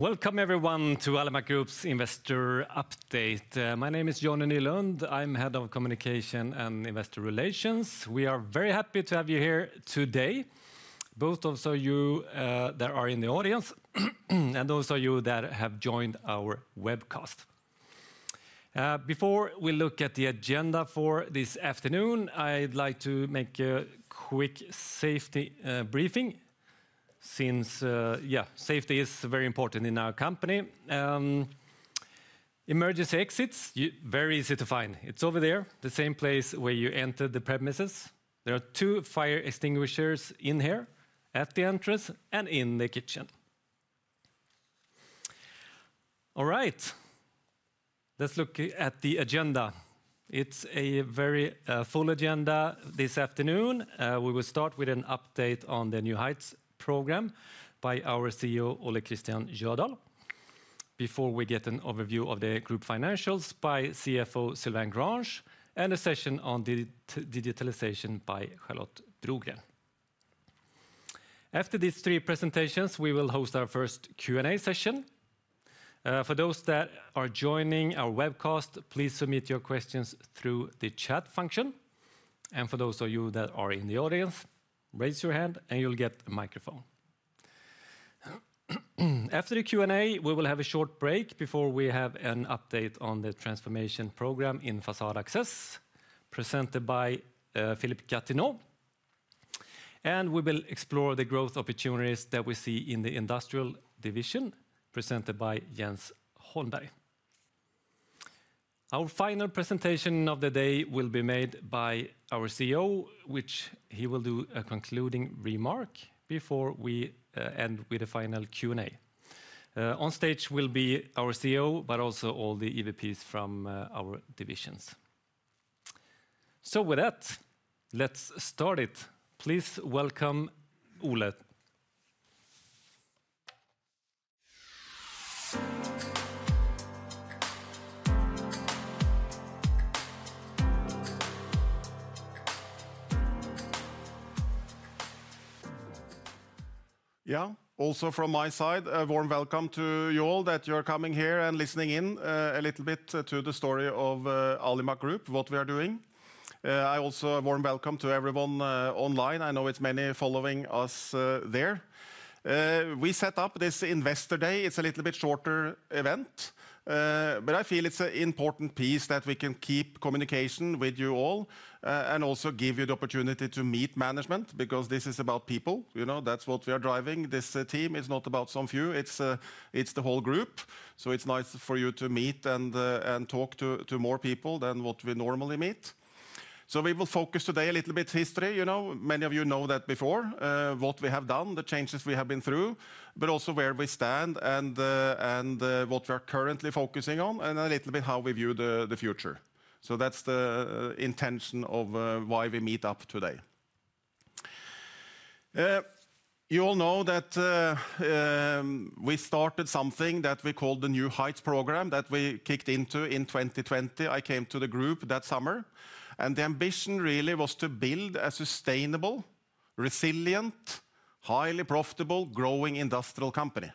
Welcome, everyone, to Alimak Group's investor update. My name is Johnny Nylund. I'm Head of Communication and Investor Relations. We are very happy to have you here today, both of you that are in the audience and also you that have joined our webcast. Before we look at the agenda for this afternoon, I'd like to make a quick safety briefing since, yeah, safety is very important in our company. Emergency exits, very easy to find. It's over there, the same place where you entered the premises. There are two fire extinguishers in here, at the entrance and in the kitchen. All right, let's look at the agenda. It's a very full agenda this afternoon. We will start with an update on the New Heights program by our CEO, Ole Kristian Jødahl, before we get an overview of the group financials by CFO Sylvain Grange, and a session on digitalization by Charlotte Brogren. After these three presentations, we will host our first Q&A session. For those that are joining our webcast, please submit your questions through the chat function. And for those of you that are in the audience, raise your hand and you'll get a microphone. After the Q&A, we will have a short break before we have an update on the transformation program in Facade Access, presented by Philippe Gastineau. And we will explore the growth opportunities that we see in the Industrial division, presented by Jens Holmberg. Our final presentation of the day will be made by our CEO, which he will do a concluding remark before we end with a final Q&A. On stage will be our CEO, but also all the EVPs from our divisions. So with that, let's start it. Please welcome Ole. Yeah, also from my side, a warm welcome to you all that you're coming here and listening in a little bit to the story of Alimak Group, what we are doing. I also warm welcome to everyone online. I know it's many following us there. We set up this investor day. It's a little bit shorter event, but I feel it's an important piece that we can keep communication with you all and also give you the opportunity to meet management because this is about people. You know, that's what we are driving. This team is not about some few. It's the whole group. So it's nice for you to meet and talk to more people than what we normally meet. So we will focus today a little bit history. You know, many of you know that before, what we have done, the changes we have been through, but also where we stand and what we are currently focusing on and a little bit how we view the future. So that's the intention of why we meet up today. You all know that we started something that we called the New Heights program that we kicked off in 2020. I came to the group that summer, and the ambition really was to build a sustainable, resilient, highly profitable, growing industrial company,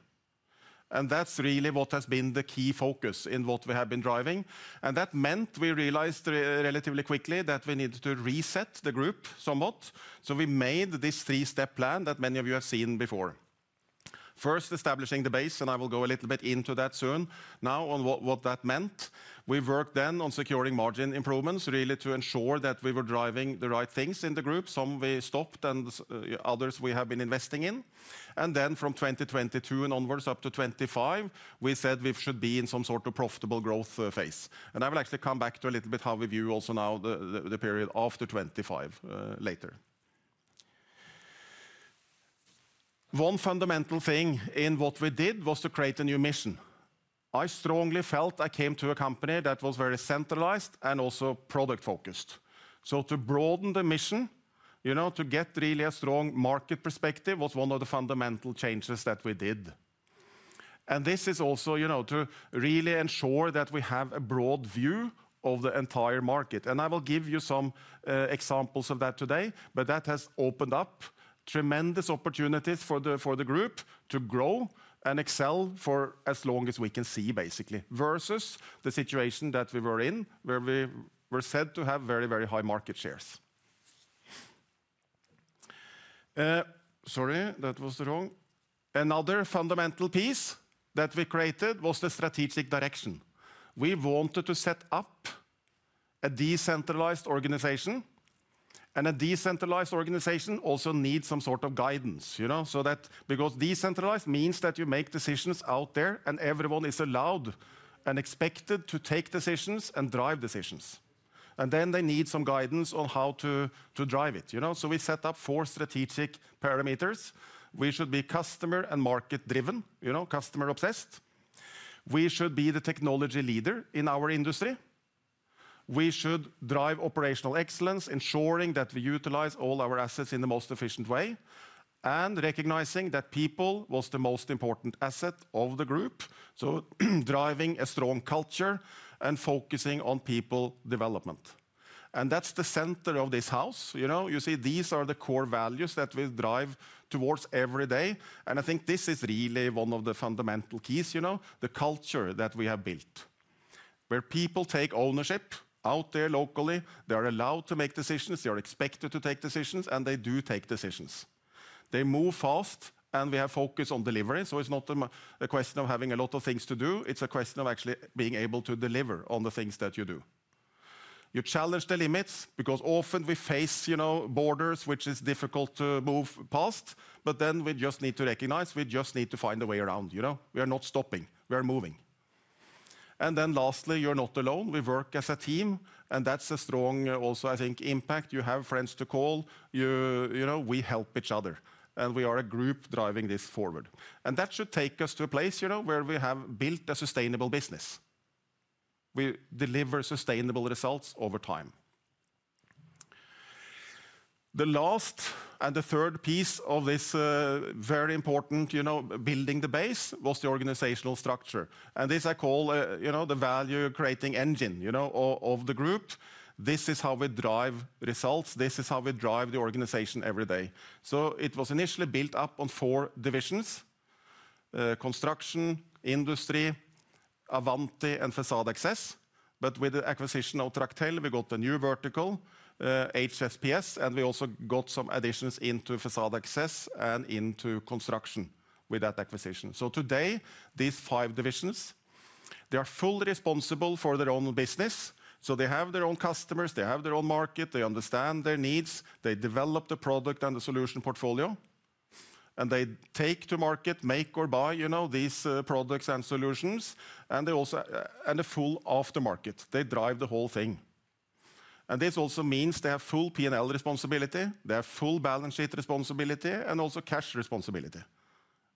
and that's really what has been the key focus in what we have been driving, and that meant we realized relatively quickly that we needed to reset the group somewhat. So we made this three-step plan that many of you have seen before. First, establishing the base, and I will go a little bit into that soon, now on what that meant. We worked then on securing margin improvements, really to ensure that we were driving the right things in the group. Some we stopped and others we have been investing in. Then from 2022 and onwards up to 2025, we said we should be in some sort of profitable growth phase. I will actually come back to a little bit how we view also now the period after 2025 later. One fundamental thing in what we did was to create a new mission. I strongly felt I came to a company that was very centralized and also product-focused. So to broaden the mission, you know, to get really a strong market perspective was one of the fundamental changes that we did. This is also, you know, to really ensure that we have a broad view of the entire market. I will give you some examples of that today, but that has opened up tremendous opportunities for the group to grow and excel for as long as we can see, basically, versus the situation that we were in where we were said to have very, very high market shares. Another fundamental piece that we created was the strategic direction. We wanted to set up a decentralized organization, and a decentralized organization also needs some sort of guidance, you know, so that because decentralized means that you make decisions out there and everyone is allowed and expected to take decisions and drive decisions, then they need some guidance on how to drive it, you know. We set up four strategic parameters. We should be customer and market-driven, you know, customer-obsessed. We should be the technology leader in our industry. We should drive operational excellence, ensuring that we utilize all our assets in the most efficient way, and recognizing that people was the most important asset of the group. So driving a strong culture and focusing on people development. And that's the center of this house. You know, you see these are the core values that we drive towards every day. And I think this is really one of the fundamental keys, you know, the culture that we have built, where people take ownership out there locally. They are allowed to make decisions. They are expected to take decisions, and they do take decisions. They move fast, and we have focus on delivery. So it's not a question of having a lot of things to do. It's a question of actually being able to deliver on the things that you do. You challenge the limits because often we face, you know, borders, which is difficult to move past, but then we just need to recognize we just need to find a way around, you know. We are not stopping. We are moving. And then lastly, you're not alone. We work as a team, and that's a strong also, I think, impact. You have friends to call. You know, we help each other, and we are a group driving this forward. And that should take us to a place, you know, where we have built a sustainable business. We deliver sustainable results over time. The last and the third piece of this very important, you know, building the base was the organizational structure. And this I call, you know, the value creating engine, you know, of the group. This is how we drive results. This is how we drive the organization every day. So it was initially built up on four divisions: Construction, Industry, Avanti, and Facade Access. But with the acquisition of Tractel, we got the new vertical, HSPS, and we also got some additions into Facade Access and into Construction with that acquisition. So today, these five divisions, they are fully responsible for their own business. So they have their own customers. They have their own market. They understand their needs. They develop the product and the solution portfolio, and they take to market, make or buy, you know, these products and solutions. And they also are full aftermarket. They drive the whole thing. And this also means they have full P&L responsibility. They have full balance sheet responsibility and also cash responsibility,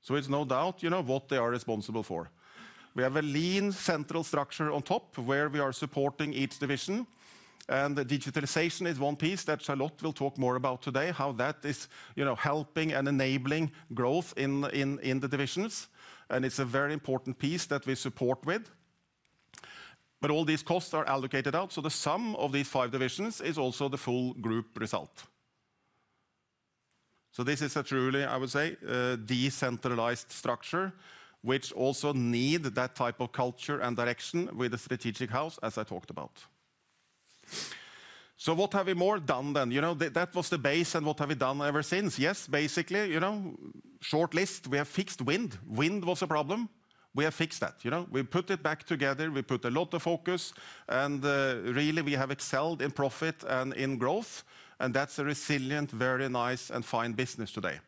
so it's no doubt, you know, what they are responsible for. We have a lean central structure on top where we are supporting each division, and the digitalization is one piece that Charlotte will talk more about today, how that is, you know, helping and enabling growth in the divisions, and it's a very important piece that we support with, but all these costs are allocated out, so the sum of these five divisions is also the full group result, so this is a truly, I would say, decentralized structure, which also needs that type of culture and direction with the strategic house, as I talked about, so what have we more done then? You know, that was the base and what have we done ever since? Yes, basically, you know, short list, we have fixed Wind. Wind was a problem. We have fixed that, you know. We put it back together. We put a lot of focus and really we have excelled in profit and in growth, and that's a resilient, very nice and fine business today.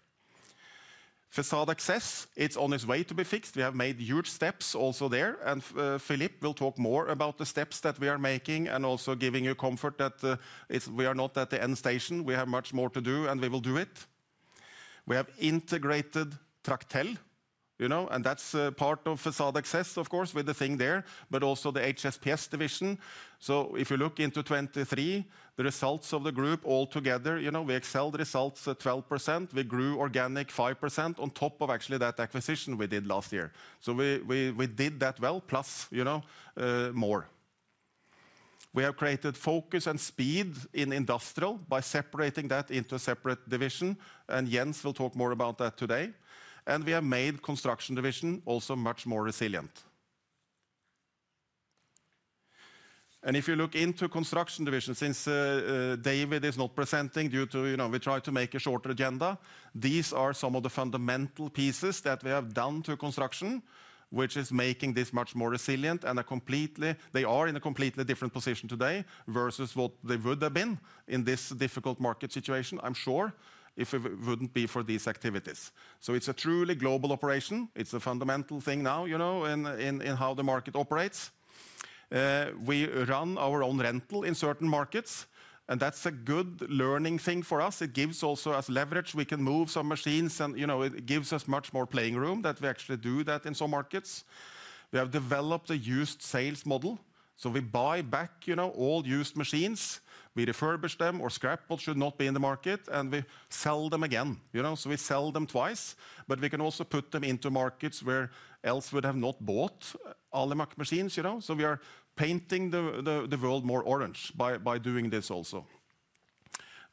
Facade Access, it's on its way to be fixed. We have made huge steps also there, and Philippe will talk more about the steps that we are making and also giving you comfort that we are not at the end station. We have much more to do and we will do it. We have integrated Tractel, you know, and that's part of Facade Access, of course, with the thing there, but also the HSPS division, so if you look into 2023, the results of the group altogether, you know, we excelled results at 12%. We grew organic five% on top of actually that acquisition we did last year. So we did that well, plus, you know, more. We have created focus and speed in Industrial by separating that into a separate division. And Jens will talk more about that today. And we have made Construction division also much more resilient. And if you look into Construction division, since David is not presenting due to, you know, we tried to make a shorter agenda, these are some of the fundamental pieces that we have done to Construction, which is making this much more resilient and a completely, they are in a completely different position today versus what they would have been in this difficult market situation, I'm sure, if it wouldn't be for these activities. So it's a truly global operation. It's a fundamental thing now, you know, in how the market operates. We run our own rental in certain markets, and that's a good learning thing for us. It gives also us leverage. We can move some machines and, you know, it gives us much more playing room that we actually do that in some markets. We have developed a used sales model. So we buy back, you know, all used machines. We refurbish them or scrap what should not be in the market, and we sell them again, you know. So we sell them twice, but we can also put them into markets where else we would have not bought Alimak machines, you know. So we are painting the world more orange by doing this also.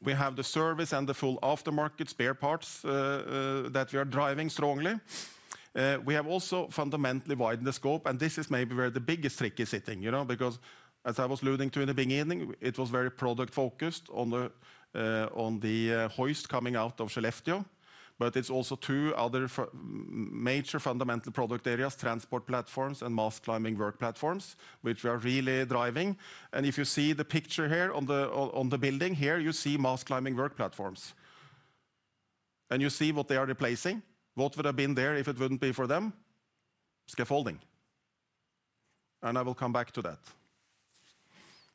We have the service and the full aftermarket spare parts that we are driving strongly. We have also fundamentally widened the scope, and this is maybe where the biggest trick is sitting, you know, because as I was alluding to in the beginning, it was very product-focused on the hoist coming out of Skellefteå, but it's also two other major fundamental product areas, transport platforms and mast climbing work platforms, which we are really driving, and if you see the picture here on the building, here you see mast climbing work platforms, and you see what they are replacing, what would have been there if it wouldn't be for them, scaffolding, and I will come back to that,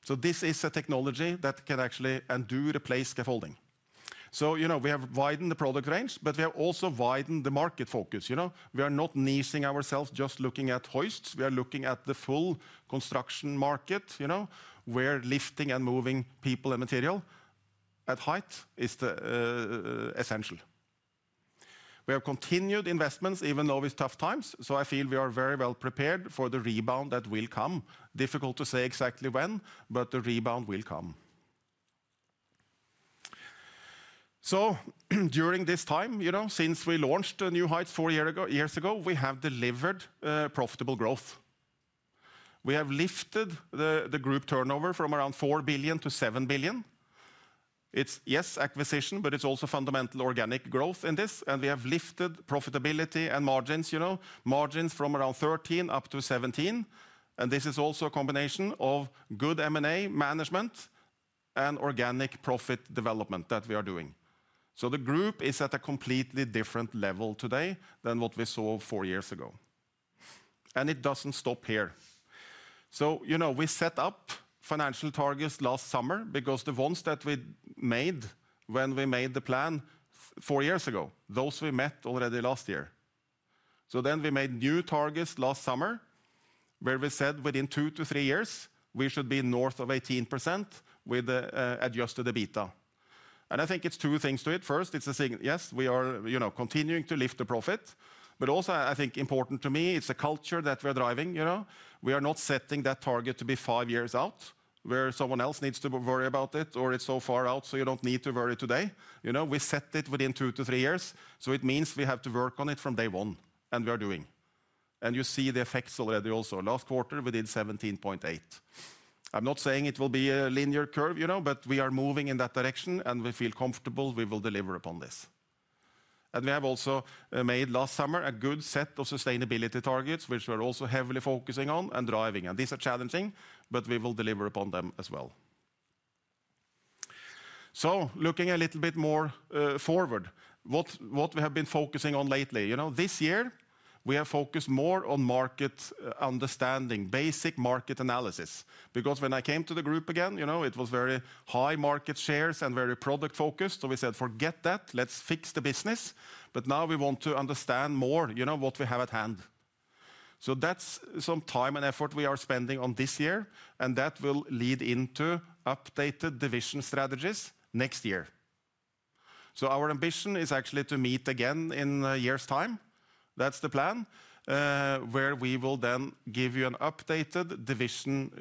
so this is a technology that can actually and do replace scaffolding, so, you know, we have widened the product range, but we have also widened the market focus, you know. We are not niching ourselves just looking at hoists. We are looking at the full construction market, you know, where lifting and moving people and material at height is essential. We have continued investments even though with tough times. So I feel we are very well prepared for the rebound that will come. Difficult to say exactly when, but the rebound will come. So during this time, you know, since we launched the New Heights four years ago, we have delivered profitable growth. We have lifted the group turnover from around 4 billion to 7 billion. It's, yes, acquisition, but it's also fundamental organic growth in this. And we have lifted profitability and margins, you know, margins from around 13% up to 17%. And this is also a combination of good M&A management and organic profit development that we are doing. So the group is at a completely different level today than what we saw four years ago. It doesn't stop here. You know, we set up financial targets last summer because the ones that we made when we made the plan four years ago, those we met already last year. Then we made new targets last summer where we said within two to three years, we should be north of 18% with adjusted EBITDA. I think it's two things to it. First, it's a thing. Yes, we are, you know, continuing to lift the profit, but also I think important to me, it's a culture that we are driving, you know. We are not setting that target to be five years out where someone else needs to worry about it or it's so far out. You don't need to worry today, you know. We set it within two to three years. So it means we have to work on it from day one and we are doing. And you see the effects already also. Last quarter, we did 17.8. I'm not saying it will be a linear curve, you know, but we are moving in that direction and we feel comfortable we will deliver upon this. And we have also made last summer a good set of sustainability targets, which we are also heavily focusing on and driving. And these are challenging, but we will deliver upon them as well. So looking a little bit more forward, what we have been focusing on lately, you know, this year we have focused more on market understanding, basic market analysis, because when I came to the group again, you know, it was very high market shares and very product focused. So we said, forget that, let's fix the business. But now we want to understand more, you know, what we have at hand, so that's some time and effort we are spending on this year, and that will lead into updated division strategies next year, so our ambition is actually to meet again in a year's time. That's the plan where we will then give you an updated division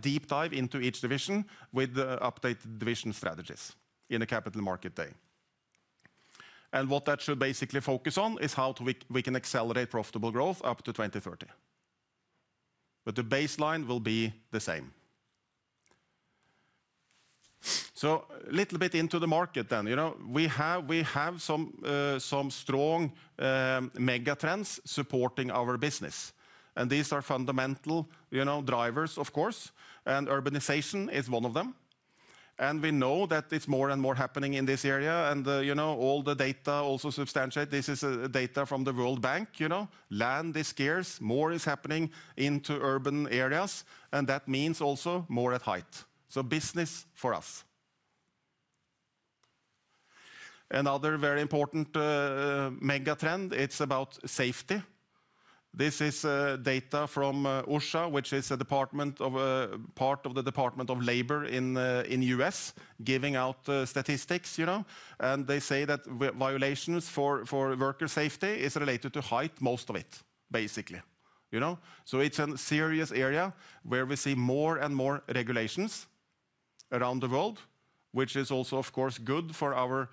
deep dive into each division with the updated division strategies in a capital market day, and what that should basically focus on is how we can accelerate profitable growth up to 2030, but the baseline will be the same, so a little bit into the market then, you know, we have some strong mega trends supporting our business, and these are fundamental, you know, drivers, of course, and urbanization is one of them, and we know that it's more and more happening in this area. And you know, all the data also substantiate. This is data from the World Bank, you know. Land is scarce. More is happening into urban areas. And that means also more at height. So business for us. Another very important mega trend, it's about safety. This is data from OSHA, which is a department of a part of the Department of Labor in the U.S., giving out statistics, you know. And they say that violations for worker safety is related to height, most of it, basically, you know. So it's a serious area where we see more and more regulations around the world, which is also, of course, good for our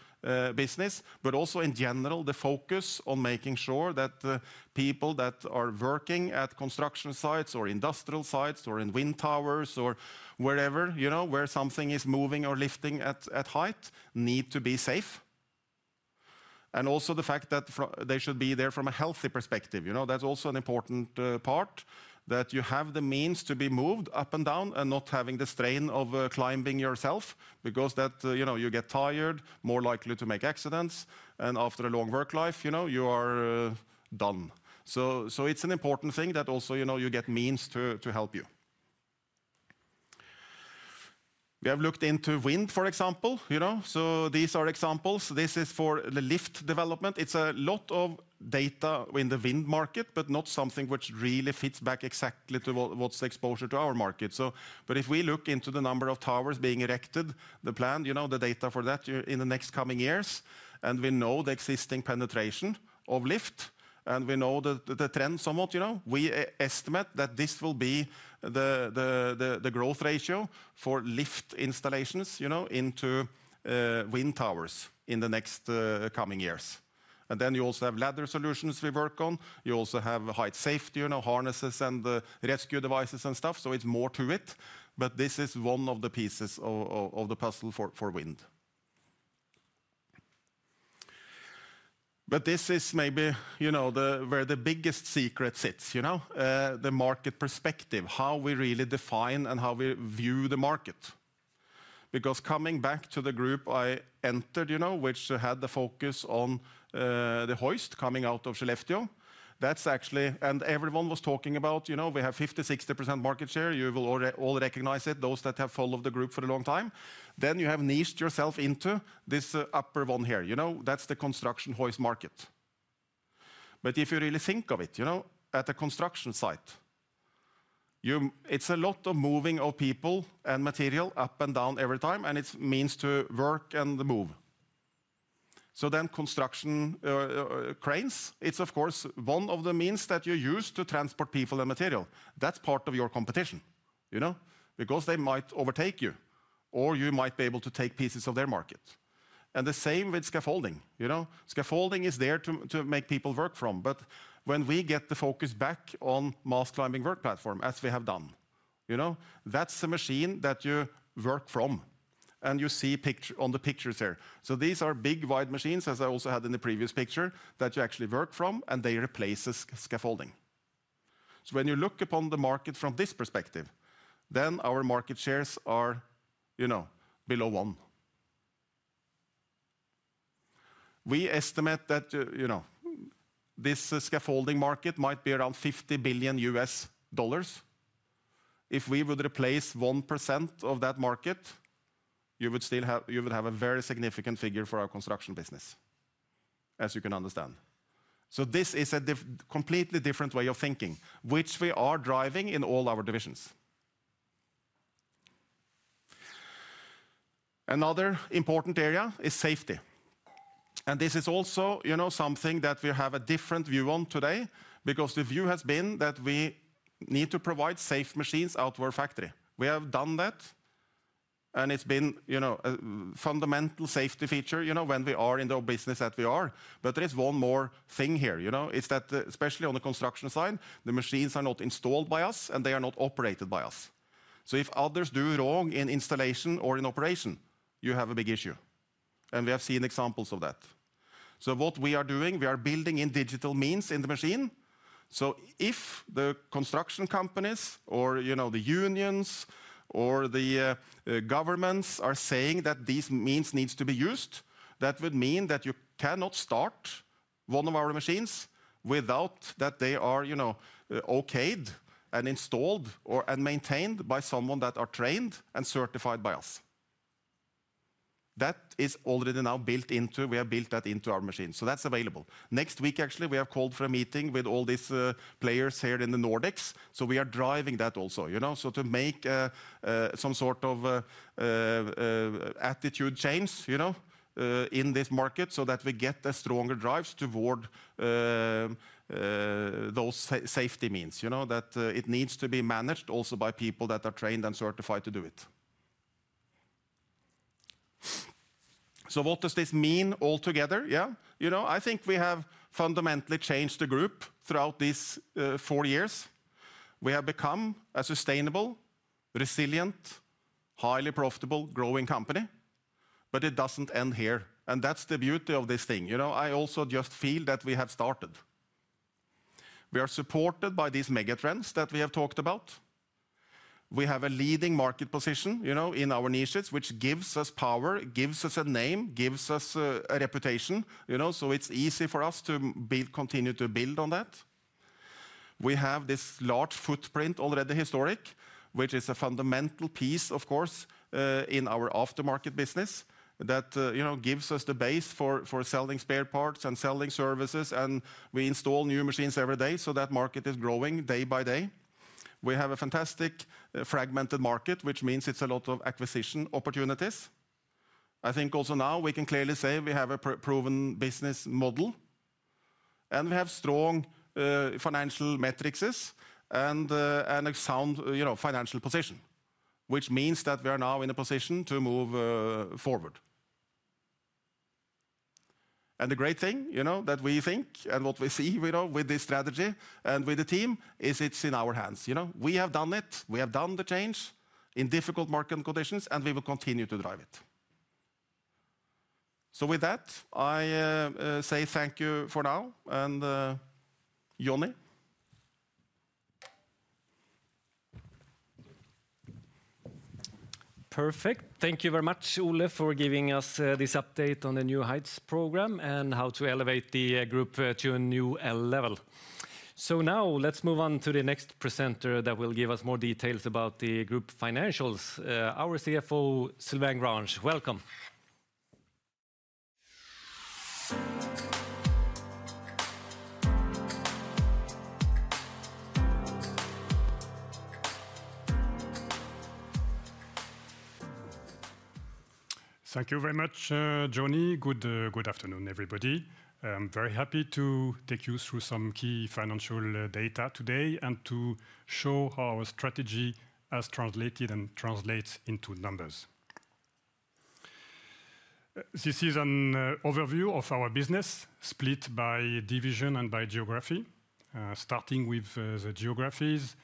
business, but also in general, the focus on making sure that the people that are working at construction sites or industrial sites or in wind towers or wherever, you know, where something is moving or lifting at height need to be safe. And also the fact that they should be there from a healthy perspective, you know. That's also an important part that you have the means to be moved up and down and not having the strain of climbing yourself because that, you know, you get tired, more likely to make accidents, and after a long work life, you know, you are done. So it's an important thing that also, you know, you get means to help you. We have looked into Wind, for example, you know. So these are examples. This is for the lift development. It's a lot of data in the wind market, but not something which really fits back exactly to what's the exposure to our market. So, but if we look into the number of towers being erected, the plan, you know, the data for that in the next coming years, and we know the existing penetration of lift, and we know the trend somewhat, you know, we estimate that this will be the growth ratio for lift installations, you know, into wind towers in the next coming years. And then you also have ladder solutions we work on. You also have height safety, you know, harnesses and rescue devices and stuff. So it's more to it, but this is one of the pieces of the puzzle for Wind. But this is maybe, you know, where the biggest secret sits, you know, the market perspective, how we really define and how we view the market. Because coming back to the group I entered, you know, which had the focus on the hoist coming out of Skellefteå, that's actually, and everyone was talking about, you know, we have 50%-60% market share. You will all recognize it, those that have followed the group for a long time. Then you have niched yourself into this upper one here, you know, that's the construction hoist market. But if you really think of it, you know, at a construction site, it's a lot of moving of people and material up and down every time, and it means to work and move. So then construction cranes, it's of course one of the means that you use to transport people and material. That's part of your competition, you know, because they might overtake you or you might be able to take pieces of their market. And the same with scaffolding, you know. Scaffolding is there to make people work from, but when we get the focus back on mast climbing work platform, as we have done, you know, that's a machine that you work from and you see on the pictures here. So these are big wide machines, as I also had in the previous picture, that you actually work from and they replace scaffolding. So when you look upon the market from this perspective, then our market shares are, you know, below one. We estimate that, you know, this scaffolding market might be around $50 billion. If we would replace 1% of that market, you would still have a very significant figure for our construction business, as you can understand. So this is a completely different way of thinking, which we are driving in all our divisions. Another important area is safety. And this is also, you know, something that we have a different view on today because the view has been that we need to provide safe machines out of our factory. We have done that and it's been, you know, a fundamental safety feature, you know, when we are in the business that we are. But there is one more thing here, you know, is that especially on the construction side, the machines are not installed by us and they are not operated by us. So if others do wrong in installation or in operation, you have a big issue. We have seen examples of that. What we are doing, we are building in digital means in the machine. If the construction companies or, you know, the unions or the governments are saying that these means need to be used, that would mean that you cannot start one of our machines without that they are, you know, okayed and installed or maintained by someone that is trained and certified by us. That is already now built into. We have built that into our machine. That's available. Next week, actually, we have called for a meeting with all these players here in the Nordics. So, we are driving that also, you know, so to make some sort of attitude change, you know, in this market so that we get stronger drives toward those safety means, you know, that it needs to be managed also by people that are trained and certified to do it. So, what does this mean altogether? Yeah, you know, I think we have fundamentally changed the group throughout these four years. We have become a sustainable, resilient, highly profitable, growing company. But it doesn't end here. And that's the beauty of this thing, you know. I also just feel that we have started. We are supported by these mega trends that we have talked about. We have a leading market position, you know, in our niches, which gives us power, gives us a name, gives us a reputation, you know, so it's easy for us to continue to build on that. We have this large footprint already historic, which is a fundamental piece, of course, in our aftermarket business that, you know, gives us the base for selling spare parts and selling services, and we install new machines every day so that market is growing day by day. We have a fantastic fragmented market, which means it's a lot of acquisition opportunities. I think also now we can clearly say we have a proven business model, and we have strong financial metrics and a sound, you know, financial position, which means that we are now in a position to move forward. The great thing, you know, that we think and what we see, you know, with this strategy and with the team is it's in our hands, you know. We have done it. We have done the change in difficult market conditions and we will continue to drive it. With that, I say thank you for now and Johnny. Perfect. Thank you very much, Ole, for giving us this update on the New Heights program and how to elevate the group to a new level. Now let's move on to the next presenter that will give us more details about the group financials, our CFO, Sylvain Grange. Welcome. Thank you very much, Johnny. Good afternoon, everybody. I'm very happy to take you through some key financial data today and to show how our strategy has translated and translates into numbers. This is an overview of our business split by division and by geography. Starting with the geographies,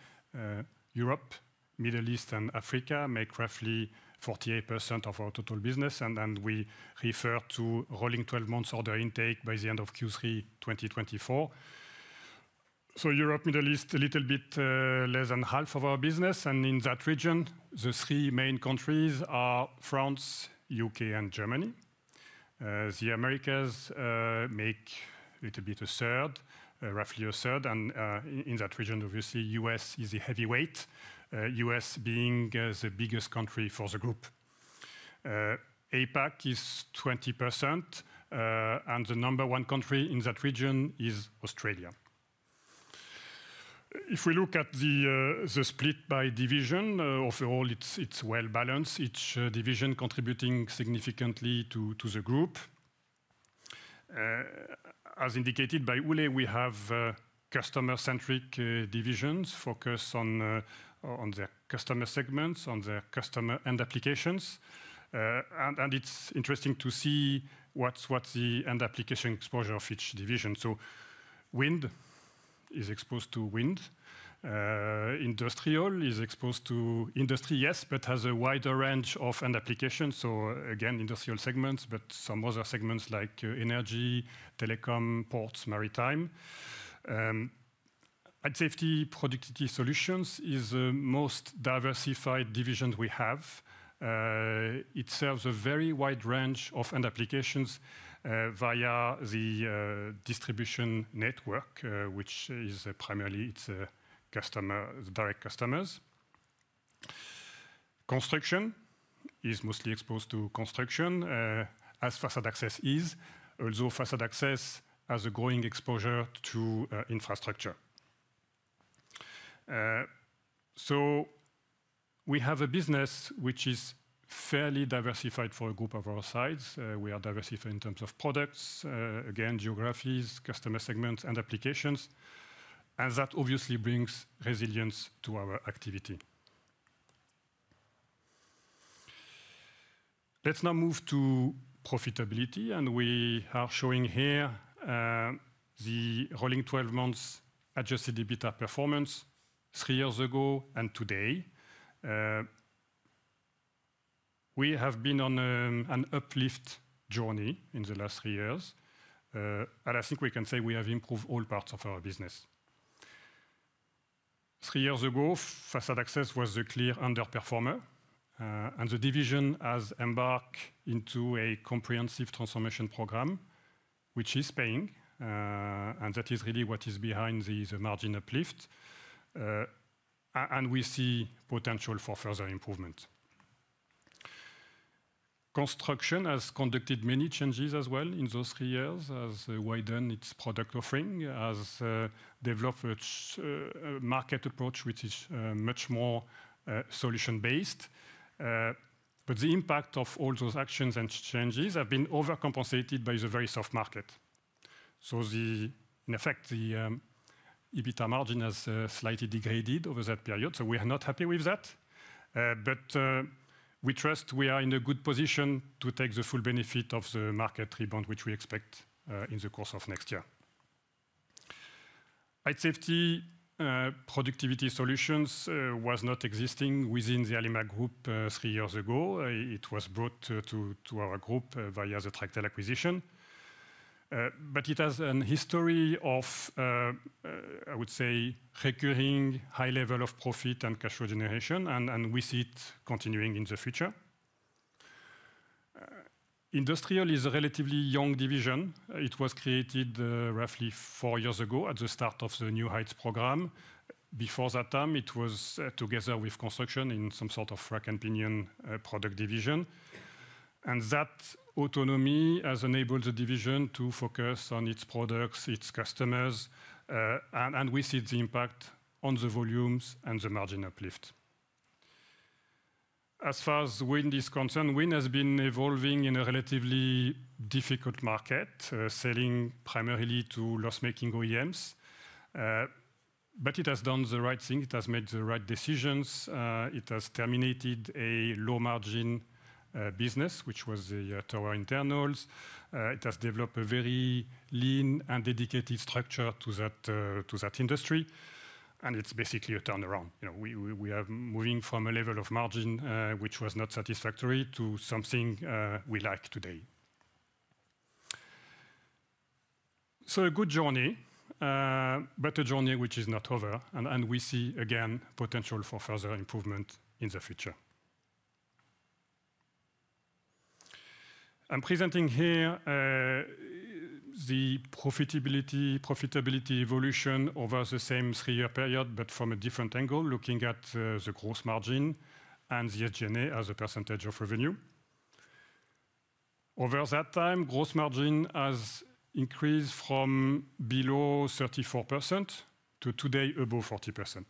Europe, Middle East, and Africa make roughly 48% of our total business, and then we refer to rolling 12 months order intake by the end of Q3 2024. So Europe, Middle East, a little bit less than half of our business, and in that region, the three main countries are France, the U.K., and Germany. The Americas make a little bit a third, roughly a third, and in that region, obviously, the U.S. is the heavyweight, the U.S. being the biggest country for the group. APAC is 20%, and the number one country in that region is Australia. If we look at the split by division, overall, it's well balanced, each division contributing significantly to the group. As indicated by Ole, we have customer-centric divisions focused on their customer segments, on their customer end applications, and it's interesting to see what's the end application exposure of each division. Wind is exposed to Wind. Industrial is exposed to industry, yes, but has a wider range of end applications, so again, industrial segments, but some other segments like energy, telecom, ports, maritime. Safety Productivity Solutions is the most diversified division we have. It serves a very wide range of end applications via the distribution network, which is primarily its direct customers. Construction is mostly exposed to construction, as Facade Access is, although Facade Access has a growing exposure to infrastructure. We have a business which is fairly diversified for a group of our size. We are diversified in terms of products, again, geographies, customer segments, and applications, and that obviously brings resilience to our activity. Let's now move to profitability, and we are showing here the rolling 12 months adjusted EBITDA performance three years ago and today. We have been on an uplift journey in the last three years, and I think we can say we have improved all parts of our business. Three years ago, Facade Access was a clear underperformer, and the division has embarked into a comprehensive transformation program, which is paying, and that is really what is behind the margin uplift, and we see potential for further improvement. Construction has conducted many changes as well in those three years, has widened its product offering, has developed a market approach which is much more solution-based, but the impact of all those actions and changes have been overcompensated by the very soft market, so in effect, the EBITDA margin has slightly degraded over that period, so we are not happy with that. But we trust we are in a good position to take the full benefit of the market rebound which we expect in the course of next year. Height Safety and Productivity Solutions were not existing within the Alimak Group three years ago. It was brought to our group via the Tractel acquisition. But it has a history of, I would say, recurring high level of profit and cash flow generation, and we see it continuing in the future. Industrial is a relatively young division. It was created roughly four years ago at the start of the New Heights program. Before that time, it was together with construction in some sort of rack and pinion product division. And that autonomy has enabled the division to focus on its products, its customers, and we see the impact on the volumes and the margin uplift. As far as Wind is concerned, Wind has been evolving in a relatively difficult market, selling primarily to loss-making OEMs. But it has done the right thing. It has made the right decisions. It has terminated a low-margin business, which was the tower internals. It has developed a very lean and dedicated structure to that industry. And it's basically a turnaround. We are moving from a level of margin which was not satisfactory to something we like today. So a good journey, but a journey which is not over. And we see again potential for further improvement in the future. I'm presenting here the profitability evolution over the same three-year period, but from a different angle, looking at the gross margin and the SG&A as a percentage of revenue. Over that time, gross margin has increased from below 34% to today above 40%.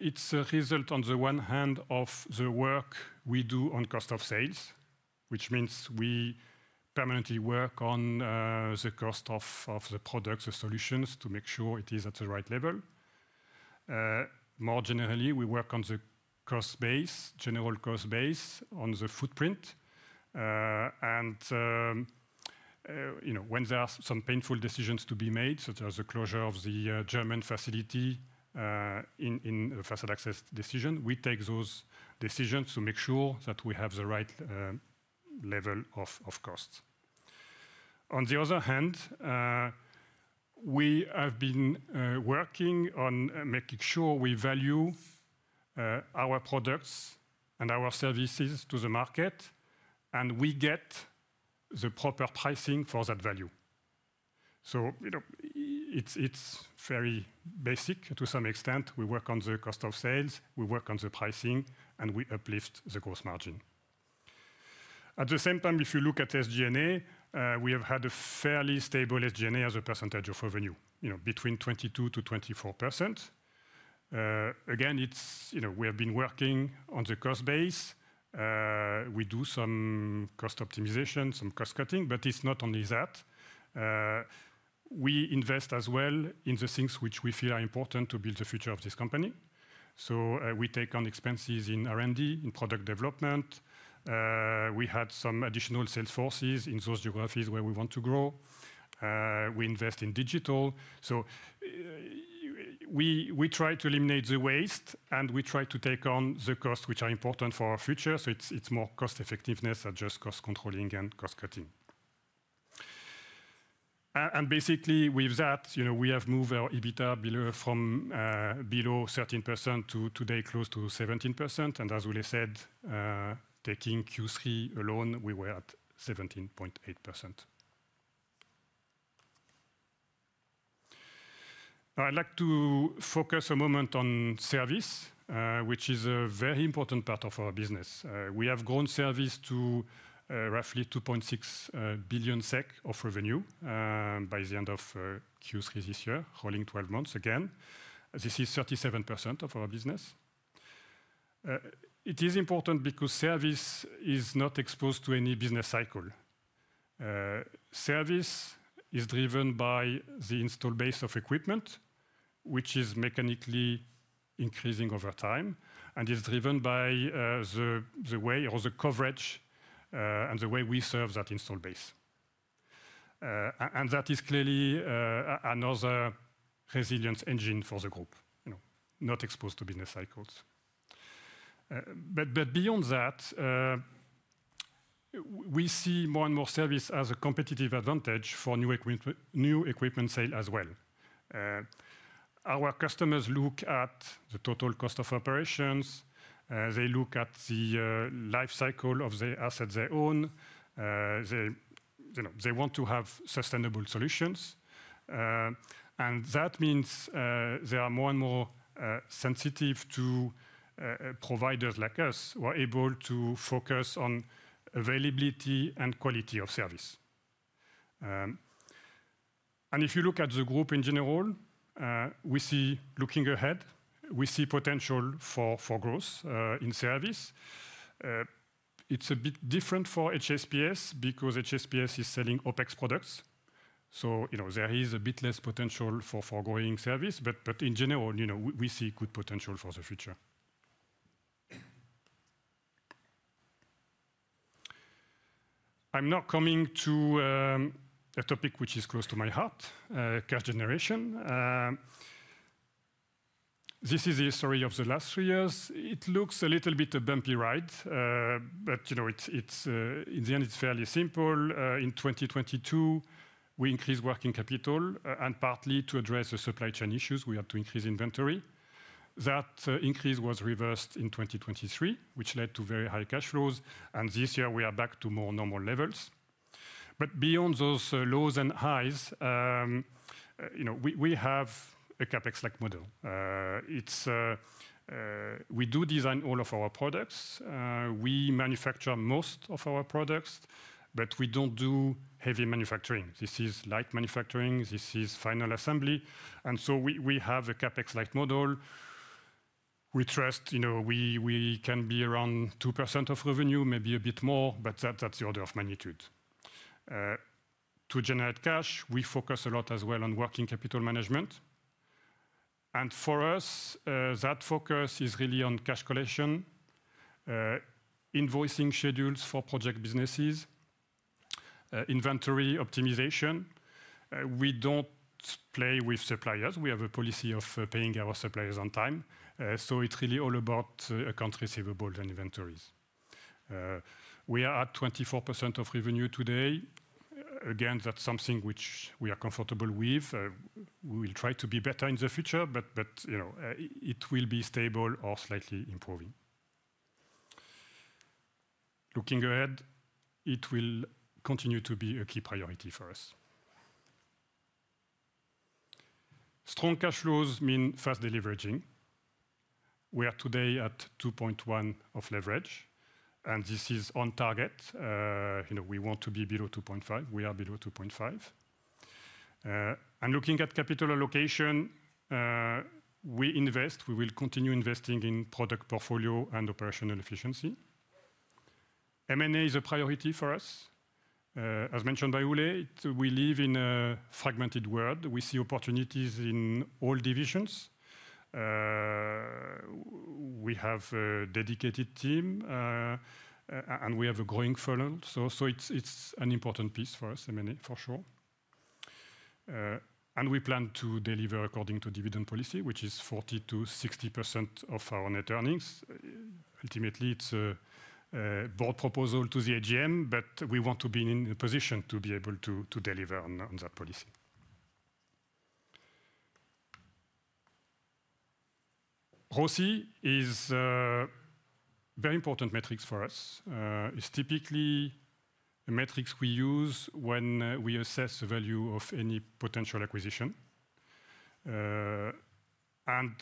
It's a result on the one hand of the work we do on cost of sales, which means we permanently work on the cost of the products, the solutions to make sure it is at the right level. More generally, we work on the cost base, general cost base on the footprint. When there are some painful decisions to be made, such as the closure of the German facility in the Facade Access division, we take those decisions to make sure that we have the right level of costs. On the other hand, we have been working on making sure we value our products and our services to the market, and we get the proper pricing for that value. It's very basic to some extent. We work on the cost of sales, we work on the pricing, and we uplift the gross margin. At the same time, if you look at SG&A, we have had a fairly stable SG&A as a percentage of revenue, between 22%-24%. Again, we have been working on the cost base. We do some cost optimization, some cost cutting, but it's not only that. We invest as well in the things which we feel are important to build the future of this company. So we take on expenses in R&D, in product development. We had some additional sales forces in those geographies where we want to grow. We invest in digital. So we try to eliminate the waste, and we try to take on the costs which are important for our future. So it's more cost effectiveness than just cost controlling and cost cutting. And basically, with that, we have moved our EBITDA below 13% to today close to 17%. And as Ole said, taking Q3 alone, we were at 17.8%. I'd like to focus a moment on service, which is a very important part of our business. We have grown service to roughly 2.6 billion SEK of revenue by the end of Q3 this year, rolling 12 months again. This is 37% of our business. It is important because service is not exposed to any business cycle. Service is driven by the install base of equipment, which is mechanically increasing over time, and is driven by the way or the coverage and the way we serve that install base. And that is clearly another resilience engine for the group, not exposed to business cycles. But beyond that, we see more and more service as a competitive advantage for new equipment sale as well. Our customers look at the total cost of operations. They look at the life cycle of the assets they own. They want to have sustainable solutions, and that means they are more and more sensitive to providers like us who are able to focus on availability and quality of service, and if you look at the group in general, we see, looking ahead, potential for growth in service. It's a bit different for HSPS because HSPS is selling OpEx products. So there is a bit less potential for forgoing service, but in general, we see good potential for the future. I'm now coming to a topic which is close to my heart, cash generation. This is the history of the last three years. It looks a little bit of a bumpy ride, but in the end, it's fairly simple. In 2022, we increased working capital and partly to address the supply chain issues. We had to increase inventory. That increase was reversed in 2023, which led to very high cash flows. And this year, we are back to more normal levels. But beyond those lows and highs, we have a CapEx-like model. We do design all of our products. We manufacture most of our products, but we don't do heavy manufacturing. This is light manufacturing. This is final assembly. And so we have a CapEx-like model. We trust we can be around 2% of revenue, maybe a bit more, but that's the order of magnitude. To generate cash, we focus a lot as well on working capital management. And for us, that focus is really on cash collection, invoicing schedules for project businesses, inventory optimization. We don't play with suppliers. We have a policy of paying our suppliers on time. So it's really all about accounts receivable and inventories. We are at 24% of revenue today. Again, that's something which we are comfortable with. We will try to be better in the future, but it will be stable or slightly improving. Looking ahead, it will continue to be a key priority for us. Strong cash flows mean fast deleveraging. We are today at 2.1 of leverage, and this is on target. We want to be below 2.5. We are below 2.5, and looking at capital allocation, we invest. We will continue investing in product portfolio and operational efficiency. M&A is a priority for us. As mentioned by Ole, we live in a fragmented world. We see opportunities in all divisions. We have a dedicated team, and we have a growing following, so it's an important piece for us, M&A, for sure, and we plan to deliver according to dividend policy, which is 40%-60% of our net earnings. Ultimately, it's a board proposal to the AGM, but we want to be in a position to be able to deliver on that policy. ROCE is a very important metric for us. It's typically a metric we use when we assess the value of any potential acquisition, and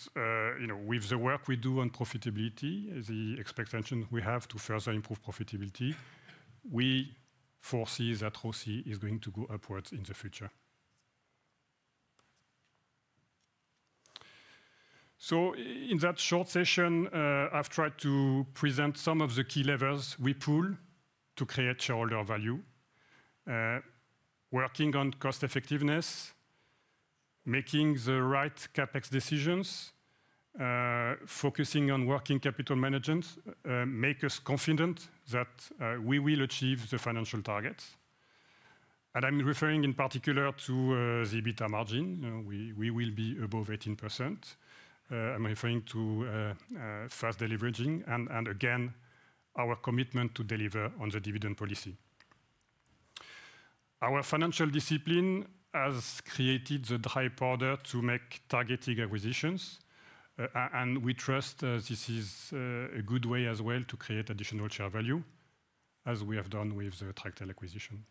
with the work we do on profitability, the expectation we have to further improve profitability, we foresee that ROCE is going to go upwards in the future, so in that short session, I've tried to present some of the key levers we pull to create shareholder value, working on cost effectiveness, making the right CapEx decisions, focusing on working capital management, making us confident that we will achieve the financial targets, and I'm referring in particular to the EBITDA margin. We will be above 18%. I'm referring to fast deleveraging and, again, our commitment to deliver on the dividend policy. Our financial discipline has created the dry powder to make targeted acquisitions. And we trust this is a good way as well to create additional share value, as we have done with the Tractel Acquisition.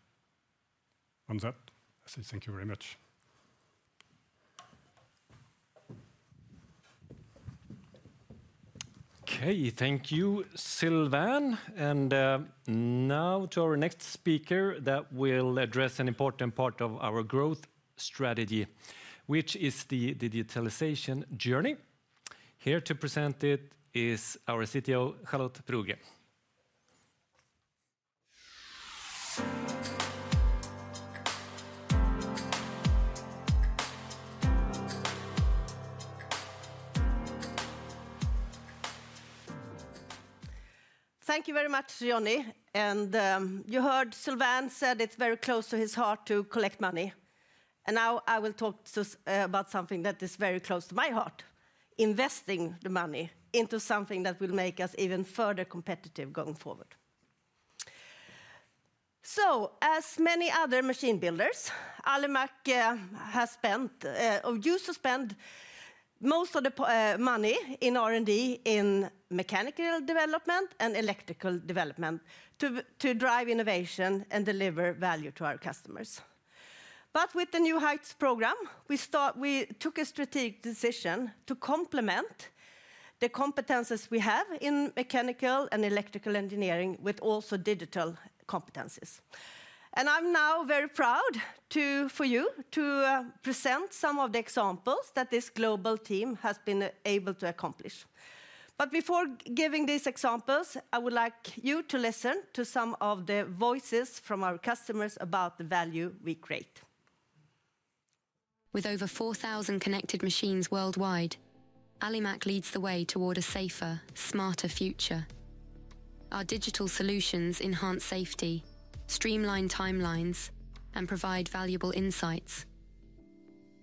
On that, I say thank you very much. Okay, thank you, Sylvain. And now to our next speaker that will address an important part of our growth strategy, which is the digitalization journey. Here to present it is our CTO, Charlotte Brogren. Thank you very much, Johnny. And you heard Sylvain said it's very close to his heart to collect money. And now I will talk about something that is very close to my heart: investing the money into something that will make us even further competitive going forward. As many other machine builders, Alimak has spent, or used to spend most of the money in R&D in mechanical development and electrical development to drive innovation and deliver value to our customers. With the New Heights program, we took a strategic decision to complement the competencies we have in mechanical and electrical engineering with also digital competencies. I'm now very proud for you to present some of the examples that this global team has been able to accomplish. Before giving these examples, I would like you to listen to some of the voices from our customers about the value we create. With over 4,000 connected machines worldwide, Alimak leads the way toward a safer, smarter future. Our digital solutions enhance safety, streamline timelines, and provide valuable insights.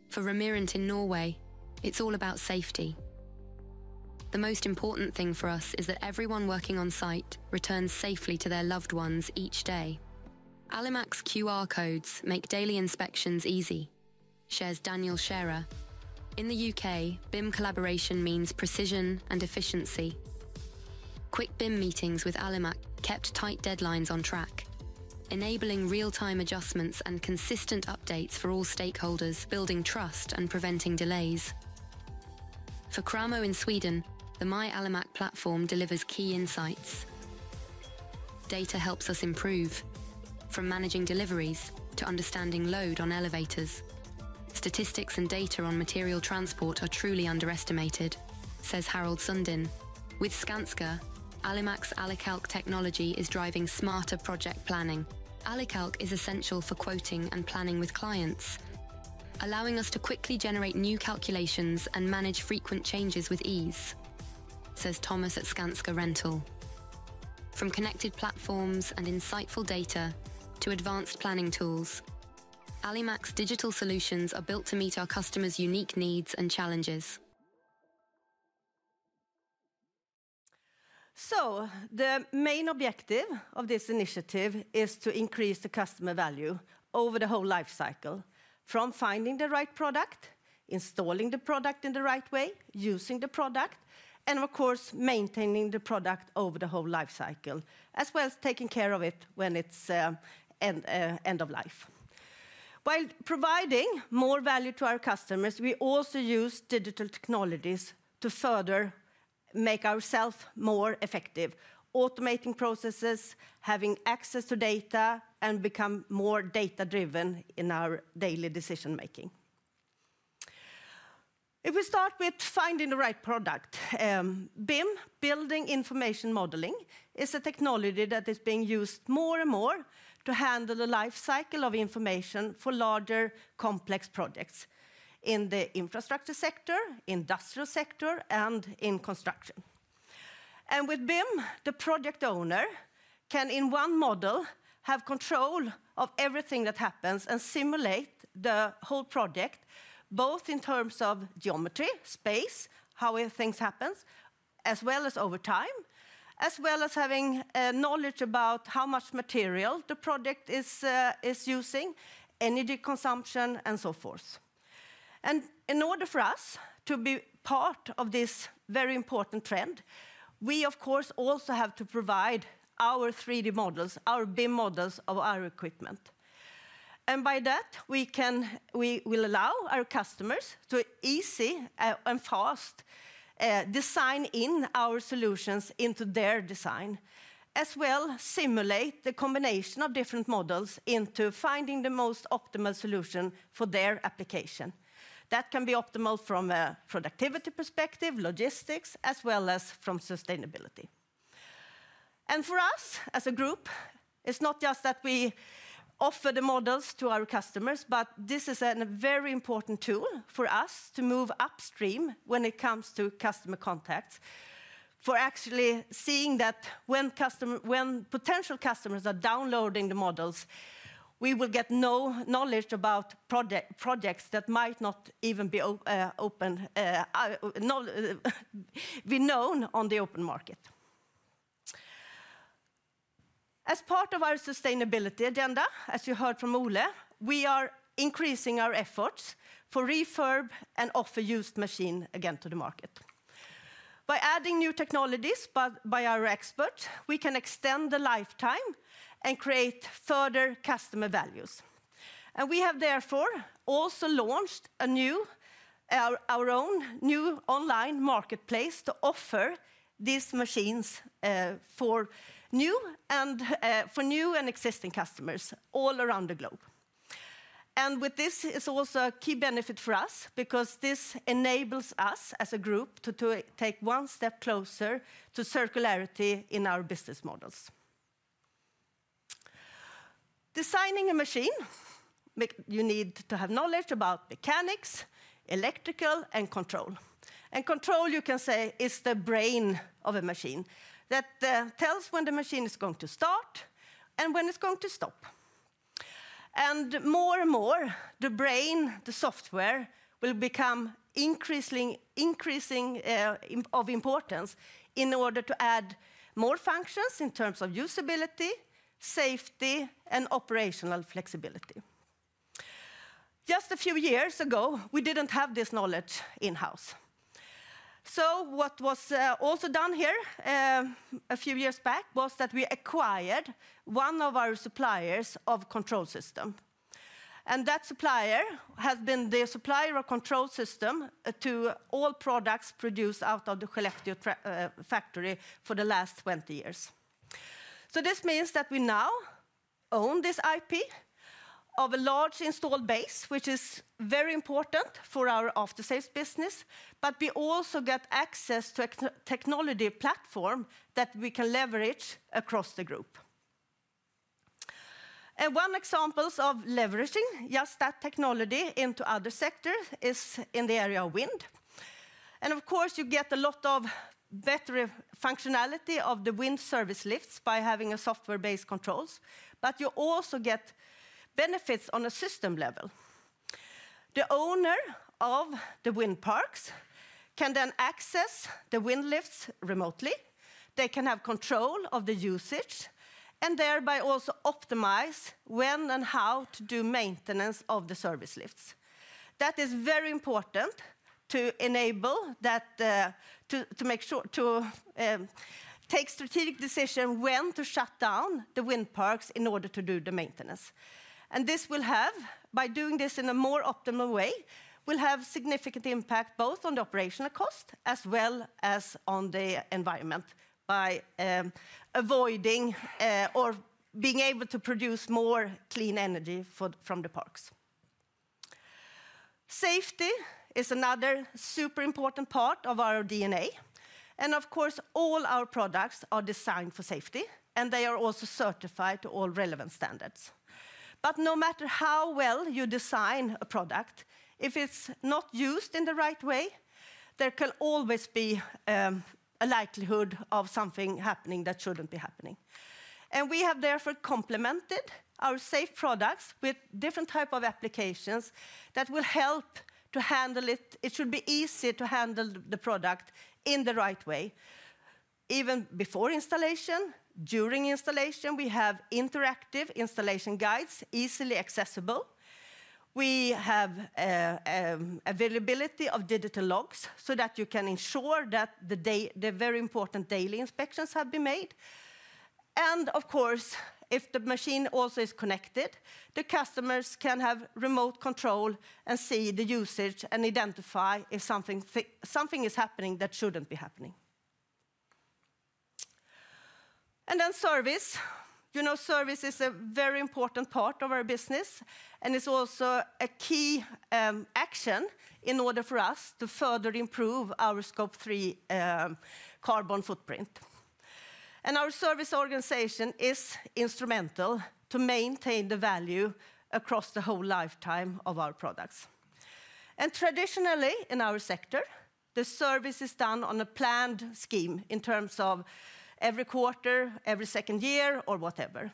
For Ramirent in Norway, it's all about safety. The most important thing for us is that everyone working on site returns safely to their loved ones each day. Alimak's QR codes make daily inspections easy, shares Daniel Scherer. In the U.K., BIM collaboration means precision and efficiency. Quick BIM meetings with Alimak kept tight deadlines on track, enabling real-time adjustments and consistent updates for all stakeholders, building trust and preventing delays. For Cramo in Sweden, the My Alimak platform delivers key insights. Data helps us improve, from managing deliveries to understanding load on elevators. Statistics and data on material transport are truly underestimated, says Harald Sundin. With Skanska, Alimak's AliCalc technology is driving smarter project planning. AliCalc is essential for quoting and planning with clients, allowing us to quickly generate new calculations and manage frequent changes with ease, says Thomas at Skanska Rental. From connected platforms and insightful data to advanced planning tools, Alimak's digital solutions are built to meet our customers' unique needs and challenges. So the main objective of this initiative is to increase the customer value over the whole life cycle, from finding the right product, installing the product in the right way, using the product, and of course, maintaining the product over the whole life cycle, as well as taking care of it when it's end of life. While providing more value to our customers, we also use digital technologies to further make ourselves more effective, automating processes, having access to data, and becoming more data-driven in our daily decision-making. If we start with finding the right product, BIM, Building Information Modeling, is a technology that is being used more and more to handle the life cycle of information for larger, complex projects in the Infrastructure Sector, Industrial Sector, and in Construction. And with BIM, the project owner can, in one model, have control of everything that happens and simulate the whole project, both in terms of geometry, space, how things happen, as well as over time, as well as having knowledge about how much material the project is using, energy consumption, and so forth. And in order for us to be part of this very important trend, we, of course, also have to provide our 3D models, our BIM models of our equipment. By that, we will allow our customers to easily and fast design our solutions into their design, as well as simulate the combination of different models into finding the most optimal solution for their application. That can be optimal from a productivity perspective, logistics, as well as from sustainability. For us, as a group, it's not just that we offer the models to our customers, but this is a very important tool for us to move upstream when it comes to customer contacts, for actually seeing that when potential customers are downloading the models, we will get notification about projects that might not even be known on the open market. As part of our sustainability agenda, as you heard from Ole, we are increasing our efforts for refurb and offer used machines again to the market. By adding new technologies by our experts, we can extend the lifetime and create further customer values, and we have therefore also launched our own new online marketplace to offer these machines for new and existing customers all around the globe, and with this, it's also a key benefit for us because this enables us as a group to take one step closer to circularity in our business models. Designing a machine, you need to have knowledge about mechanics, electrical, and control, and control, you can say, is the brain of a machine that tells when the machine is going to start and when it's going to stop, and more and more, the brain, the software, will become increasingly of importance in order to add more functions in terms of usability, safety, and operational flexibility. Just a few years ago, we didn't have this knowledge in-house. What was also done here a few years back was that we acquired one of our suppliers of control systems. That supplier has been the supplier of control systems to all products produced out of the Skellefteå factory for the last 20 years. This means that we now own this IP of a large installed base, which is very important for our after-sales business, but we also get access to a technology platform that we can leverage across the group. One example of leveraging just that technology into other sectors is in the area of Wind. Of course, you get a lot of better functionality of the wind service lifts by having software-based controls, but you also get benefits on a system level. The owner of the wind parks can then access the Wind lifts remotely. They can have control of the usage and thereby also optimize when and how to do maintenance of the service lifts. That is very important to enable that, to make sure to take strategic decisions when to shut down the wind parks in order to do the maintenance, and this will have, by doing this in a more optimal way, significant impact both on the operational cost as well as on the environment by avoiding or being able to produce more clean energy from the parks. Safety is another super important part of our DNA, and of course, all our products are designed for safety, and they are also certified to all relevant standards, but no matter how well you design a product, if it's not used in the right way, there can always be a likelihood of something happening that shouldn't be happening. We have therefore complemented our safe products with different types of applications that will help to handle it. It should be easy to handle the product in the right way. Even before installation, during installation, we have interactive installation guides easily accessible. We have availability of digital logs so that you can ensure that the very important daily inspections have been made. Of course, if the machine also is connected, the customers can have remote control and see the usage and identify if something is happening that shouldn't be happening. Then service. You know, service is a very important part of our business, and it's also a key action in order for us to further improve our Scope 3 carbon footprint. Our service organization is instrumental to maintain the value across the whole lifetime of our products. Traditionally, in our sector, the service is done on a planned scheme in terms of every quarter, every second year, or whatever.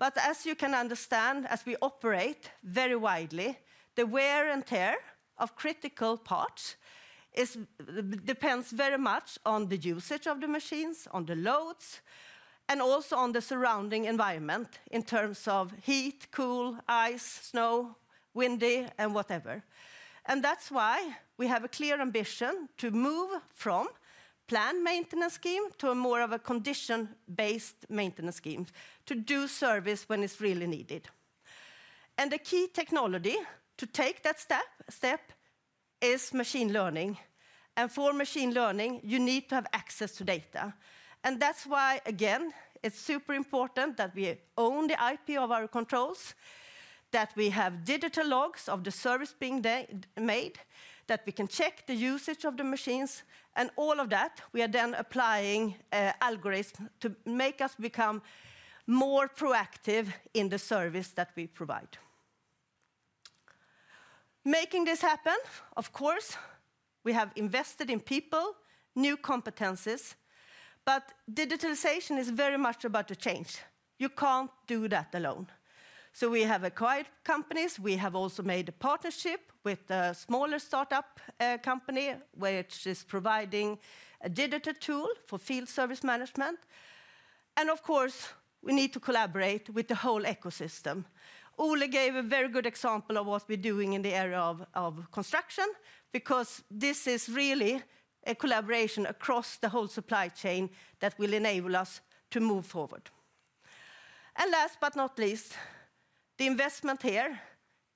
As you can understand, as we operate very widely, the wear and tear of critical parts depends very much on the usage of the machines, on the loads, and also on the surrounding environment in terms of heat, cold, ice, snow, windy, and whatever. That's why we have a clear ambition to move from a planned maintenance scheme to more of a condition-based maintenance scheme to do service when it's really needed. The key technology to take that step is machine learning. For machine learning, you need to have access to data. And that's why, again, it's super important that we own the IP of our controls, that we have digital logs of the service being made, that we can check the usage of the machines, and all of that, we are then applying algorithms to make us become more proactive in the service that we provide. Making this happen, of course, we have invested in people, new competencies, but digitalization is very much about the change. You can't do that alone. So we have acquired companies. We have also made a partnership with a smaller startup company which is providing a digital tool for field service management. And of course, we need to collaborate with the whole ecosystem. Ole gave a very good example of what we're doing in the area of construction because this is really a collaboration across the whole supply chain that will enable us to move forward. And last but not least, the investment here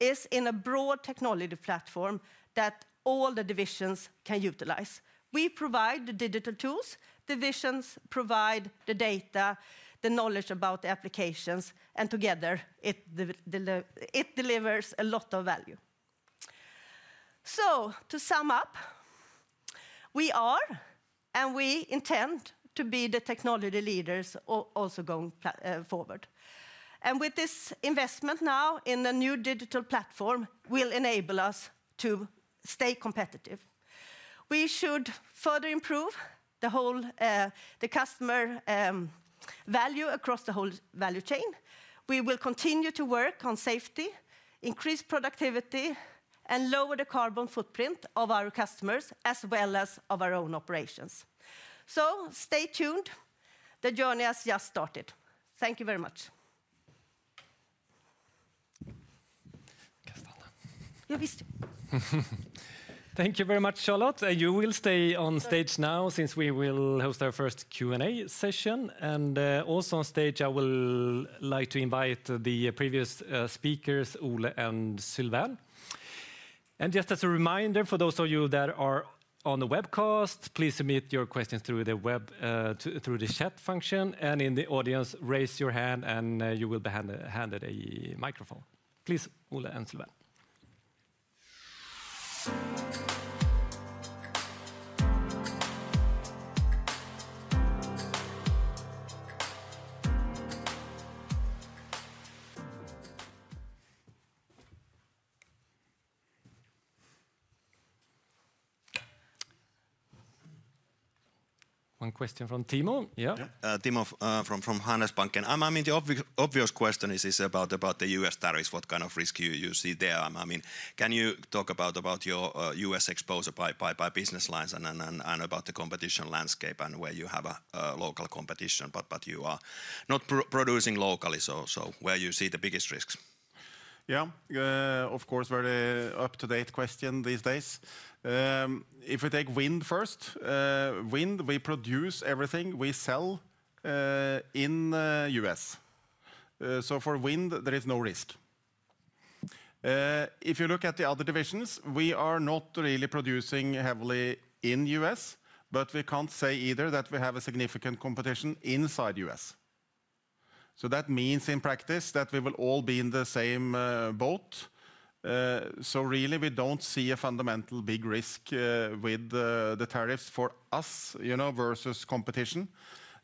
is in a broad technology platform that all the divisions can utilize. We provide the digital tools, the divisions provide the data, the knowledge about the applications, and together it delivers a lot of value. So to sum up, we are and we intend to be the technology leaders also going forward. And with this investment now in a new digital platform, we'll enable us to stay competitive. We should further improve the customer value across the whole value chain. We will continue to work on safety, increase productivity, and lower the carbon footprint of our customers as well as of our own operations. So stay tuned. The journey has just started. Thank you very much. Thank you very much, Charlotte. You will stay on stage now since we will host our first Q&A session. And also on stage, I would like to invite the previous speakers, Ole and Sylvain. Just as a reminder, for those of you that are on the webcast, please submit your questions through the chat function. And in the audience, raise your hand and you will be handed a microphone. Please, Ole and Sylvain. One question from Timo. Yeah. Timo, from Handelsbanken. I mean, the obvious question is about the U.S. tariffs. What kind of risk do you see there? I mean, can you talk about your U.S. exposure by business lines and about the competition landscape and where you have a local competition, but you are not producing locally? So where do you see the biggest risks? Yeah, of course, very up-to-date question these days. If we take Wind first, Wind, we produce everything we sell in the U.S. So for Wind, there is no risk. If you look at the other divisions, we are not really producing heavily in the U.S., but we can't say either that we have a significant competition inside the U.S. So that means in practice that we will all be in the same boat. So really, we don't see a fundamental big risk with the tariffs for us, you know, versus competition.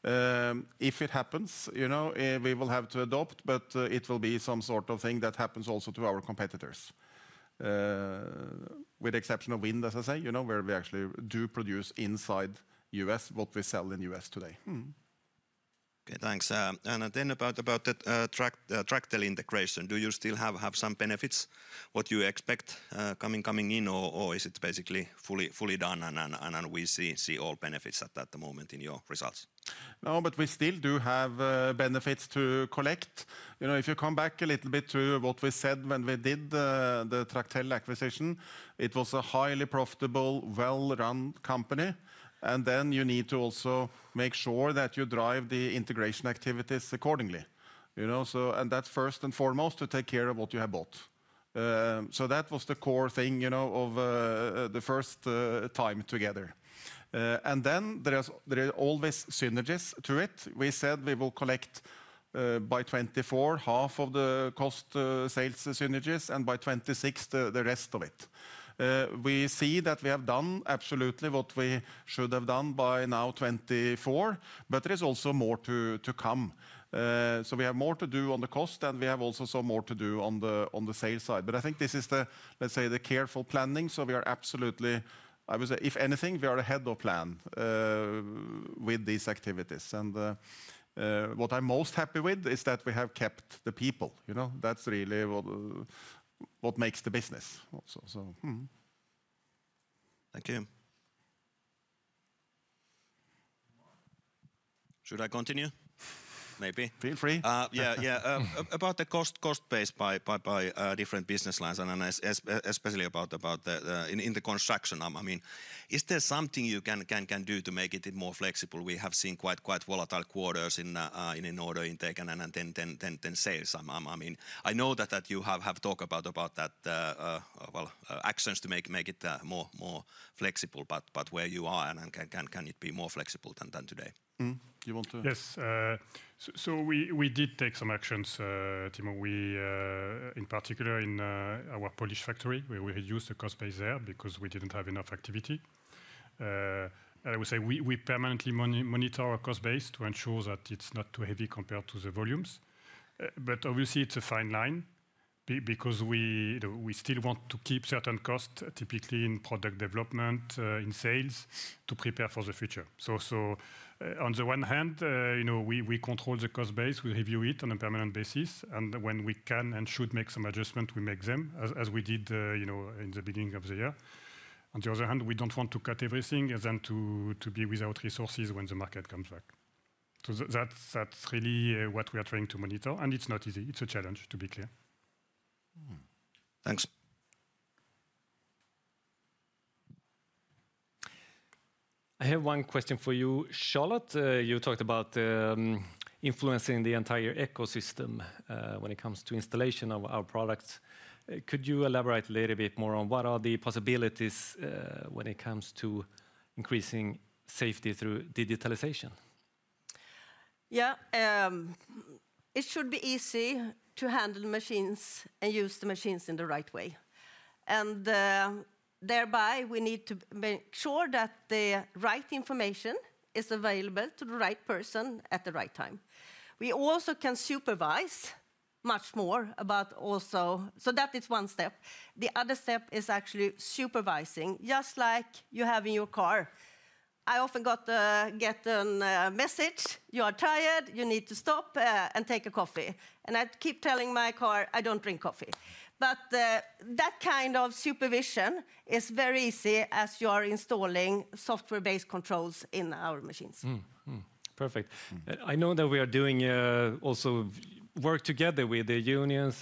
If it happens, you know, we will have to adapt, but it will be some sort of thing that happens also to our competitors. With the exception of Wind, as I say, you know, where we actually do produce inside the U.S., what we sell in the U.S. today. Okay, thanks. And then about the Tractel integration, do you still have some benefits? What do you expect coming in, or is it basically fully done and we see all benefits at the moment in your results? No, but we still do have benefits to collect. You know, if you come back a little bit to what we said when we did the Tractel acquisition, it was a highly profitable, well-run company. And then you need to also make sure that you drive the integration activities accordingly. You know, and that's first and foremost to take care of what you have bought. So that was the core thing, you know, of the first time together. And then there are always synergies to it. We said we will collect by 2024 half of the cost sales synergies and by 2026 the rest of it. We see that we have done absolutely what we should have done by now 2024, but there is also more to come. So we have more to do on the cost and we have also some more to do on the sales side. But I think this is the, let's say, the careful planning. So we are absolutely, I would say, if anything, we are ahead of plan with these activities. And what I'm most happy with is that we have kept the people. You know, that's really what makes the business. Thank you. Should I continue? Maybe. Feel free. Yeah, yeah. About the cost base by different business lines and especially about in the construction, I mean, is there something you can do to make it more flexible? We have seen quite volatile quarters in order intake and then sales. I mean, I know that you have talked about that, well, actions to make it more flexible, but where you are, can it be more flexible than today? You want to? Yes. So we did take some actions, Timo, in particular in our Polish factory. We reduced the cost base there because we didn't have enough activity. I would say we permanently monitor our cost base to ensure that it's not too heavy compared to the volumes. But obviously, it's a fine line because we still want to keep certain costs typically in product development, in sales to prepare for the future. So on the one hand, you know, we control the cost base, we review it on a permanent basis, and when we can and should make some adjustments, we make them as we did in the beginning of the year. On the other hand, we don't want to cut everything and then to be without resources when the market comes back. So that's really what we are trying to monitor, and it's not easy. It's a challenge, to be clear. Thanks. I have one question for you, Charlotte. You talked about influencing the entire ecosystem when it comes to installation of our products. Could you elaborate a little bit more on what are the possibilities when it comes to increasing safety through digitalization? Yeah, it should be easy to handle machines and use the machines in the right way, and thereby we need to make sure that the right information is available to the right person at the right time. We also can supervise much more about also, so that is one step. The other step is actually supervising, just like you have in your car. I often get a message, you are tired, you need to stop and take a coffee. And I keep telling my car, I don't drink coffee. But that kind of supervision is very easy as you are installing software-based controls in our machines. Perfect. I know that we are doing also work together with the unions,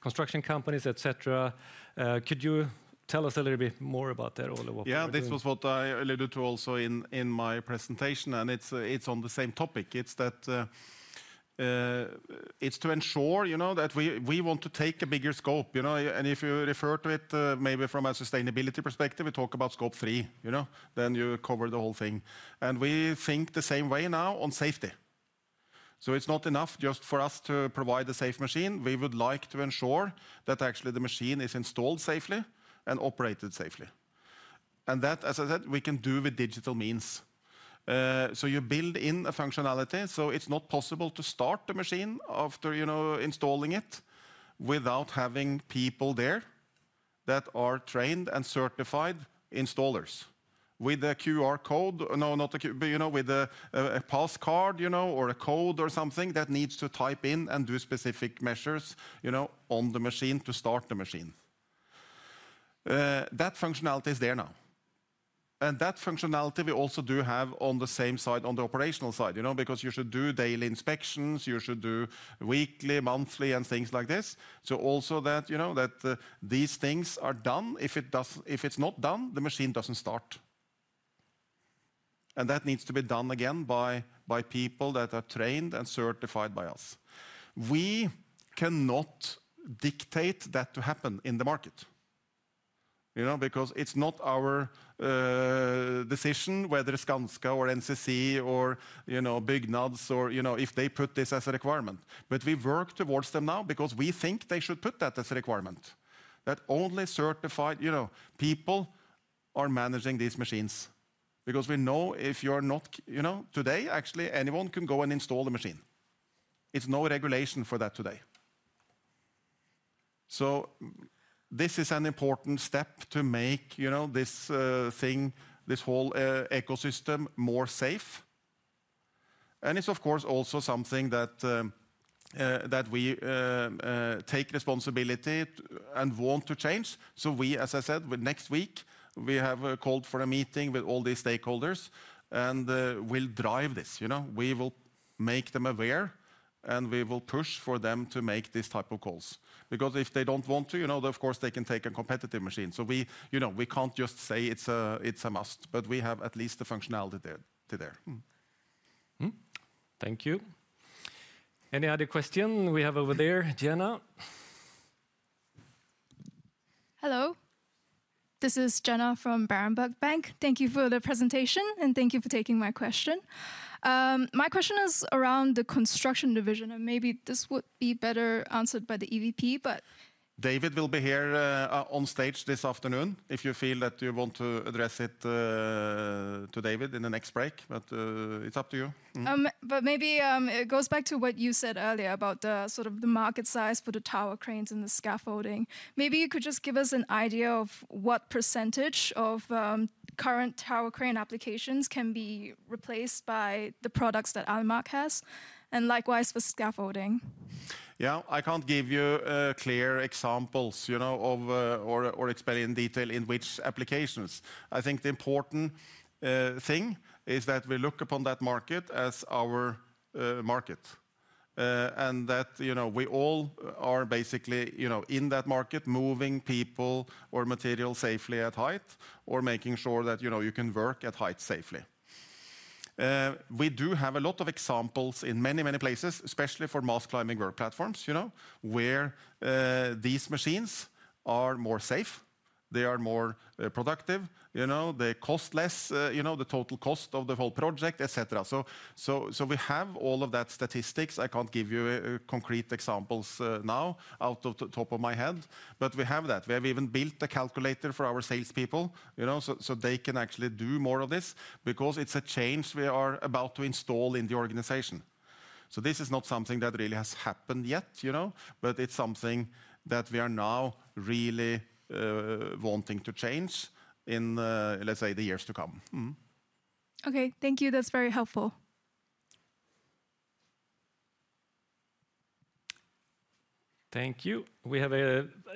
construction companies, etc. Could you tell us a little bit more about that, Ole? Yeah, this was what I alluded to also in my presentation, and it's on the same topic. It's to ensure, you know, that we want to take a bigger scope. You know, and if you refer to it maybe from a sustainability perspective, we talk about Scope 3, you know, then you cover the whole thing. And we think the same way now on safety. So it's not enough just for us to provide a safe machine. We would like to ensure that actually the machine is installed safely and operated safely. And that, as I said, we can do with digital means. So you build in a functionality. So it's not possible to start the machine after, you know, installing it without having people there that are trained and certified installers with a QR code, no, not a, you know, with a passcard, you know, or a code or something that needs to type in and do specific measures, you know, on the machine to start the machine. That functionality is there now, and that functionality we also do have on the same side, on the operational side, you know, because you should do daily inspections, you should do weekly, monthly, and things like this, so also that, you know, that these things are done. If it's not done, the machine doesn't start, and that needs to be done again by people that are trained and certified by us. We cannot dictate that to happen in the market, you know, because it's not our decision whether it's Skanska or NCC or, you know, Byggnads or, you know, if they put this as a requirement. But we work towards them now because we think they should put that as a requirement. That only certified, you know, people are managing these machines. Because we know if you are not, you know, today, actually, anyone can go and install the machine. It's no regulation for that today. So this is an important step to make, you know, this thing, this whole ecosystem more safe. And it's, of course, also something that we take responsibility and want to change. So we, as I said, next week, we have called for a meeting with all these stakeholders and we'll drive this. You know, we will make them aware and we will push for them to make this type of calls. Because if they don't want to, you know, of course, they can take a competitive machine. So we, you know, we can't just say it's a must, but we have at least the functionality there. Thank you. Any other question we have over there? Jenna? Hello. This is Jenna from Berenberg Bank. Thank you for the presentation and thank you for taking my question. My question is around the construction division, and maybe this would be better answered by the EVP, but David will be here on stage this afternoon if you feel that you want to address it to David in the next break, but it's up to you. But maybe it goes back to what you said earlier about the sort of market size for the tower cranes and the scaffolding. Maybe you could just give us an idea of what percentage of current tower crane applications can be replaced by the products that Alimak has and likewise for scaffolding. Yeah, I can't give you clear examples, you know, or explain in detail in which applications. I think the important thing is that we look upon that market as our market and that, you know, we all are basically, you know, in that market moving people or material safely at height or making sure that, you know, you can work at height safely. We do have a lot of examples in many, many places, especially for mast climbing work platforms, you know, where these machines are more safe, they are more productive, you know, they cost less, you know, the total cost of the whole project, etc. So we have all of that statistics. I can't give you concrete examples now off the top of my head, but we have that. We have even built a calculator for our salespeople, you know, so they can actually do more of this because it's a change we are about to install in the organization. So this is not something that really has happened yet, you know, but it's something that we are now really wanting to change in, let's say, the years to come. Okay, thank you. That's very helpful. Thank you. We have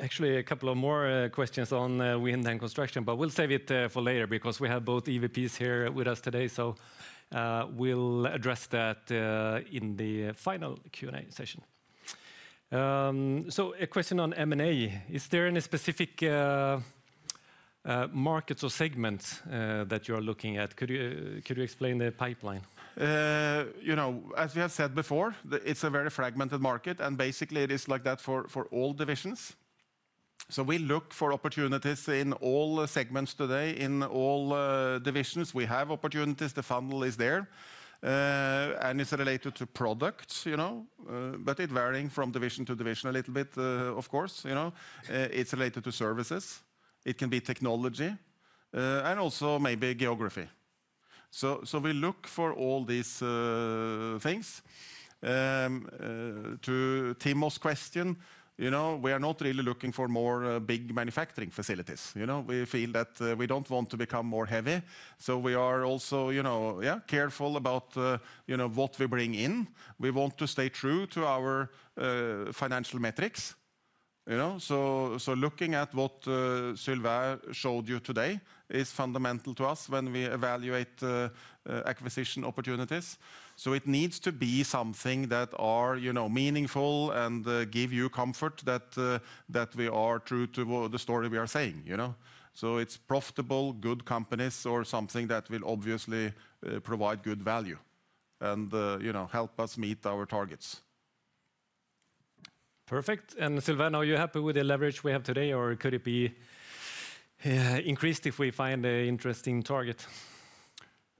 actually a couple of more questions on Wind and construction, but we'll save it for later because we have both EVPs here with us today. So we'll address that in the final Q&A session. So a question on M&A. Is there any specific markets or segments that you are looking at? Could you explain the pipeline? You know, as we have said before, it's a very fragmented market and basically it is like that for all divisions. So we look for opportunities in all segments today. In all divisions, we have opportunities. The funnel is there and it's related to products, you know, but it varies from division to division a little bit, of course. You know, it's related to services. It can be technology and also maybe geography. So we look for all these things. To Timo's question, you know, we are not really looking for more big manufacturing facilities. You know, we feel that we don't want to become more heavy. So we are also, you know, yeah, careful about, you know, what we bring in. We want to stay true to our financial metrics. You know, so looking at what Sylvain showed you today is fundamental to us when we evaluate acquisition opportunities. So it needs to be something that are, you know, meaningful and give you comfort that we are true to the story we are saying, you know. So it's profitable, good companies or something that will obviously provide good value and, you know, help us meet our targets. Perfect. And Sylvain, are you happy with the leverage we have today or could it be increased if we find an interesting target?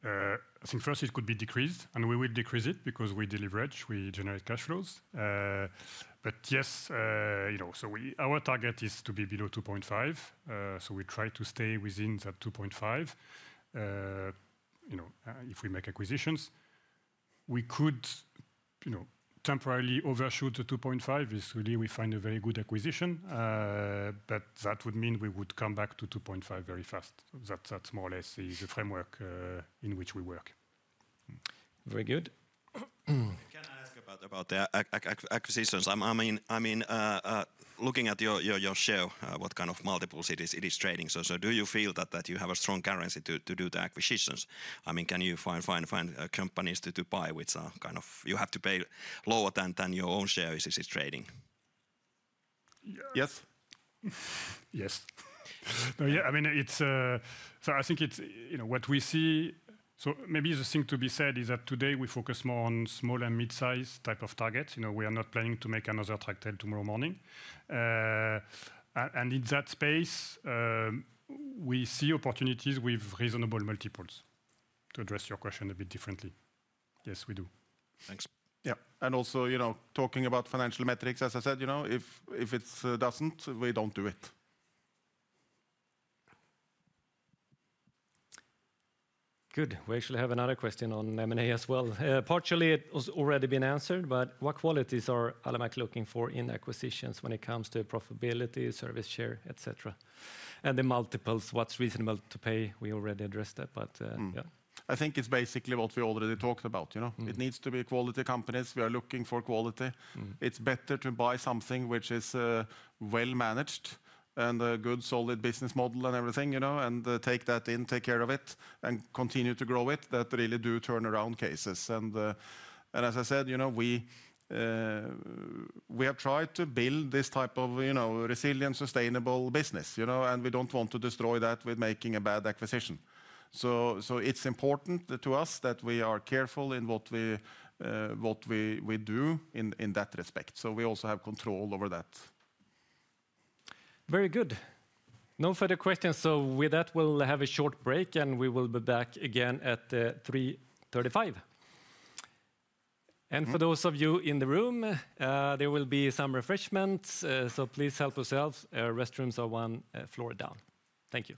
I think first it could be decreased and we would decrease it because we deleverage, we generate cash flows. But yes, you know, so our target is to be below 2.5. So we try to stay within that 2.5. You know, if we make acquisitions, we could, you know, temporarily overshoot the 2.5 if we find a very good acquisition. But that would mean we would come back to 2.5 very fast. That's more or less the framework in which we work. Very good. Can I ask about the acquisitions? I mean, looking at your share, what kind of multiple it is trading. So do you feel that you have a strong currency to do the acquisitions? I mean, can you find companies to buy which are kind of, you have to pay lower than your own share is trading? Yes. Yes. No, yeah, I mean, it's so I think it's, you know, what we see. So maybe the thing to be said is that today we focus more on small and mid-size type of targets. You know, we are not planning to make another Tractel tomorrow morning. And in that space, we see opportunities with reasonable multiples to address your question a bit differently. Yes, we do. Thanks. Yeah. And also, you know, talking about financial metrics, as I said, you know, if it doesn't, we don't do it. Good. We actually have another question on M&A as well. Partially, it has already been answered, but what qualities are Alimak looking for in acquisitions when it comes to profitability, service share, etc.? And the multiples, what's reasonable to pay? We already addressed that, but yeah. I think it's basically what we already talked about, you know. It needs to be quality companies. We are looking for quality. It's better to buy something which is well-managed and a good solid business model and everything, you know, and take that in, take care of it and continue to grow it. That really do turn around cases. And as I said, you know, we have tried to build this type of, you know, resilient, sustainable business, you know, and we don't want to destroy that with making a bad acquisition. So it's important to us that we are careful in what we do in that respect. So we also have control over that. Very good. No further questions. So with that, we'll have a short break and we will be back again at 3:35 P.M. And for those of you in the room, there will be some refreshments. So please help yourselves. Restrooms are one floor down. Thank you.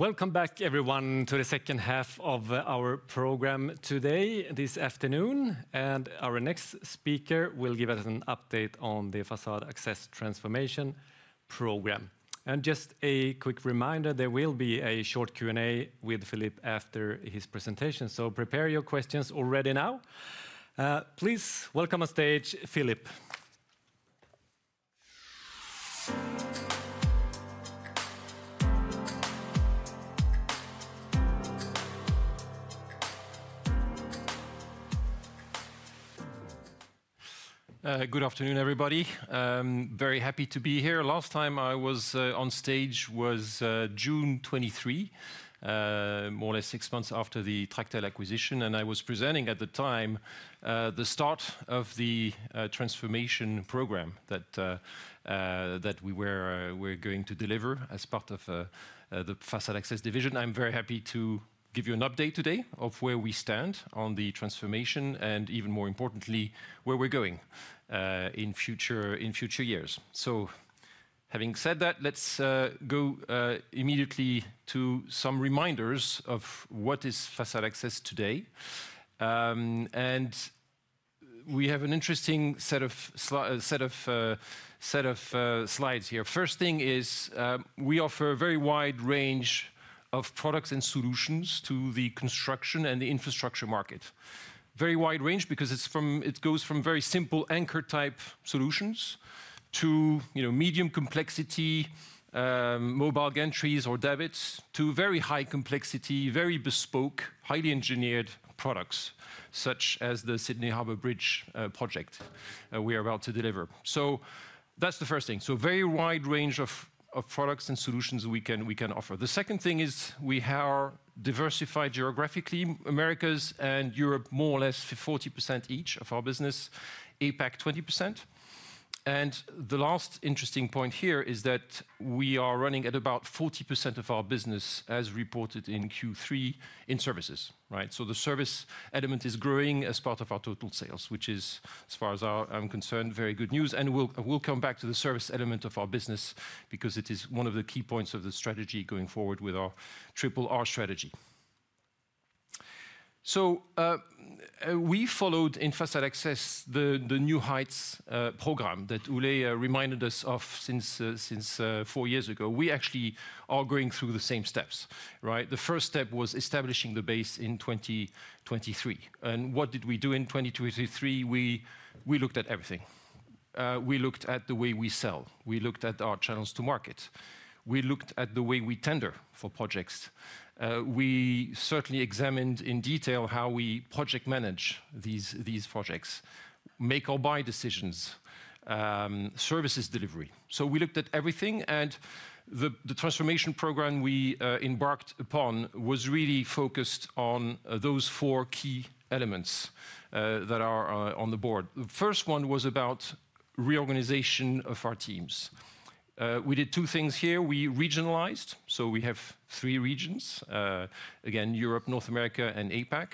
Welcome back, everyone, to the second half of our program today, this afternoon. Our next speaker will give us an update on the Facade Access Transformation program, and just a quick reminder, there will be a short Q&A with Philippe after his presentation, so prepare your questions already now. Please welcome on stage, Philippe. Good afternoon, everybody. Very happy to be here. Last time I was on stage was June 23, more or less six months after the Tractel acquisition, and I was presenting at the time the start of the transformation program that we were going to deliver as part of the Facade Access division. I'm very happy to give you an update today of where we stand on the transformation and, even more importantly, where we're going in future years, so having said that, let's go immediately to some reminders of what is Facade Access today. We have an interesting set of slides here. First thing is we offer a very wide range of products and solutions to the construction and the infrastructure market. Very wide range because it goes from very simple anchor type solutions to medium complexity, mobile gantries or davits to very high complexity, very bespoke, highly engineered products such as the Sydney Harbour Bridge project we are about to deliver. That's the first thing. Very wide range of products and solutions we can offer. The second thing is we are diversified geographically. Americas and Europe more or less 40% each of our business, APAC 20%. The last interesting point here is that we are running at about 40% of our business as reported in Q3 in services. So the service element is growing as part of our total sales, which is, as far as I'm concerned, very good news. And we'll come back to the service element of our business because it is one of the key points of the strategy going forward with our RRR strategy. So we followed in Facade Access the New Heights program that Ole reminded us of since four years ago. We actually are going through the same steps. The first step was establishing the base in 2023. And what did we do in 2023? We looked at everything. We looked at the way we sell. We looked at our channels to market. We looked at the way we tender for projects. We certainly examined in detail how we project manage these projects, make or buy decisions, services delivery. So we looked at everything. The transformation program we embarked upon was really focused on those four key elements that are on the board. The first one was about reorganization of our teams. We did two things here. We regionalized. We have three regions, again, Europe, North America, and APAC.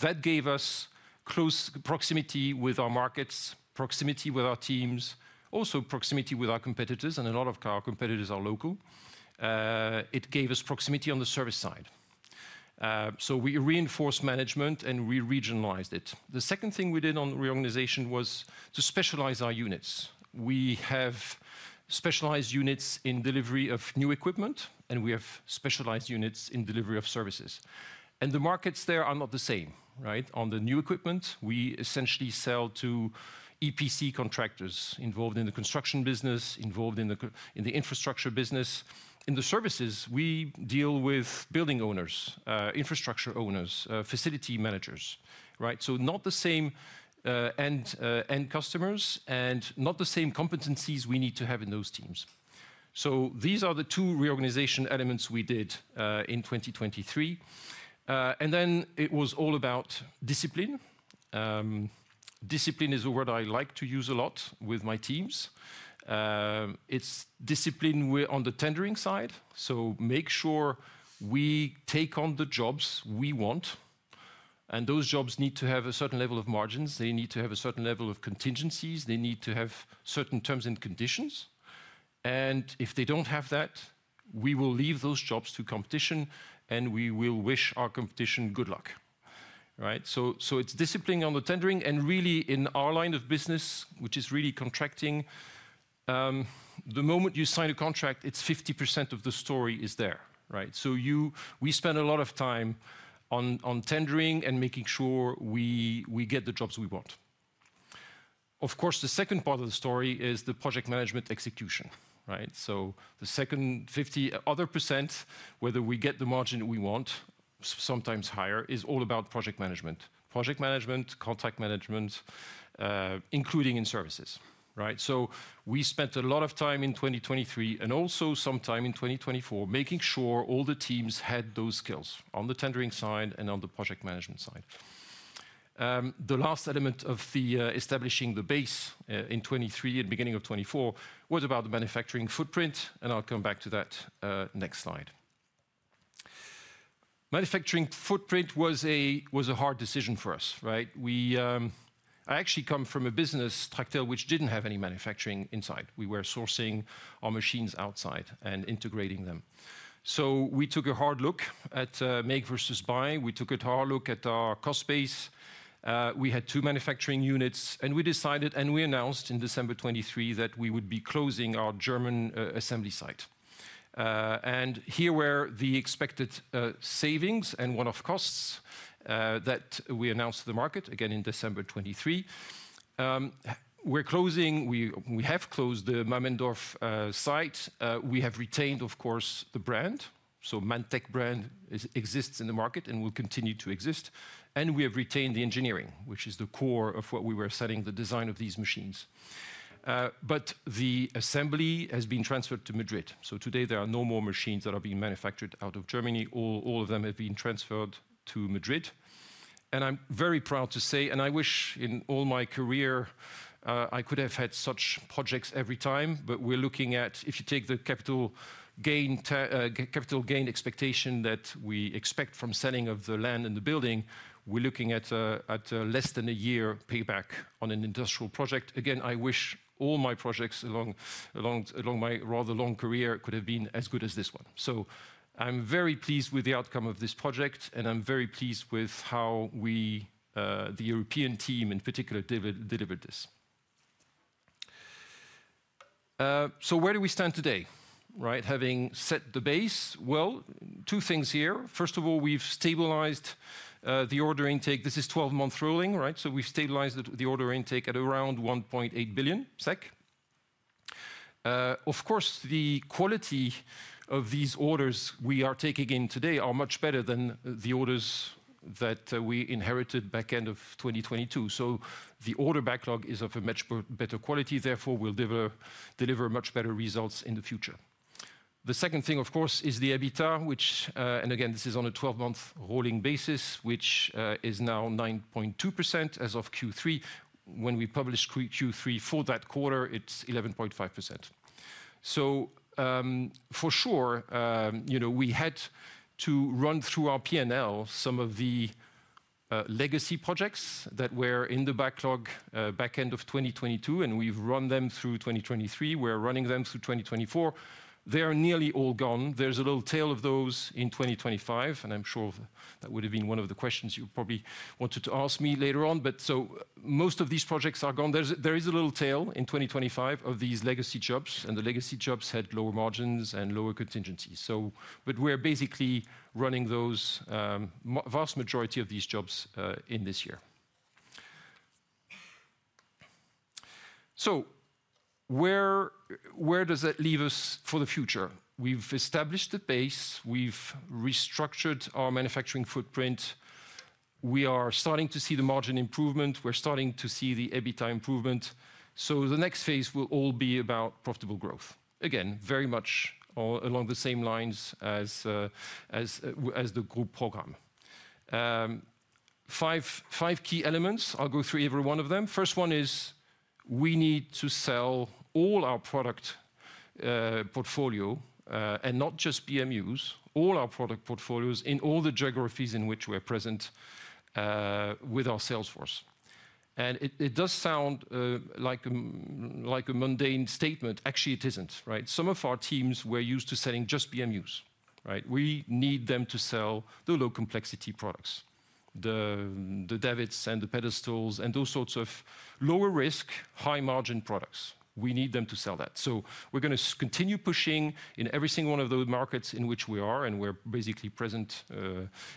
That gave us close proximity with our markets, proximity with our teams, also proximity with our competitors. A lot of our competitors are local. It gave us proximity on the service side. We reinforced management and we regionalized it. The second thing we did on reorganization was to specialize our units. We have specialized units in delivery of new equipment, and we have specialized units in delivery of services. The markets there are not the same. On the new equipment, we essentially sell to EPC contractors involved in the construction business, involved in the infrastructure business. In the services, we deal with building owners, infrastructure owners, facility managers, so not the same end customers and not the same competencies we need to have in those teams, so these are the two reorganization elements we did in 2023, and then it was all about discipline. Discipline is the word I like to use a lot with my teams. It's discipline on the tendering side, so make sure we take on the jobs we want, and those jobs need to have a certain level of margins. They need to have a certain level of contingencies. They need to have certain terms and conditions, and if they don't have that, we will leave those jobs to competition, and we will wish our competition good luck, so it's discipline on the tendering. And really, in our line of business, which is really contracting, the moment you sign a contract, it's 50% of the story is there. So we spend a lot of time on tendering and making sure we get the jobs we want. Of course, the second part of the story is the project management execution. So the second 50 other percent, whether we get the margin we want, sometimes higher, is all about project management, project management, contract management, including in services. So we spent a lot of time in 2023 and also some time in 2024 making sure all the teams had those skills on the tendering side and on the project management side. The last element of establishing the base in 2023 and beginning of 2024 was about the manufacturing footprint. And I'll come back to that next slide. Manufacturing footprint was a hard decision for us. I actually come from a business Tractel which didn't have any manufacturing inside. We were sourcing our machines outside and integrating them, so we took a hard look at make versus buy. We took a hard look at our cost base. We had two manufacturing units, and we decided and we announced in December 2023 that we would be closing our German assembly site. Here were the expected savings and one-off costs that we announced to the market again in December 2023. We have closed the Mammendorf site. We have retained, of course, the brand, so Manntech brand exists in the market and will continue to exist. We have retained the engineering, which is the core of what we were selling, the design of these machines, but the assembly has been transferred to Madrid. Today, there are no more machines that are being manufactured out of Germany. All of them have been transferred to Madrid, and I'm very proud to say, and I wish in all my career I could have had such projects every time, but we're looking at, if you take the capital gain expectation that we expect from selling of the land and the building, we're looking at less than a year payback on an industrial project. Again, I wish all my projects along my rather long career could have been as good as this one, so I'm very pleased with the outcome of this project, and I'm very pleased with how the European team, in particular, delivered this, so where do we stand today? Having set the base, well, two things here. First of all, we've stabilized the order intake. This is 12 months rolling, so we've stabilized the order intake at around 1.8 billion SEK. Of course, the quality of these orders we are taking in today are much better than the orders that we inherited back end of 2022. So the order backlog is of a much better quality. Therefore, we'll deliver much better results in the future. The second thing, of course, is the EBITDA, which, and again, this is on a 12-month rolling basis, which is now 9.2% as of Q3. When we published Q3 for that quarter, it's 11.5%. So for sure, we had to run through our P&L some of the legacy projects that were in the backlog back end of 2022, and we've run them through 2023. We're running them through 2024. They are nearly all gone. There's a little tail of those in 2025. And I'm sure that would have been one of the questions you probably wanted to ask me later on. But so most of these projects are gone. There is a little tail in 2025 of these legacy jobs. And the legacy jobs had lower margins and lower contingencies. But we're basically running the vast majority of these jobs in this year. So where does that leave us for the future? We've established the base. We've restructured our manufacturing footprint. We are starting to see the margin improvement. We're starting to see the EBITDA improvement. So the next phase will all be about profitable growth. Again, very much along the same lines as the group program. Five key elements. I'll go through every one of them. First one is we need to sell all our product portfolio and not just BMUs, all our product portfolios in all the geographies in which we're present with our sales force. And it does sound like a mundane statement. Actually, it isn't. Some of our teams were used to selling just BMUs. We need them to sell the low complexity products, the davits and the pedestals and those sorts of lower risk, high margin products. We need them to sell that. So we're going to continue pushing in every single one of those markets in which we are, and we're basically present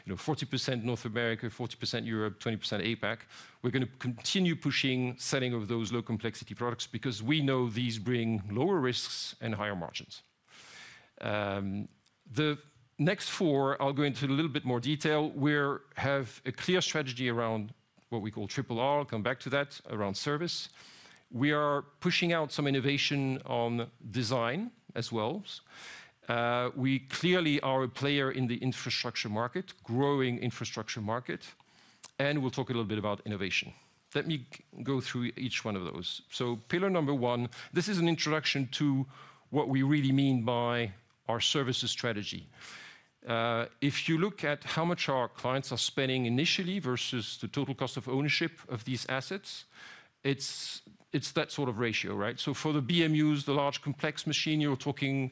40% North America, 40% Europe, 20% APAC. We're going to continue pushing selling of those low complexity products because we know these bring lower risks and higher margins. The next four, I'll go into a little bit more detail. We have a clear strategy around what we call RRR. I'll come back to that around service. We are pushing out some innovation on design as well. We clearly are a player in the infrastructure market, growing infrastructure market, and we'll talk a little bit about innovation. Let me go through each one of those. Pillar number one. This is an introduction to what we really mean by our services strategy. If you look at how much our clients are spending initially versus the total cost of ownership of these assets, it's that sort of ratio. For the BMUs, the large complex machine, you're talking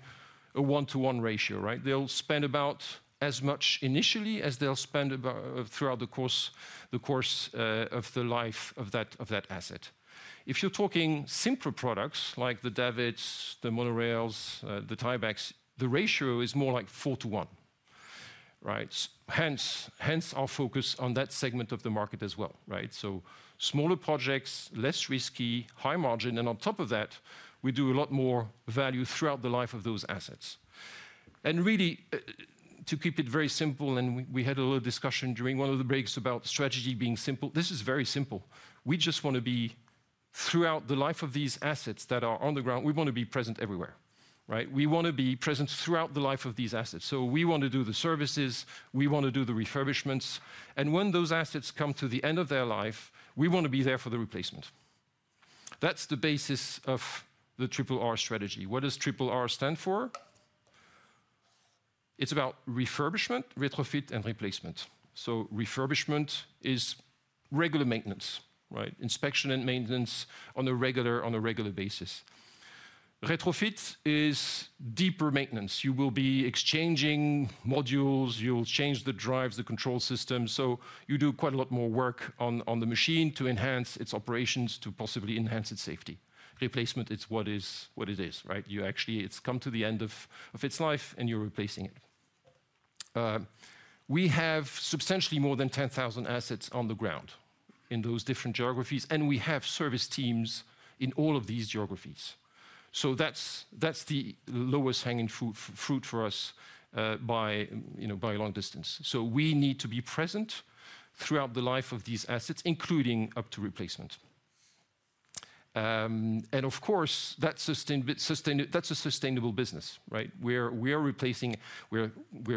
a one-to-one ratio. They'll spend about as much initially as they'll spend throughout the course of the life of that asset. If you're talking simpler products like the davits, the monorails, the tie-backs, the ratio is more like four to one. Hence, our focus on that segment of the market as well. Smaller projects, less risky, high margin. On top of that, we do a lot more value throughout the life of those assets. Really, to keep it very simple, and we had a little discussion during one of the breaks about strategy being simple. This is very simple. We just want to be throughout the life of these assets that are on the ground. We want to be present everywhere. We want to be present throughout the life of these assets. We want to do the services. We want to do the refurbishments. When those assets come to the end of their life, we want to be there for the replacement. That's the basis of the RRR strategy. What does RR stand for? It's about Refurbishment, Retrofit, and Replacement. Refurbishment is regular maintenance, inspection and maintenance on a regular basis. Retrofit is deeper maintenance. You will be exchanging modules. You'll change the drives, the control systems. You do quite a lot more work on the machine to enhance its operations, to possibly enhance its safety. Replacement is what it is. You actually, it's come to the end of its life and you're replacing it. We have substantially more than 10,000 assets on the ground in those different geographies. And we have service teams in all of these geographies. So that's the lowest hanging fruit for us by a long distance. So we need to be present throughout the life of these assets, including up to replacement. And of course, that's a sustainable business. We're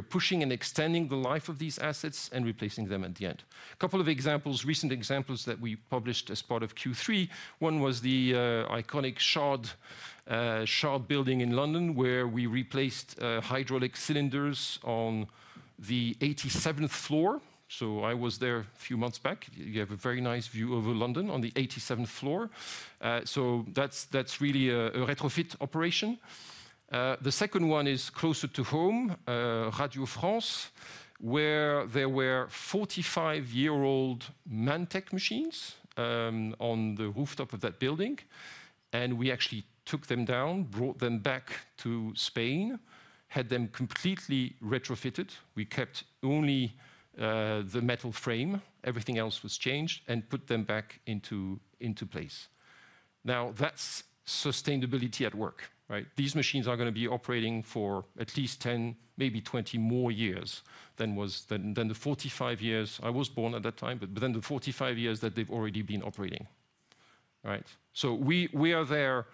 pushing and extending the life of these assets and replacing them at the end. A couple of examples, recent examples that we published as part of Q3. One was the iconic The Shard building in London where we replaced hydraulic cylinders on the 87th floor. I was there a few months back. You have a very nice view over London on the 87th floor. That's really a retrofit operation. The second one is closer to home, Radio France, where there were 45-year-old Manntech machines on the rooftop of that building. We actually took them down, brought them back to Spain, had them completely retrofitted. We kept only the metal frame. Everything else was changed and put them back into place. Now, that's sustainability at work. These machines are going to be operating for at least 10, maybe 20 more years than the 45 years I was born at that time, but then the 45 years that they've already been operating. We are there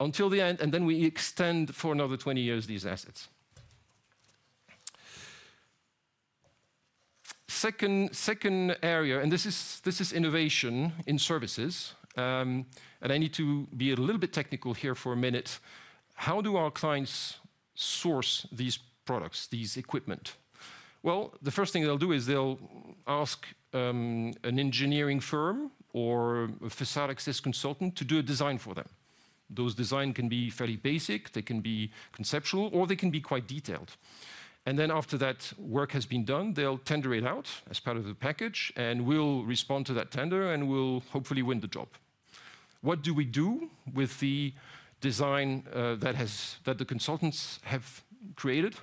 until the end, and then we extend for another 20 years these assets. Second area, and this is innovation in services. I need to be a little bit technical here for a minute. How do our clients source these products, this equipment? The first thing they'll do is they'll ask an engineering firm or a Facade Access consultant to do a design for them. Those designs can be fairly basic. They can be conceptual, or they can be quite detailed. Then after that work has been done, they'll tender it out as part of the package, and we'll respond to that tender and we'll hopefully win the job. What do we do with the design that the consultants have created?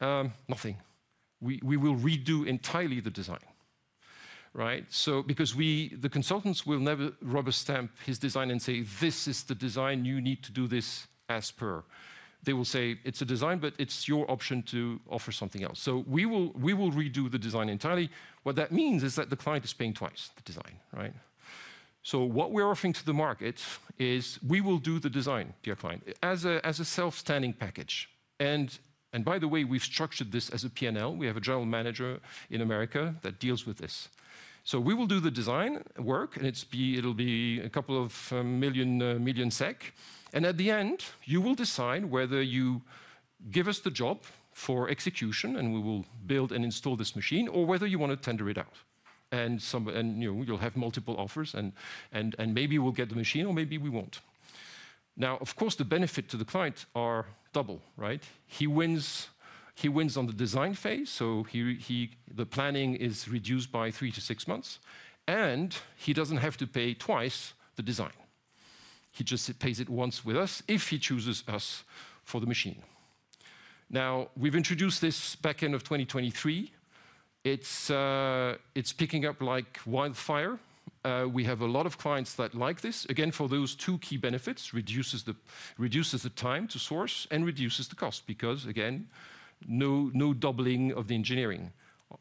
Nothing. We will redo entirely the design. Because the consultants will never rubber stamp his design and say, "This is the design. You need to do this as per." They will say, "It's a design, but it's your option to offer something else." So we will redo the design entirely. What that means is that the client is paying twice the design. So what we're offering to the market is we will do the design, dear client, as a self-standing package. And by the way, we've structured this as a P&L. We have a general manager in America that deals with this. So we will do the design work, and it'll be 2 million SEK. And at the end, you will decide whether you give us the job for execution and we will build and install this machine, or whether you want to tender it out. And you'll have multiple offers, and maybe we'll get the machine, or maybe we won't. Now, of course, the benefit to the client is double. He wins on the design phase, so the planning is reduced by three to six months, and he doesn't have to pay twice the design. He just pays it once with us if he chooses us for the machine. Now, we've introduced this back end of 2023. It's picking up like wildfire. We have a lot of clients that like this. Again, for those two key benefits, it reduces the time to source and reduces the cost because, again, no doubling of the engineering.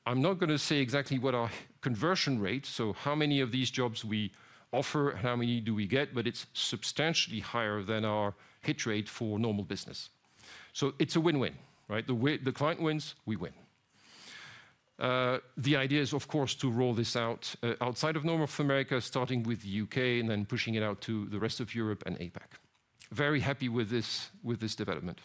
I'm not going to say exactly what our conversion rate, so how many of these jobs we offer, how many do we get, but it's substantially higher than our hit rate for normal business. So it's a win-win. The client wins, we win. The idea is, of course, to roll this out outside of North America, starting with the U.K. and then pushing it out to the rest of Europe and APAC. Very happy with this development.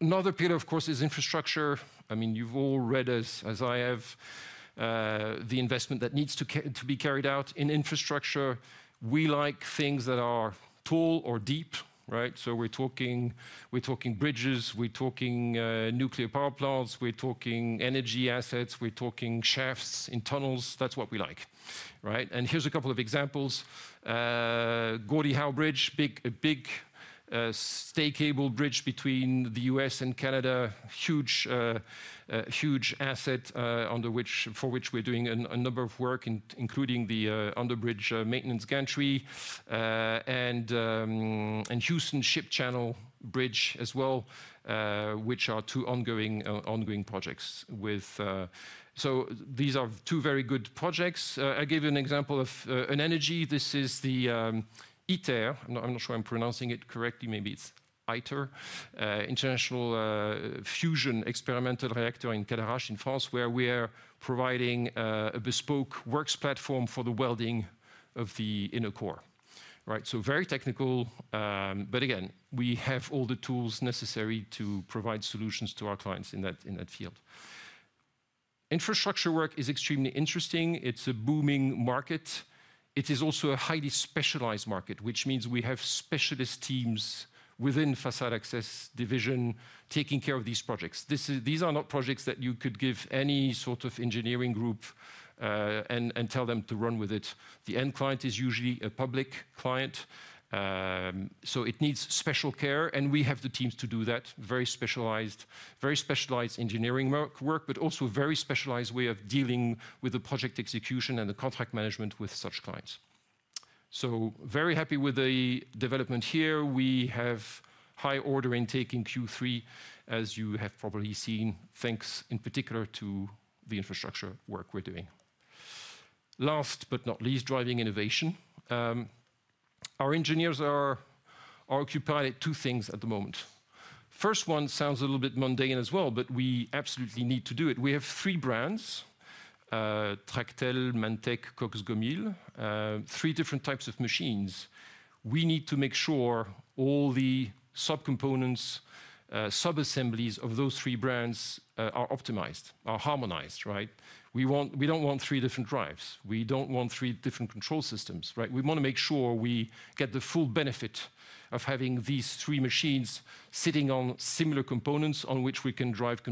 Another pillar, of course, is infrastructure. I mean, you've all read as I have the investment that needs to be carried out in infrastructure. We like things that are tall or deep. So we're talking bridges, we're talking nuclear power plants, we're talking energy assets, we're talking shafts in tunnels. That's what we like. And here's a couple of examples. Gordie Howe Bridge, a big stay-cable bridge between the U.S. and Canada, huge asset for which we're doing a number of work, including the underbridge maintenance gantry and Houston Ship Channel Bridge as well, which are two ongoing projects. So these are two very good projects. I'll give you an example of an energy. This is the ITER. I'm not sure I'm pronouncing it correctly. Maybe it's ITER, International Thermonuclear Experimental Reactor in Cadarache in France, where we are providing a bespoke works platform for the welding of the inner core, so very technical, but again, we have all the tools necessary to provide solutions to our clients in that field. Infrastructure work is extremely interesting. It's a booming market. It is also a highly specialized market, which means we have specialist teams within Facade Access division taking care of these projects. These are not projects that you could give any sort of engineering group and tell them to run with it. The end client is usually a public client, so it needs special care, and we have the teams to do that. Very specialized engineering work, but also a very specialized way of dealing with the project execution and the contract management with such clients. So very happy with the development here. We have high order intake in Q3, as you have probably seen, thanks in particular to the infrastructure work we're doing. Last but not least, driving innovation. Our engineers are occupied at two things at the moment. First one sounds a little bit mundane as well, but we absolutely need to do it. We have three brands, Tractel, Manntech, CoxGomyl, three different types of machines. We need to make sure all the subcomponents, subassemblies of those three brands are optimized, are harmonized. We don't want three different drives. We don't want three different control systems. We want to make sure we get the full benefit of having these three machines sitting on similar components on which we can drive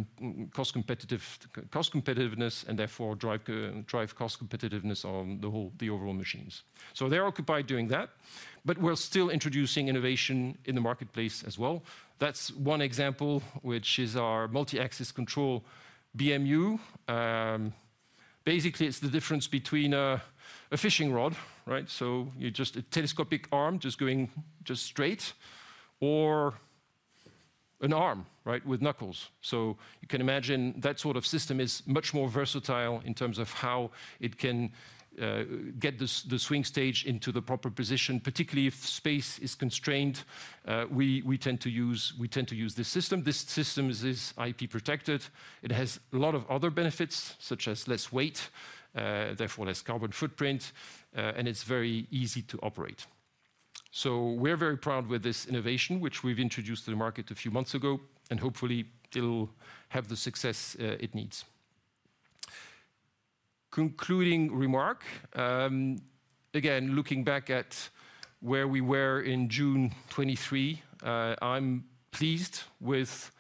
cost competitiveness and therefore drive cost competitiveness on the overall machines, so they're occupied doing that, but we're still introducing innovation in the marketplace as well. That's one example, which is our multi-axis control BMU. Basically, it's the difference between a fishing rod, so a telescopic arm just going straight or an arm with knuckles, so you can imagine that sort of system is much more versatile in terms of how it can get the swing stage into the proper position, particularly if space is constrained. We tend to use this system. This system is IP protected. It has a lot of other benefits, such as less weight, therefore less carbon footprint, and it's very easy to operate. So we're very proud with this innovation, which we've introduced to the market a few months ago, and hopefully it'll have the success it needs. Concluding remark, again, looking back at where we were in June 2023, I'm pleased with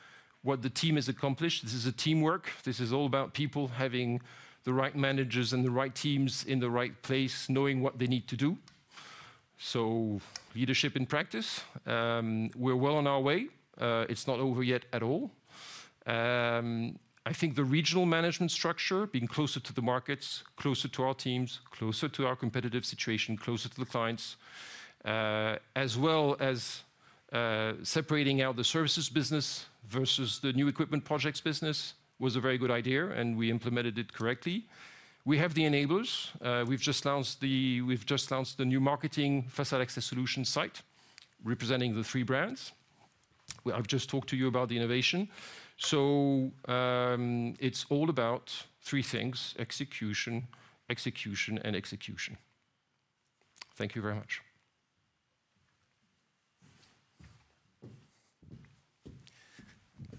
what the team has accomplished. This is a teamwork. This is all about people having the right managers and the right teams in the right place, knowing what they need to do. So leadership in practice. We're well on our way. It's not over yet at all. I think the regional management structure, being closer to the markets, closer to our teams, closer to our competitive situation, closer to the clients, as well as separating out the services business versus the new equipment projects business, was a very good idea, and we implemented it correctly. We have the enablers. We've just launched the new marketing Facade Access solution site, representing the three brands. I've just talked to you about the innovation. So it's all about three things: execution, execution, and execution. Thank you very much.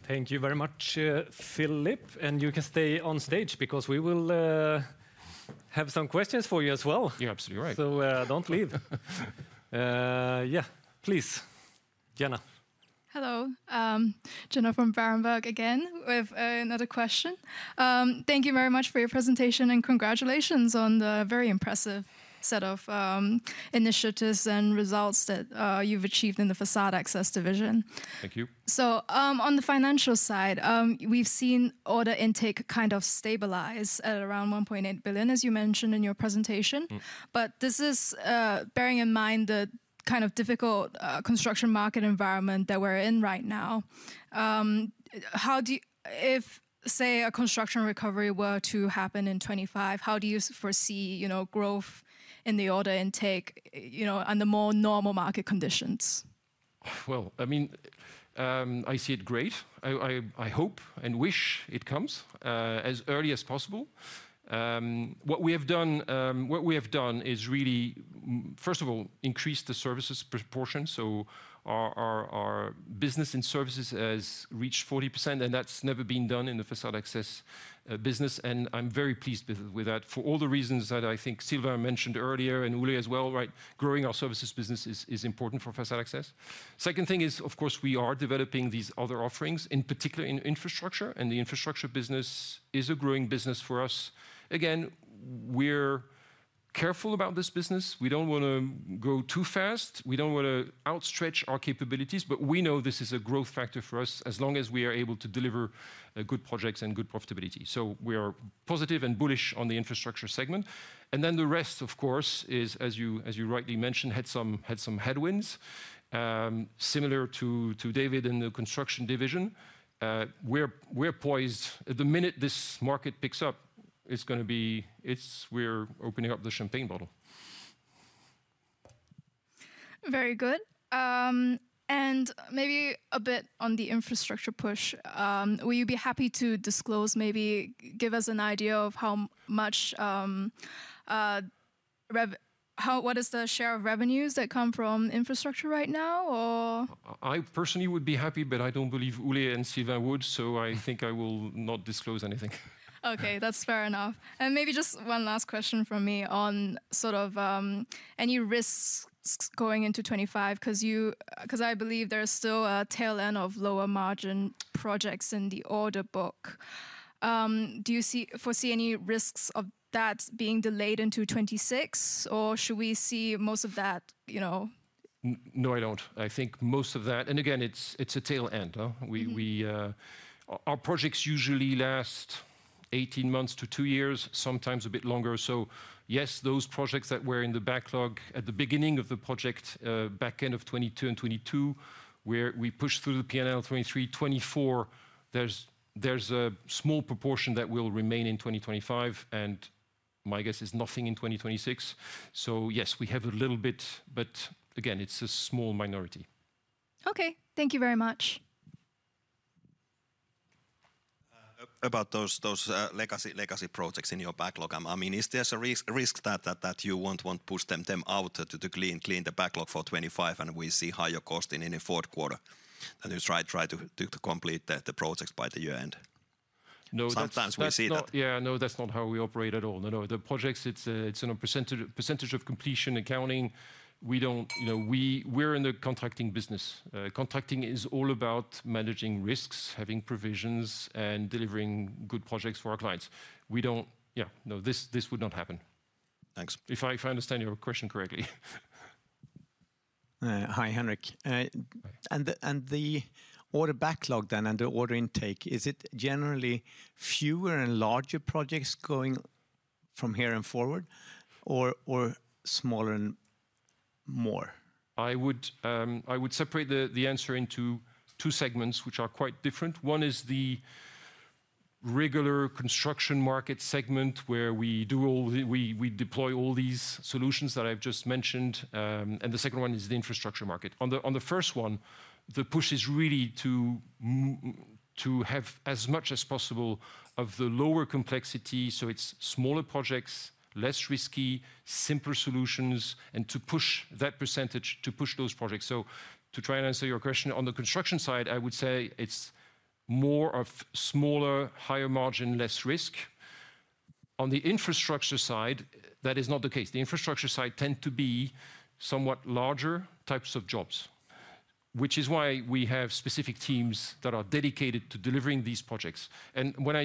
Thank you very much, Philippe. And you can stay on stage because we will have some questions for you as well. You're absolutely right. So don't leave. Yeah, please, Jenna. Hello. Jenna from Berenberg again with another question. Thank you very much for your presentation and congratulations on the very impressive set of initiatives and results that you've achieved in the Facade Access division. Thank you. So on the financial side, we've seen order intake kind of stabilize at around 1.8 billion SEK, as you mentioned in your presentation. But this is bearing in mind the kind of difficult construction market environment that we're in right now. If, say, a construction recovery were to happen in 2025, how do you foresee growth in the order intake under more normal market conditions? I mean, I see it great. I hope and wish it comes as early as possible. What we have done is really, first of all, increase the services proportion. So our business in services has reached 40%, and that's never been done in the Facade Access business. And I'm very pleased with that for all the reasons that I think Sylvain mentioned earlier and Ole as well. Growing our services business is important for Facade Access. Second thing is, of course, we are developing these other offerings, in particular in infrastructure, and the infrastructure business is a growing business for us. Again, we're careful about this business. We don't want to go too fast. We don't want to overstretch our capabilities, but we know this is a growth factor for us as long as we are able to deliver good projects and good profitability. So we are positive and bullish on the infrastructure segment. And then the rest, of course, is, as you rightly mentioned, had some headwinds. Similar to David in the construction division, we're poised at the minute this market picks up, it's going to be we're opening up the champagne bottle. Very good. And maybe a bit on the infrastructure push. Will you be happy to disclose, maybe give us an idea of what is the share of revenues that come from infrastructure right now? I personally would be happy, but I don't believe Ole and Sylvain would, so I think I will not disclose anything. Okay, that's fair enough. And maybe just one last question from me on sort of any risks going into 2025, because I believe there is still a tail end of lower margin projects in the order book. Do you foresee any risks of that being delayed into 2026, or should we see most of that? No, I don't. I think most of that, and again, it's a tail end. Our projects usually last 18 months to two years, sometimes a bit longer. So yes, those projects that were in the backlog at the beginning of the project, back end of 2022 and 2022, where we pushed through the P&L 2023, 2024, there's a small proportion that will remain in 2025, and my guess is nothing in 2026. So yes, we have a little bit, but again, it's a small minority. Okay, thank you very much. About those legacy projects in your backlog, I mean, is there a risk that you won't push them out to clean the backlog for 2025 and we see higher cost in the fourth quarter? And you try to complete the projects by the year end? No, that's not. Sometimes we see that. Yeah, no, that's not how we operate at all. No, no, the projects, it's on a percentage of completion accounting. We're in the contracting business. Contracting is all about managing risks, having provisions, and delivering good projects for our clients. Yeah, no, this would not happen. Thanks. If I understand your question correctly. Hi, Henrik. And the order backlog then and the order intake, is it generally fewer and larger projects going from here and forward, or smaller and more? I would separate the answer into two segments, which are quite different. One is the regular construction market segment, where we deploy all these solutions that I've just mentioned, and the second one is the infrastructure market. On the first one, the push is really to have as much as possible of the lower complexity, so it's smaller projects, less risky, simpler solutions, and to push that percentage, to push those projects, so to try and answer your question, on the construction side, I would say it's more of smaller, higher margin, less risk. On the infrastructure side, that is not the case. The infrastructure side tends to be somewhat larger types of jobs, which is why we have specific teams that are dedicated to delivering these projects, and when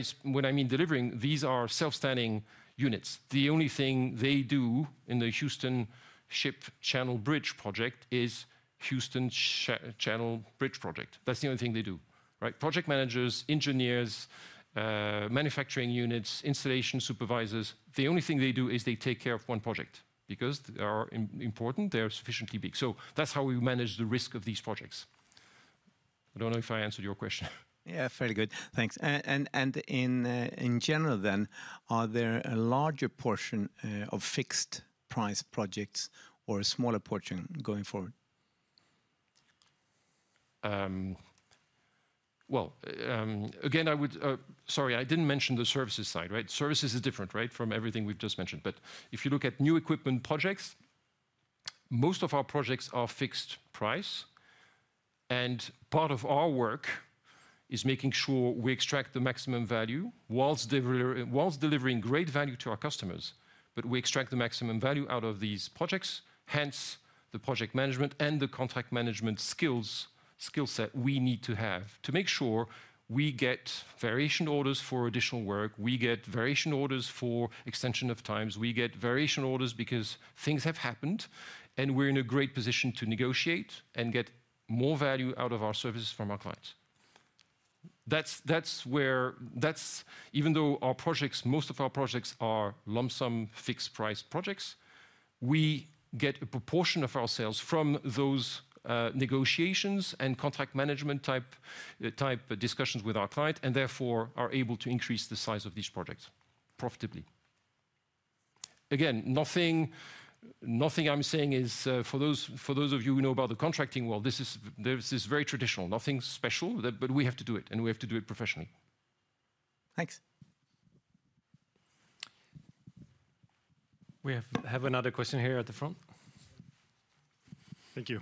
I mean delivering, these are self-standing units. The only thing they do in the Houston Ship Channel Bridge project is the Houston Ship Channel Bridge project. That's the only thing they do. Project managers, engineers, manufacturing units, installation supervisors, the only thing they do is they take care of one project because they are important, they are sufficiently big. So that's how we manage the risk of these projects. I don't know if I answered your question. Yeah, very good. Thanks. And in general then, are there a larger portion of fixed price projects or a smaller portion going forward? Again, sorry, I didn't mention the services side. Services is different from everything we've just mentioned. If you look at new equipment projects, most of our projects are fixed price. Part of our work is making sure we extract the maximum value, while delivering great value to our customers, but we extract the maximum value out of these projects. Hence, the project management and the contract management skills that we need to have to make sure we get variation orders for additional work, we get variation orders for extension of times, we get variation orders because things have happened, and we're in a great position to negotiate and get more value out of our services from our clients. Even though most of our projects are lump sum fixed price projects, we get a proportion of our sales from those negotiations and contract management type discussions with our client, and therefore are able to increase the size of these projects profitably. Again, nothing I'm saying is for those of you who know about the contracting world. This is very traditional, nothing special, but we have to do it, and we have to do it professionally. Thanks. We have another question here at the front. Thank you.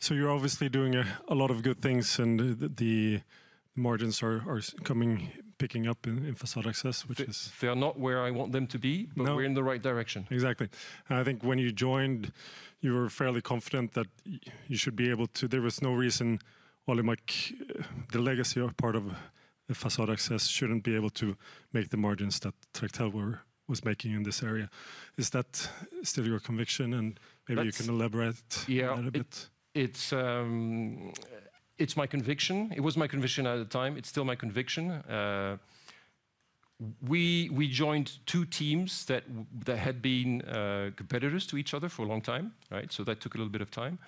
So you're obviously doing a lot of good things, and the margins are coming, picking up in Facade Access, which is. They are not where I want them to be, but we're in the right direction. Exactly. I think when you joined, you were fairly confident that you should be able to, there was no reason Alimak, the legacy part of Facade Access, shouldn't be able to make the margins that Tractel was making in this area. Is that still your conviction, and maybe you can elaborate a little bit. It's my conviction. It was my conviction at the time. It's still my conviction. We joined two teams that had been competitors to each other for a long time. So that took a little bit of time.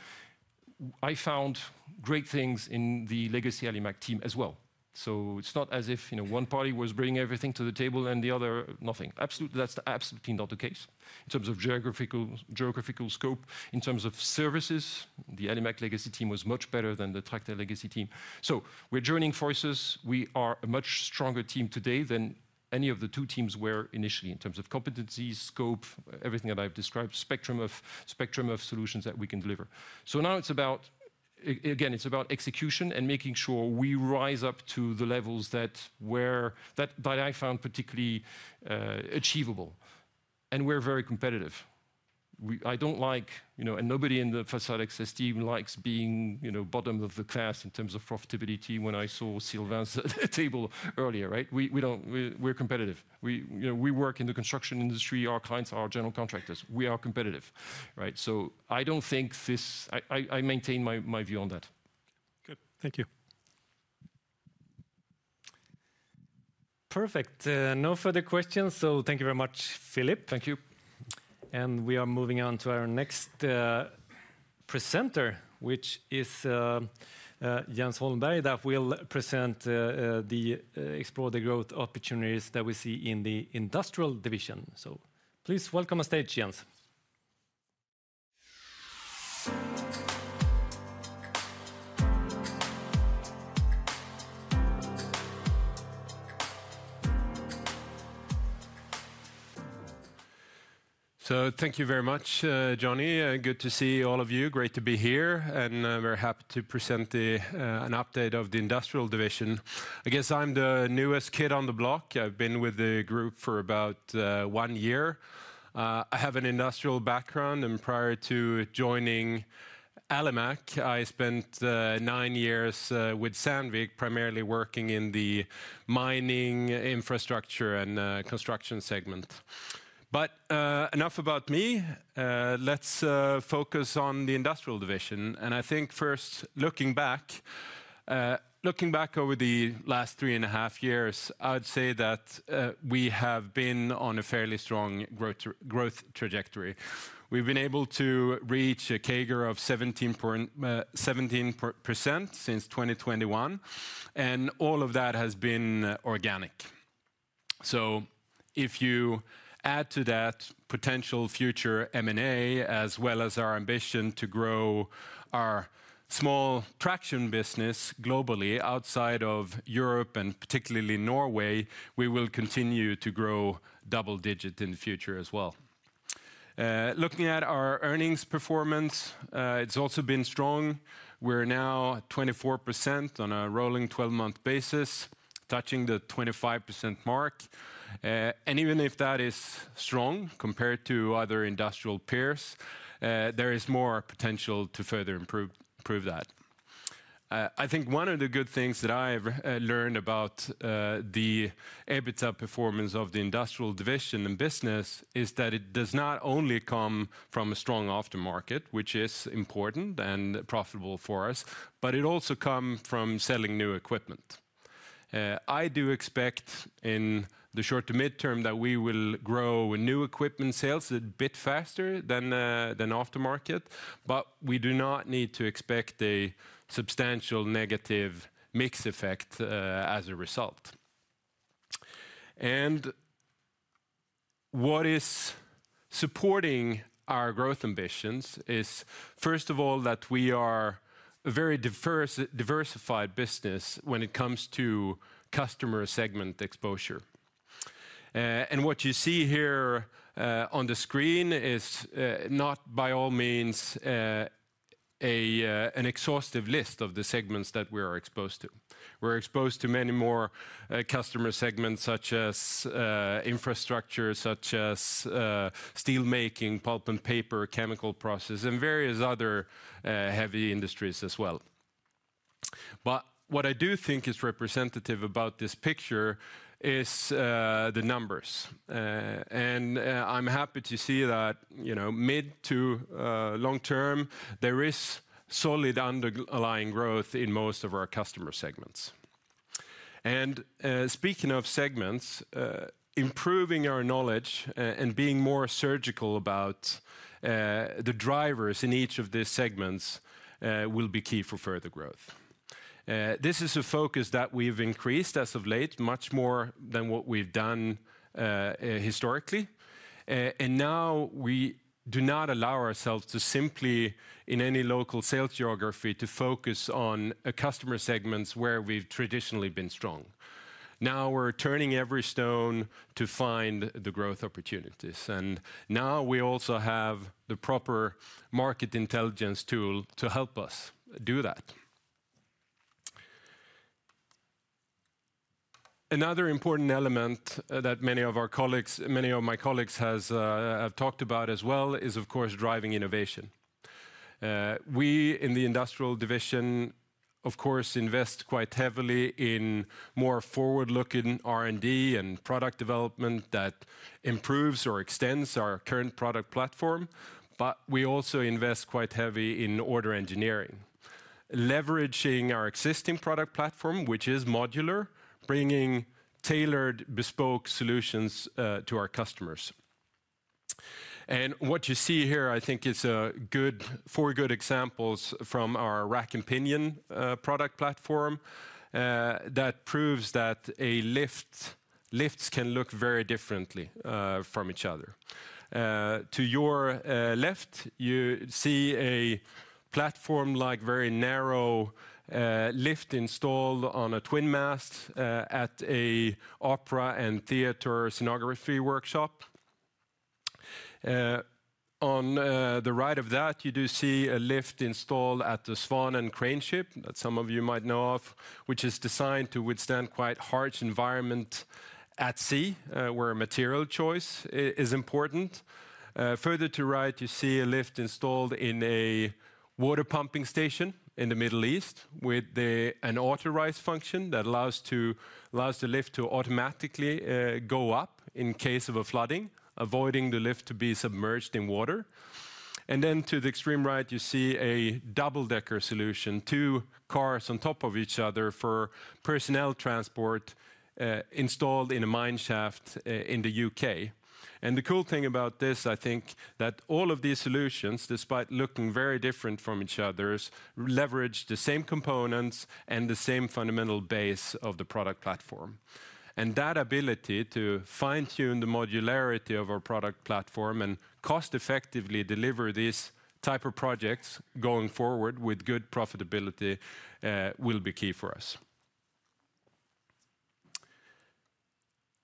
I found great things in the legacy Alimak team as well. So it's not as if one party was bringing everything to the table and the other, nothing. Absolutely, that's absolutely not the case in terms of geographical scope. In terms of services, the Alimak legacy team was much better than the Tractel legacy team. So we're joining forces. We are a much stronger team today than any of the two teams were initially in terms of competencies, scope, everything that I've described, spectrum of solutions that we can deliver. So now it's about, again, it's about execution and making sure we rise up to the levels that I found particularly achievable. We're very competitive. I don't like, and nobody in the Facade Access team likes being bottom of the class in terms of profitability when I saw Sylvain's table earlier. We're competitive. We work in the construction industry. Our clients are general contractors. We are competitive. I don't think this. I maintain my view on that. Good. Thank you. Perfect. No further questions, so thank you very much, Philippe. Thank you. We are moving on to our next presenter, which is Jens Holmberg, that will present and explore the growth opportunities that we see in the industrial division. Please welcome on stage, Jens. Thank you very much, Johnny. Good to see all of you. Great to be here. We're happy to present an update of the Industrial division. I guess I'm the newest kid on the block. I've been with the group for about one year. I have an industrial background. Prior to joining Alimak, I spent nine years with Sandvik, primarily working in the mining infrastructure and construction segment. Enough about me. Let's focus on the industrial division. I think first, looking back over the last three and a half years, I would say that we have been on a fairly strong growth trajectory. We've been able to reach a CAGR of 17% since 2021. All of that has been organic. So if you add to that potential future M&A, as well as our ambition to grow our small traction business globally outside of Europe and particularly Norway, we will continue to grow double-digit in the future as well. Looking at our earnings performance, it's also been strong. We're now 24% on a rolling 12-month basis, touching the 25% mark. And even if that is strong compared to other industrial peers, there is more potential to further improve that. I think one of the good things that I've learned about the EBITDA performance of the industrial division and business is that it does not only come from a strong aftermarket, which is important and profitable for us, but it also comes from selling new equipment. I do expect in the short to mid-term that we will grow new equipment sales a bit faster than aftermarket, but we do not need to expect a substantial negative mix effect as a result. And what is supporting our growth ambitions is, first of all, that we are a very diversified business when it comes to customer segment exposure. And what you see here on the screen is not by all means an exhaustive list of the segments that we are exposed to. We're exposed to many more customer segments, such as infrastructure, such as steelmaking, pulp and paper, chemical processes, and various other heavy industries as well. But what I do think is representative about this picture is the numbers. And I'm happy to see that mid to long term, there is solid underlying growth in most of our customer segments. Speaking of segments, improving our knowledge and being more surgical about the drivers in each of these segments will be key for further growth. This is a focus that we've increased as of late, much more than what we've done historically. Now we do not allow ourselves to simply, in any local sales geography, to focus on customer segments where we've traditionally been strong. Now we're turning every stone to find the growth opportunities. Now we also have the proper market intelligence tool to help us do that. Another important element that many of my colleagues have talked about as well is, of course, driving innovation. We, in the industrial division, of course, invest quite heavily in more forward-looking R&D and product development that improves or extends our current product platform. But we also invest quite heavy in order engineering, leveraging our existing product platform, which is modular, bringing tailored, bespoke solutions to our customers. What you see here, I think, is four good examples from our rack and pinion product platform that proves that lifts can look very differently from each other. To your left, you see a platform-like very narrow lift installed on a twin mast at an opera and theater scenography workshop. On the right of that, you do see a lift installed at the Svanen crane ship that some of you might know of, which is designed to withstand quite harsh environments at sea, where material choice is important. Further to the right, you see a lift installed in a water pumping station in the Middle East with an auto-rise function that allows the lift to automatically go up in case of a flooding, avoiding the lift to be submerged in water, and then to the extreme right, you see a double-decker solution, two cars on top of each other for personnel transport installed in a mine shaft in the U.K., and the cool thing about this, I think, is that all of these solutions, despite looking very different from each other, leverage the same components and the same fundamental base of the product platform. And that ability to fine-tune the modularity of our product platform and cost-effectively deliver these types of projects going forward with good profitability will be key for us.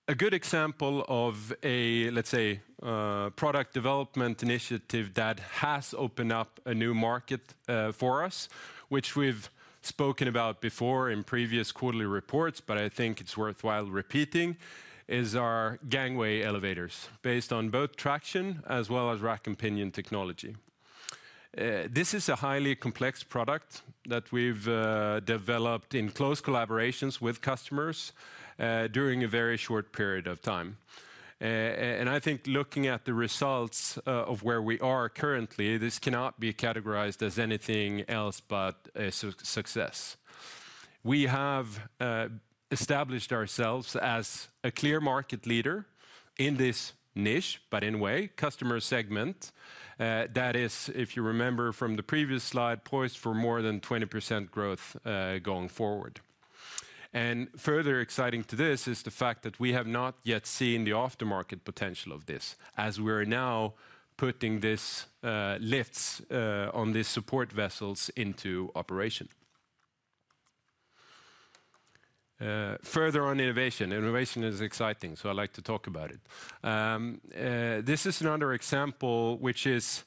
A good example of a, let's say, product development initiative that has opened up a new market for us, which we've spoken about before in previous quarterly reports, but I think it's worthwhile repeating, is our gangway elevators based on both traction as well as rack and pinion technology. This is a highly complex product that we've developed in close collaborations with customers during a very short period of time, and I think looking at the results of where we are currently, this cannot be categorized as anything else but a success. We have established ourselves as a clear market leader in this niche, but in a way, customer segment that is, if you remember from the previous slide, poised for more than 20% growth going forward. Further exciting to this is the fact that we have not yet seen the aftermarket potential of this as we're now putting these lifts on these support vessels into operation. Further on innovation. Innovation is exciting, so I'd like to talk about it. This is another example, which is,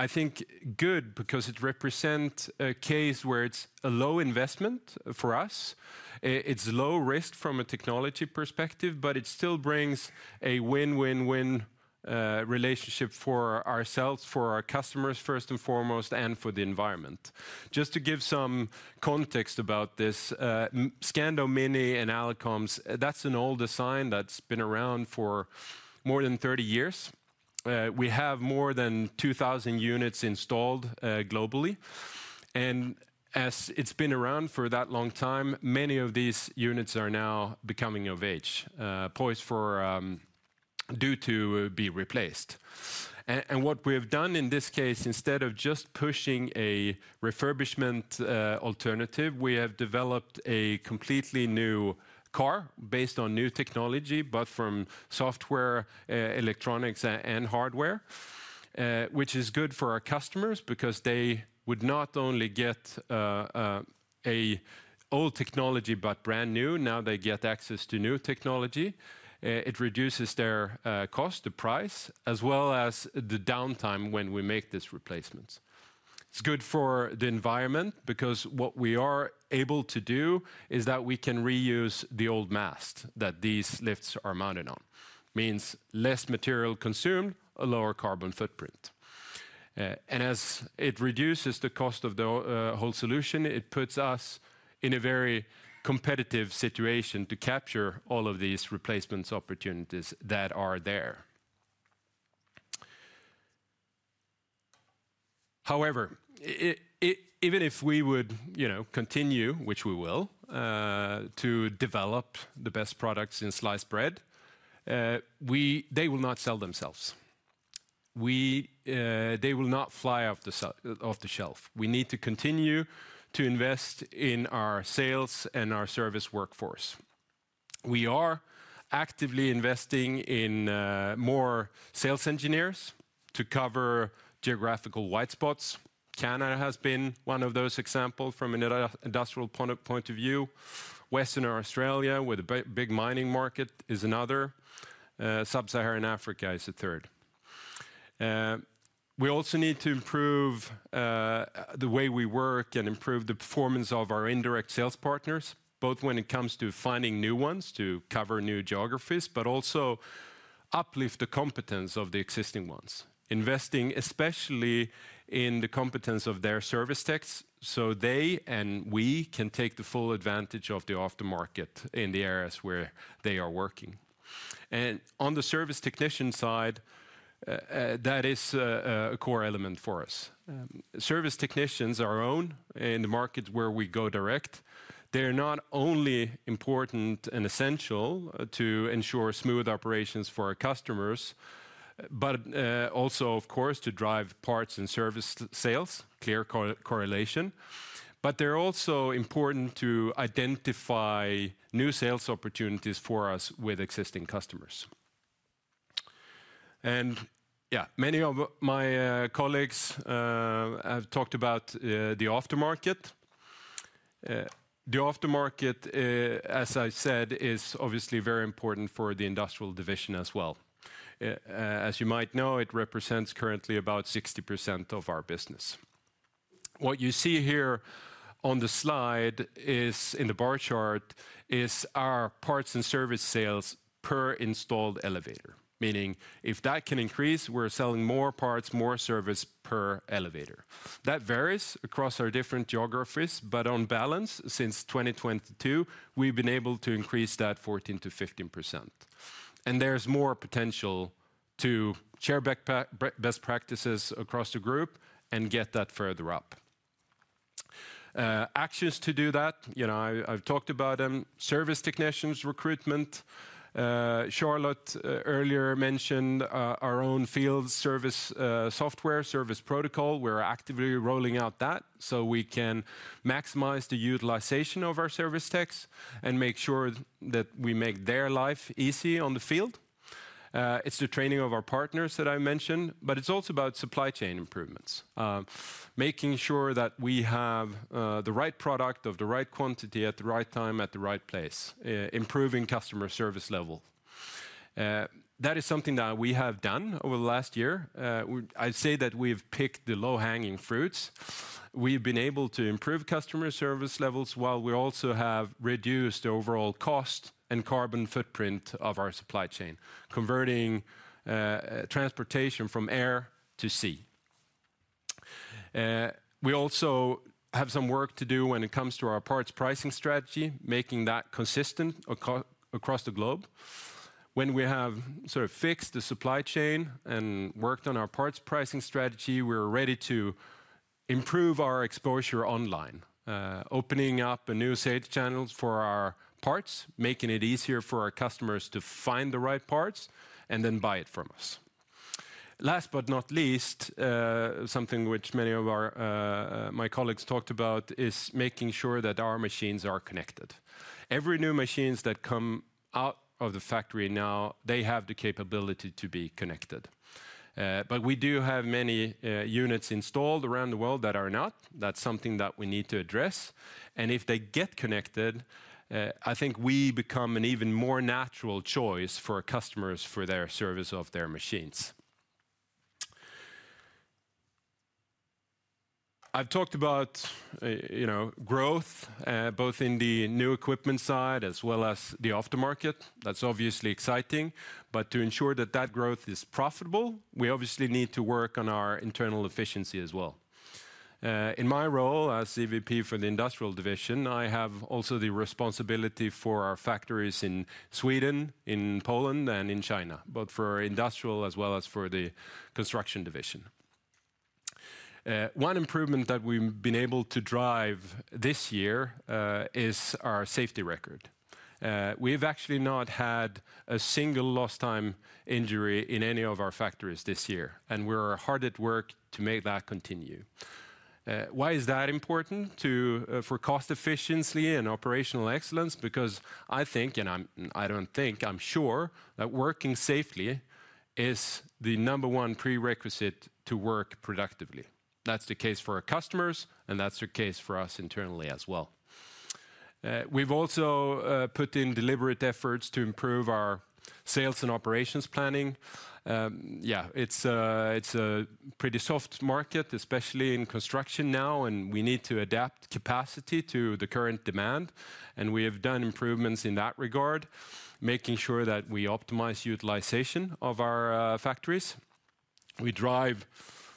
I think, good because it represents a case where it's a low investment for us. It's low risk from a technology perspective, but it still brings a win-win-win relationship for ourselves, for our customers first and foremost, and for the environment. Just to give some context about this, Scando Mini and Alicoms, that's an old design that's been around for more than 30 years. We have more than 2,000 units installed globally. And as it's been around for that long time, many of these units are now becoming of age, poised to be replaced. And what we have done in this case, instead of just pushing a refurbishment alternative, we have developed a completely new car based on new technology, but from software, electronics, and hardware, which is good for our customers because they would not only get an old technology, but brand new. Now they get access to new technology. It reduces their cost, the price, as well as the downtime when we make these replacements. It's good for the environment because what we are able to do is that we can reuse the old mast that these lifts are mounted on. It means less material consumed, a lower carbon footprint. And as it reduces the cost of the whole solution, it puts us in a very competitive situation to capture all of these replacement opportunities that are there. However, even if we would continue, which we will, to develop the best products in sliced bread, they will not sell themselves. They will not fly off the shelf. We need to continue to invest in our sales and our service workforce. We are actively investing in more sales engineers to cover geographical white spots. Canada has been one of those examples from an industrial point of view. Western Australia, with a big mining market, is another. Sub-Saharan Africa is a third. We also need to improve the way we work and improve the performance of our indirect sales partners, both when it comes to finding new ones to cover new geographies, but also uplift the competence of the existing ones, investing especially in the competence of their service techs so they and we can take the full advantage of the aftermarket in the areas where they are working. On the service technician side, that is a core element for us. Service technicians are owned in the market where we go direct. They're not only important and essential to ensure smooth operations for our customers, but also, of course, to drive parts and service sales, clear correlation. But they're also important to identify new sales opportunities for us with existing customers. Yeah, many of my colleagues have talked about the aftermarket. The aftermarket, as I said, is obviously very important for the industrial division as well. As you might know, it represents currently about 60% of our business. What you see here on the slide in the bar chart is our parts and service sales per installed elevator, meaning if that can increase, we're selling more parts, more service per elevator. That varies across our different geographies, but on balance, since 2022, we've been able to increase that 14%-15%. There's more potential to share best practices across the group and get that further up. Actions to do that, I've talked about them: service technicians recruitment. Charlotte earlier mentioned our own field service software, service protocol. We're actively rolling out that so we can maximize the utilization of our service techs and make sure that we make their life easy on the field. It's the training of our partners that I mentioned, but it's also about supply chain improvements, making sure that we have the right product of the right quantity at the right time at the right place, improving customer service level. That is something that we have done over the last year. I'd say that we've picked the low-hanging fruits. We've been able to improve customer service levels while we also have reduced the overall cost and carbon footprint of our supply chain, converting transportation from air to sea. We also have some work to do when it comes to our parts pricing strategy, making that consistent across the globe. When we have sort of fixed the supply chain and worked on our parts pricing strategy, we're ready to improve our exposure online, opening up new sales channels for our parts, making it easier for our customers to find the right parts and then buy it from us. Last but not least, something which many of my colleagues talked about is making sure that our machines are connected. Every new machine that comes out of the factory now, they have the capability to be connected. But we do have many units installed around the world that are not. That's something that we need to address, and if they get connected, I think we become an even more natural choice for customers for their service of their machines. I've talked about growth, both in the new equipment side as well as the aftermarket. That's obviously exciting, but to ensure that that growth is profitable, we obviously need to work on our internal efficiency as well. In my role as EVP for the industrial division, I have also the responsibility for our factories in Sweden, in Poland, and in China, both for industrial as well as for the construction division. One improvement that we've been able to drive this year is our safety record. We've actually not had a single lost-time injury in any of our factories this year, and we're hard at work to make that continue. Why is that important for cost efficiency and operational excellence? Because I think, and I don't think, I'm sure that working safely is the number one prerequisite to work productively. That's the case for our customers, and that's the case for us internally as well. We've also put in deliberate efforts to improve our sales and operations planning. Yeah, it's a pretty soft market, especially in construction now, and we need to adapt capacity to the current demand. And we have done improvements in that regard, making sure that we optimize utilization of our factories. We drive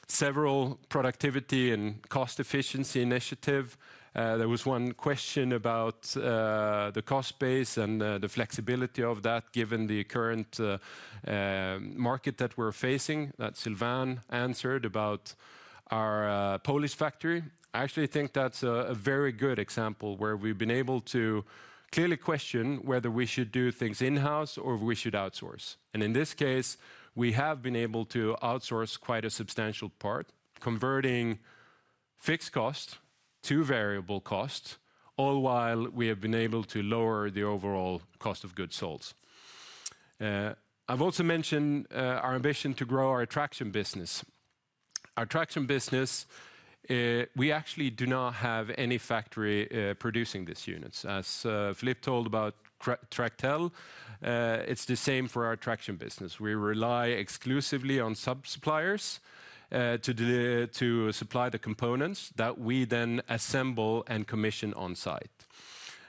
several productivity and cost efficiency initiatives. There was one question about the cost base and the flexibility of that, given the current market that we're facing, that Sylvain answered about our Polish factory. I actually think that's a very good example where we've been able to clearly question whether we should do things in-house or we should outsource. In this case, we have been able to outsource quite a substantial part, converting fixed costs to variable costs, all while we have been able to lower the overall cost of goods sold. I've also mentioned our ambition to grow our traction business. Our traction business, we actually do not have any factory producing these units. As Philippe told about Tractel, it's the same for our traction business. We rely exclusively on sub-suppliers to supply the components that we then assemble and commission on-site.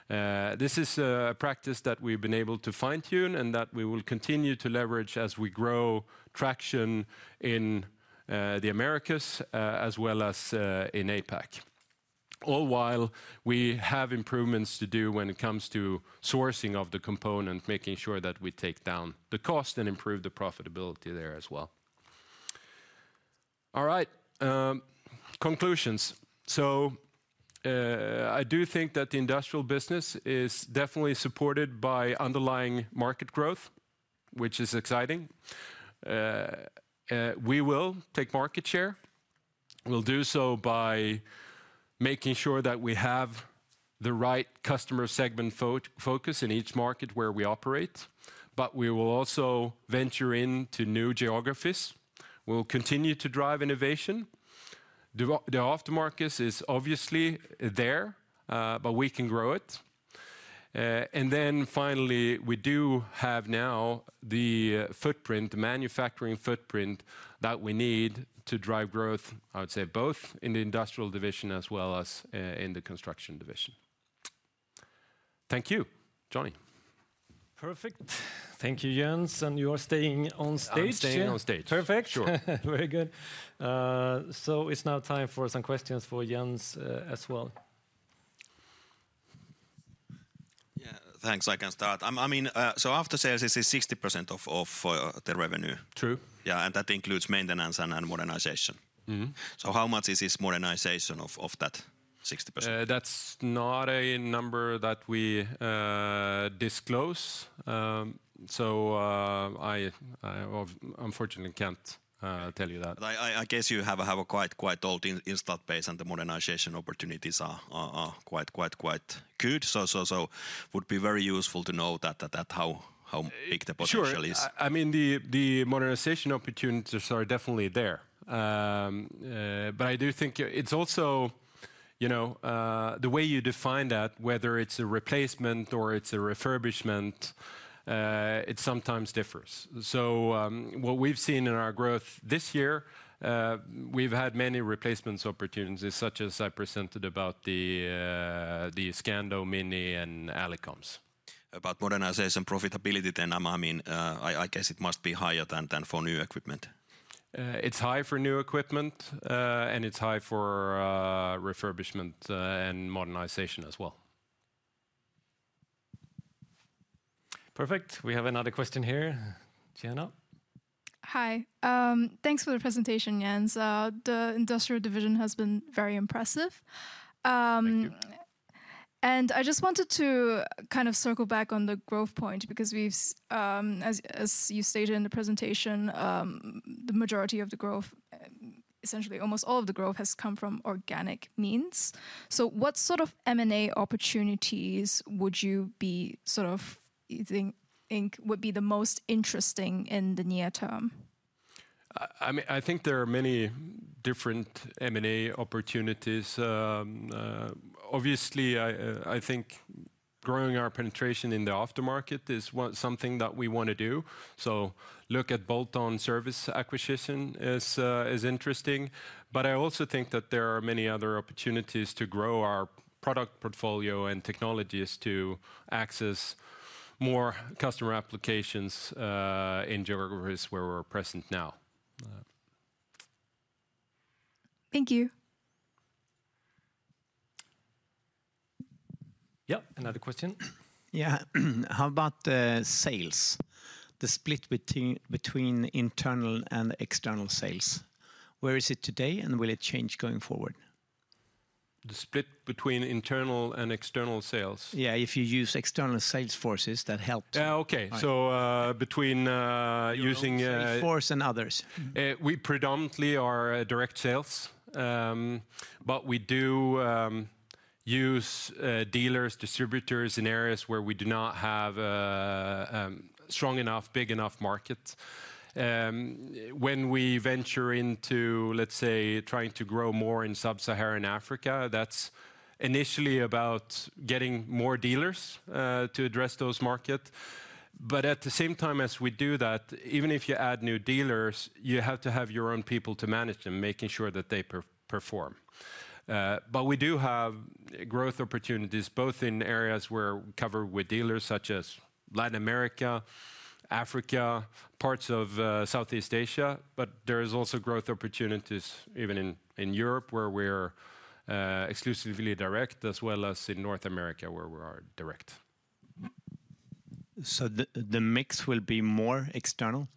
This is a practice that we've been able to fine-tune and that we will continue to leverage as we grow traction in the Americas as well as in APAC, all while we have improvements to do when it comes to sourcing of the component, making sure that we take down the cost and improve the profitability there as well. All right, conclusions. So I do think that the industrial business is definitely supported by underlying market growth, which is exciting. We will take market share. We'll do so by making sure that we have the right customer segment focus in each market where we operate, but we will also venture into new geographies. We'll continue to drive innovation. The aftermarket is obviously there, but we can grow it. And then finally, we do have now the footprint, the manufacturing footprint that we need to drive growth, I would say, both in the industrial division as well as in the construction division. Thank you, Johnny. Perfect. Thank you, Jens. And you are staying on stage. I'm staying on stage. Perfect. Sure. Very good. So it's now time for some questions for Jens as well. Yeah, thanks. I can start. I mean, so after sales, this is 60% of the revenue. True. Yeah, and that includes maintenance and modernization. So how much is this modernization of that 60%? That's not a number that we disclose. So I unfortunately can't tell you that. I guess you have a quite old installed base and the modernization opportunities are quite good. So it would be very useful to know how big the potential is? Sure. I mean, the modernization opportunities are definitely there. It is also the way you define that, whether it is a replacement or it is a refurbishment. It sometimes differs. What we have seen in our growth this year, we have had many replacement opportunities, such as I presented about the Scando Mini and Alicoms. About modernization profitability then, I mean, I guess it must be higher than for new equipment. It's high for new equipment, and it's high for refurbishment and modernization as well. Perfect. We have another question here. Jenna. Hi. Thanks for the presentation, Jens. The industrial division has been very impressive, and I just wanted to kind of circle back on the growth point because as you stated in the presentation, the majority of the growth, essentially almost all of the growth, has come from organic means, so what sort of M&A opportunities would you be sort of think would be the most interesting in the near term? I think there are many different M&A opportunities. Obviously, I think growing our penetration in the aftermarket is something that we want to do. So, look at bolt-on service acquisition is interesting. But I also think that there are many other opportunities to grow our product portfolio and technologies to access more customer applications in geographies where we're present now. Thank you. Yep, another question. Yeah, how about sales? The split between internal and external sales. Where is it today and will it change going forward? The split between internal and external sales? Yeah, if you use external sales forces, that helps. Yeah, okay. So between using. Sales force and others. We predominantly are direct sales, but we do use dealers, distributors in areas where we do not have strong enough, big enough markets. When we venture into, let's say, trying to grow more in Sub-Saharan Africa, that's initially about getting more dealers to address those markets. But at the same time as we do that, even if you add new dealers, you have to have your own people to manage them, making sure that they perform. But we do have growth opportunities both in areas where we cover with dealers such as Latin America, Africa, parts of Southeast Asia. But there is also growth opportunities even in Europe where we're exclusively direct, as well as in North America where we are direct. So the mix will be more external?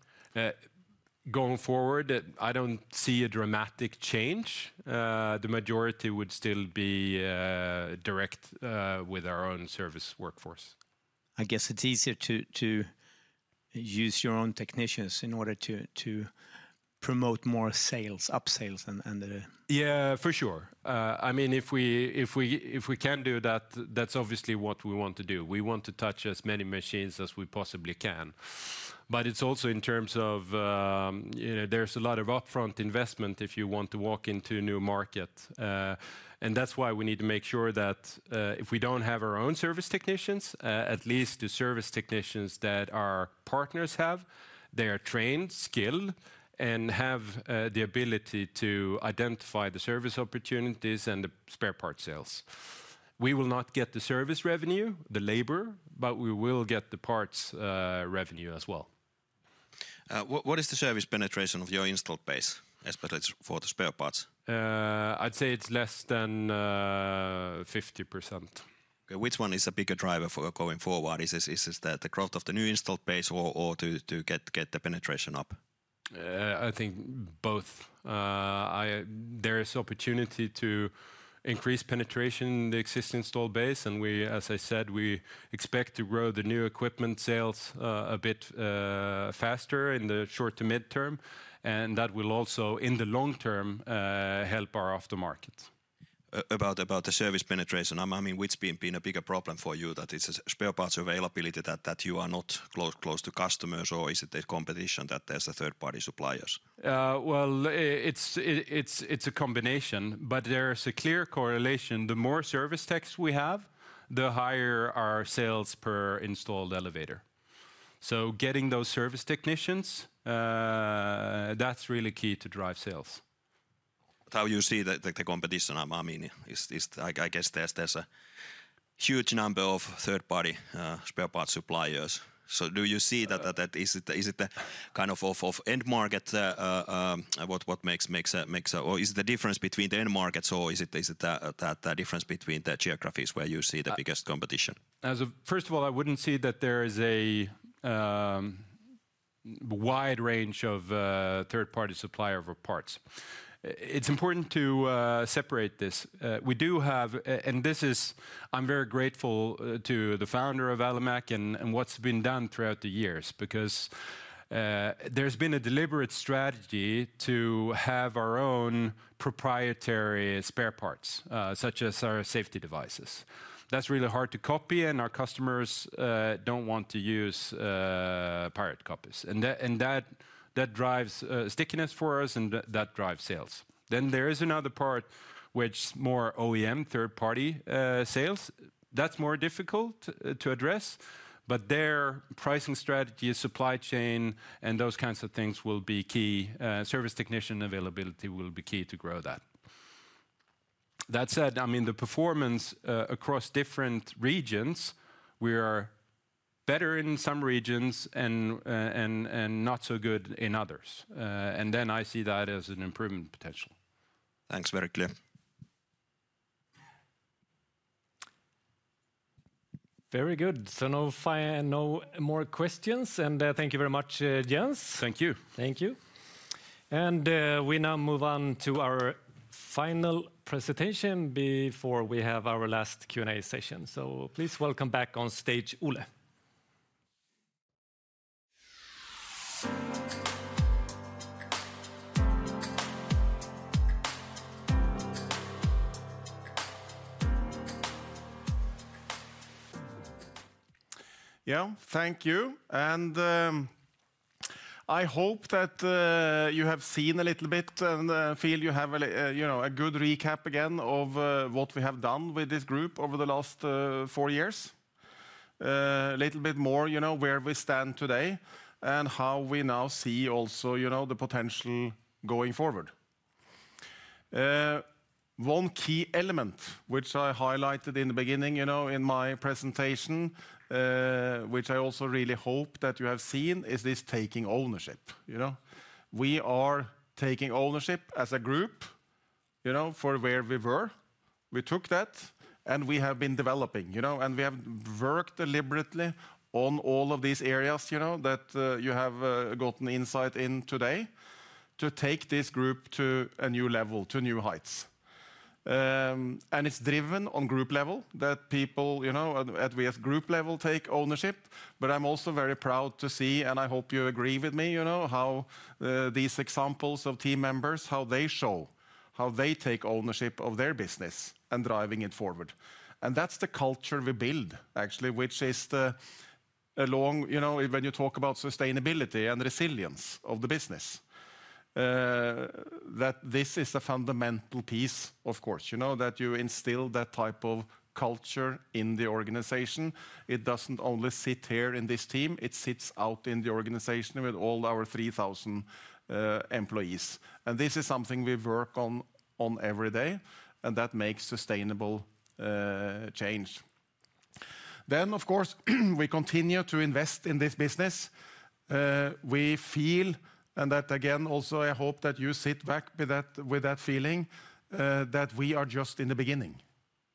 Going forward, I don't see a dramatic change. The majority would still be direct with our own service workforce. I guess it's easier to use your own technicians in order to promote more sales, upsales and the. Yeah, for sure. I mean, if we can do that, that's obviously what we want to do. We want to touch as many machines as we possibly can. But it's also in terms of there's a lot of upfront investment if you want to walk into a new market. And that's why we need to make sure that if we don't have our own service technicians, at least the service technicians that our partners have, they are trained, skilled, and have the ability to identify the service opportunities and the spare part sales. We will not get the service revenue, the labor, but we will get the parts revenue as well. What is the service penetration of your installed base, especially for the spare parts? I'd say it's less than 50%. Okay, which one is a bigger driver for going forward? Is it the growth of the new installed base or to get the penetration up? I think both. There is opportunity to increase penetration in the existing installed base. And we, as I said, we expect to grow the new equipment sales a bit faster in the short to mid-term. And that will also, in the long term, help our aftermarket. About the service penetration, I mean, which has been a bigger problem for you, that is spare parts availability that you are not close to customers, or is it that competition that there's a third-party suppliers? It's a combination, but there is a clear correlation. The more service techs we have, the higher our sales per installed elevator. Getting those service technicians, that's really key to drive sales. How do you see the competition? I mean, I guess there's a huge number of third-party spare parts suppliers. So do you see that? Is it the kind of end market what makes, or is it the difference between the end markets, or is it the difference between the geographies where you see the biggest competition? First of all, I wouldn't see that there is a wide range of third-party suppliers for parts. It's important to separate this. We do have, and this is, I'm very grateful to the founder of Alimak and what's been done throughout the years because there's been a deliberate strategy to have our own proprietary spare parts, such as our safety devices. That's really hard to copy, and our customers don't want to use pirate copies. That drives stickiness for us, and that drives sales. Then there is another part which is more OEM, third-party sales. That's more difficult to address, but their pricing strategy, supply chain, and those kinds of things will be key. Service technician availability will be key to grow that. That said, I mean, the performance across different regions. We are better in some regions and not so good in others. I see that as an improvement potential. Thanks, very clear. Very good. So no more questions. And thank you very much, Jens. Thank you. Thank you. And we now move on to our final presentation before we have our last Q&A session. So please welcome back on stage Ole. Yeah, thank you. And I hope that you have seen a little bit and feel you have a good recap again of what we have done with this group over the last four years. A little bit more where we stand today and how we now see also the potential going forward. One key element, which I highlighted in the beginning in my presentation, which I also really hope that you have seen, is this taking ownership. We are taking ownership as a group for where we were. We took that, and we have been developing. And we have worked deliberately on all of these areas that you have gotten insight in today to take this group to a new level, to New Heights. And it's driven on group level that people at group level take ownership. But I'm also very proud to see, and I hope you agree with me, how these examples of team members, how they show, how they take ownership of their business and driving it forward. And that's the culture we build, actually, which is along when you talk about sustainability and resilience of the business, that this is a fundamental piece, of course, that you instill that type of culture in the organization. It doesn't only sit here in this team. It sits out in the organization with all our 3,000 employees. And this is something we work on every day, and that makes sustainable change. Then, of course, we continue to invest in this business. We feel, and that again, also I hope that you sit back with that feeling, that we are just in the beginning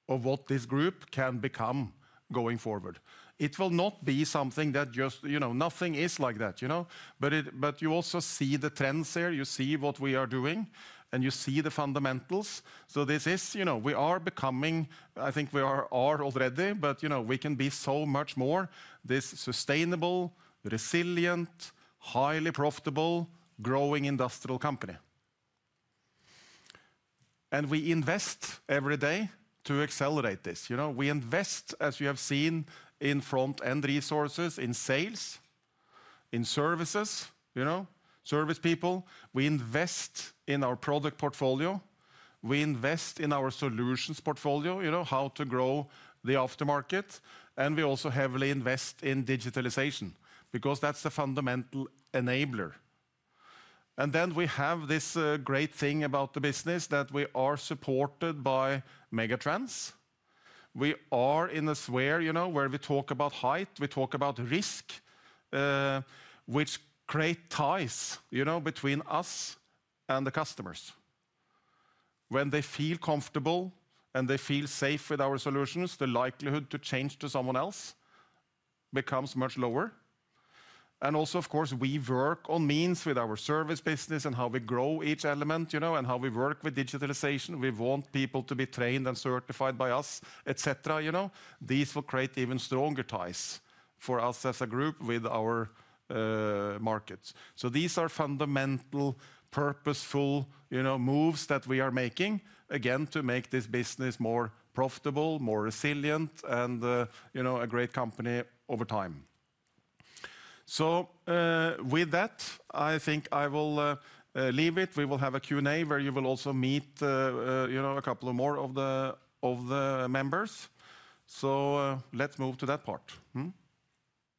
of what this group can become going forward. It will not be something that just nothing is like that, but you also see the trends here. You see what we are doing, and you see the fundamentals, so this is we are becoming. I think we are already, but we can be so much more, this sustainable, resilient, highly profitable, growing industrial company, and we invest every day to accelerate this. We invest, as you have seen, in front-end resources, in sales, in services, service people. We invest in our product portfolio. We invest in our solutions portfolio, how to grow the aftermarket, and we also heavily invest in digitalization because that's the fundamental enabler. And then we have this great thing about the business that we are supported by Megatrends. We are in a sphere where we talk about height. We talk about risk, which creates ties between us and the customers. When they feel comfortable and they feel safe with our solutions, the likelihood to change to someone else becomes much lower. And also, of course, we work on means with our service business and how we grow each element and how we work with digitalization. We want people to be trained and certified by us, etc. These will create even stronger ties for us as a group with our market. So these are fundamental, purposeful moves that we are making, again, to make this business more profitable, more resilient, and a great company over time. So with that, I think I will leave it. We will have a Q&A where you will also meet a couple more of the members, so let's move to that part.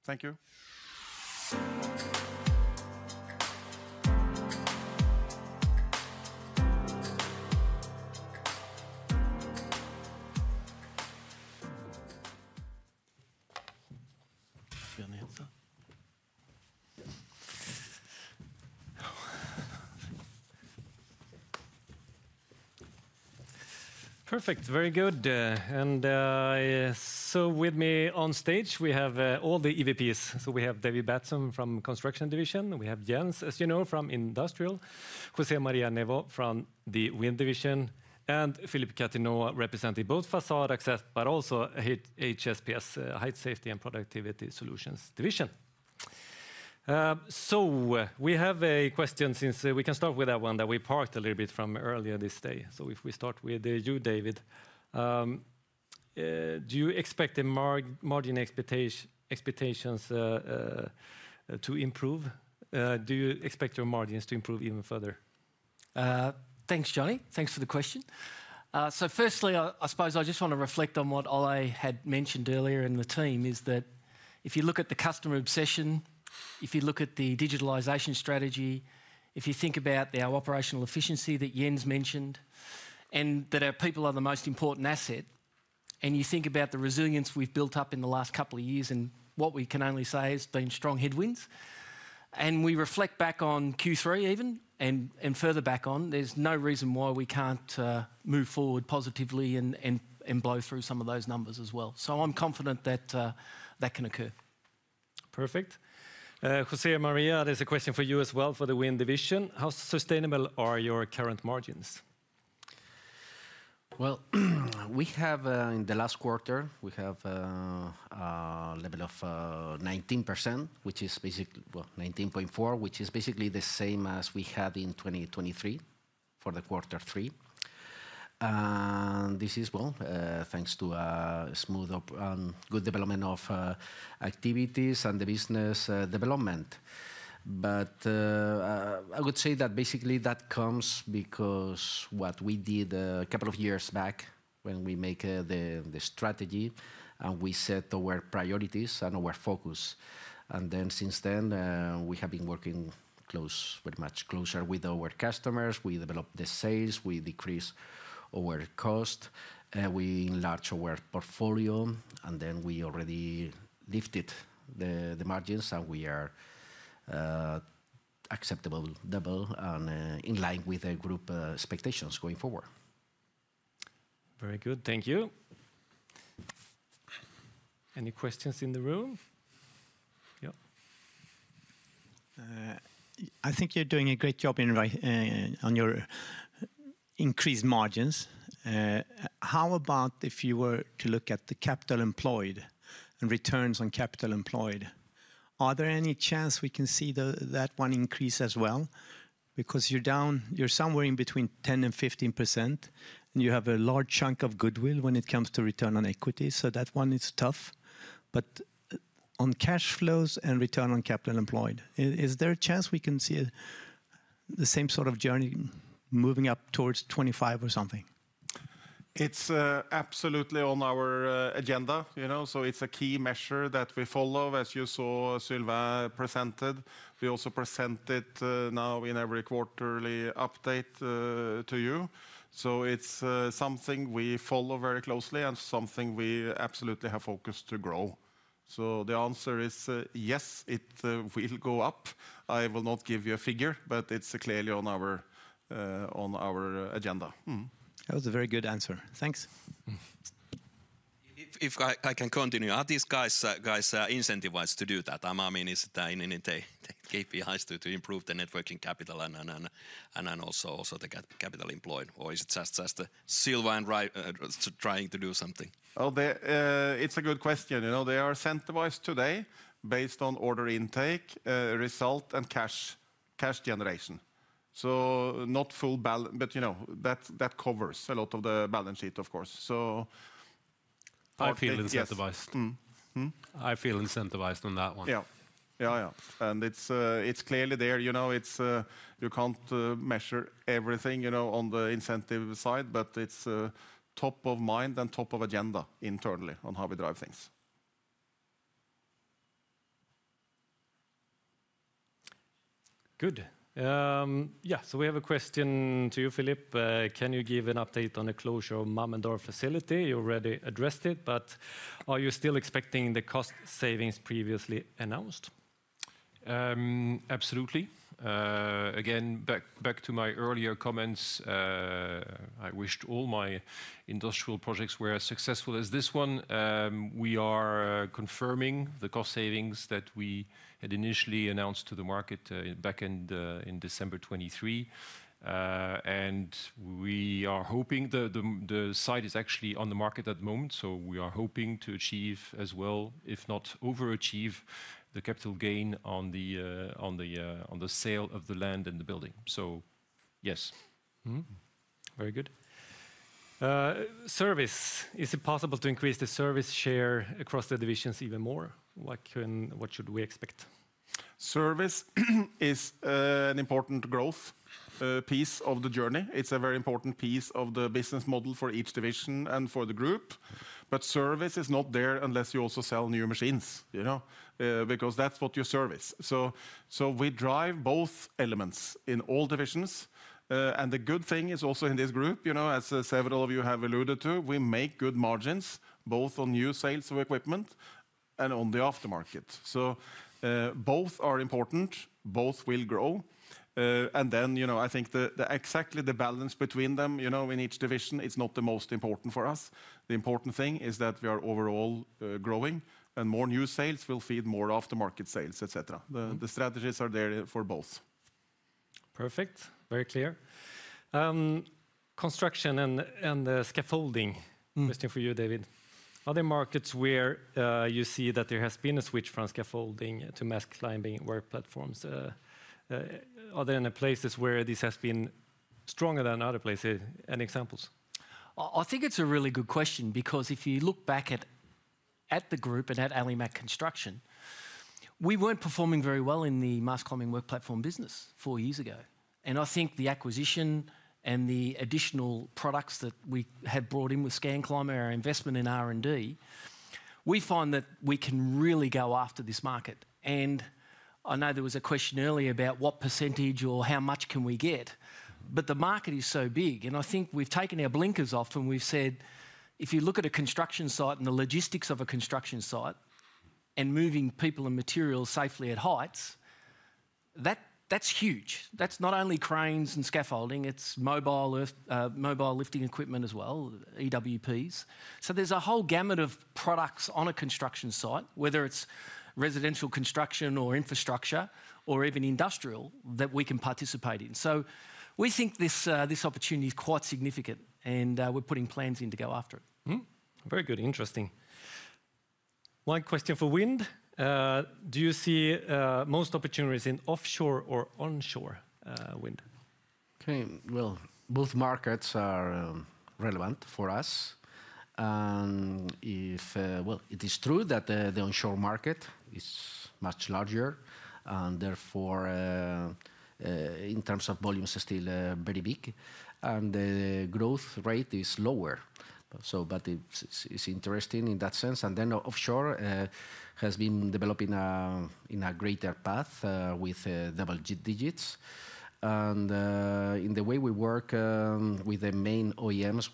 Thank you. Perfect. Very good, and so with me on stage, we have all the EVPs. So we have David Batson from Construction Division. We have Jens, as you know, from Industrial. José María Nevot from the Wind Division. And Philippe Gastineau representing both Facade Access, but also HSPS, Height Safety and Productivity Solutions Division. So we have a question. Since we can start with that one that we parked a little bit from earlier this day, so if we start with you, David, do you expect the margin expectations to improve? Do you expect your margins to improve even further? Thanks, Johnny. Thanks for the question. So firstly, I suppose I just want to reflect on what Ole had mentioned earlier in the team. Is that if you look at the customer obsession, if you look at the digitalization strategy, if you think about our operational efficiency that Jens mentioned, and that our people are the most important asset, and you think about the resilience we've built up in the last couple of years, and what we can only say has been strong headwinds. And we reflect back on Q3 even, and further back on. There's no reason why we can't move forward positively and blow through some of those numbers as well. So I'm confident that that can occur. Perfect. José María, there's a question for you as well for the Wind Division. How sustainable are your current margins? In the last quarter, we have a level of 19%, which is basically 19.4%, which is basically the same as we had in 2023 for quarter three. This is, well, thanks to a smooth, good development of activities and the business development. But I would say that basically that comes because what we did a couple of years back when we made the strategy, and we set our priorities and our focus. Then since then, we have been working very much closer with our customers. We developed the sales. We decreased our cost. We enlarged our portfolio. Then we already lifted the margins, and we are acceptable level and in line with the group expectations going forward. Very good. Thank you. Any questions in the room? Yeah. I think you're doing a great job on your increased margins. How about if you were to look at the capital employed and returns on capital employed? Are there any chance we can see that one increase as well? Because you're down, you're somewhere in between 10% and 15%, and you have a large chunk of goodwill when it comes to return on equity. So that one is tough. But on cash flows and return on capital employed, is there a chance we can see the same sort of journey moving up towards 25% or something? It's absolutely on our agenda. So it's a key measure that we follow, as you saw Sylvain presented. We also present it now in every quarterly update to you. So it's something we follow very closely and something we absolutely have focused to grow. So the answer is yes, it will go up. I will not give you a figure, but it's clearly on our agenda. That was a very good answer. Thanks. If I can continue, are these guys incentivized to do that? I mean, is it KPIs to improve the working capital and also the capital employed? Or is it just Sylvain trying to do something? It's a good question. They are incentivized today based on order intake, result, and cash generation. So not full balance, but that covers a lot of the balance sheet, of course. I feel incentivized. I feel incentivized on that one. And it's clearly there. You can't measure everything on the incentive side, but it's top of mind and top of agenda internally on how we drive things. So we have a question to you, Philippe. Can you give an update on the closure of Mammendorf facility? You already addressed it, but are you still expecting the cost savings previously announced? Absolutely. Again, back to my earlier comments, I wished all my industrial projects were as successful as this one. We are confirming the cost savings that we had initially announced to the market back in December 2023. And we are hoping the site is actually on the market at the moment. So we are hoping to achieve as well, if not overachieve, the capital gain on the sale of the land and the building. So yes. Very good. Service. Is it possible to increase the service share across the divisions even more? What should we expect? Service is an important growth piece of the journey. It's a very important piece of the business model for each division and for the group. But service is not there unless you also sell new machines because that's what you service. So we drive both elements in all divisions. And the good thing is also in this group, as several of you have alluded to, we make good margins both on new sales of equipment and on the aftermarket. So both are important. Both will grow. And then I think exactly the balance between them in each division, it's not the most important for us. The important thing is that we are overall growing, and more new sales will feed more aftermarket sales, etc. The strategies are there for both. Perfect. Very clear. Construction and scaffolding, question for you, David. Are there markets where you see that there has been a switch from scaffolding to mast climbing work platforms? Are there any places where this has been stronger than other places? Any examples? I think it's a really good question because if you look back at the group and at Alimak Construction, we weren't performing very well in the mast climbing work platform business four years ago, and I think the acquisition and the additional products that we had brought in with Scanclimber, our investment in R&D, we find that we can really go after this market, and I know there was a question earlier about what percentage or how much can we get, but the market is so big, and I think we've taken our blinkers off and we've said, if you look at a construction site and the logistics of a construction site and moving people and materials safely at heights, that's huge. That's not only cranes and scaffolding. It's mobile lifting equipment as well, EWPs. So there's a whole gamut of products on a construction site, whether it's residential construction or infrastructure or even industrial that we can participate in. So we think this opportunity is quite significant, and we're putting plans in to go after it. Very good. Interesting. One question for Wind. Do you see most opportunities in offshore or onshore Wind? Both markets are relevant for us. It is true that the onshore market is much larger, and therefore, in terms of volumes, it's still very big. The growth rate is lower. But it's interesting in that sense. Offshore has been developing in a greater path with double digits. In the way we work with the main OEMs,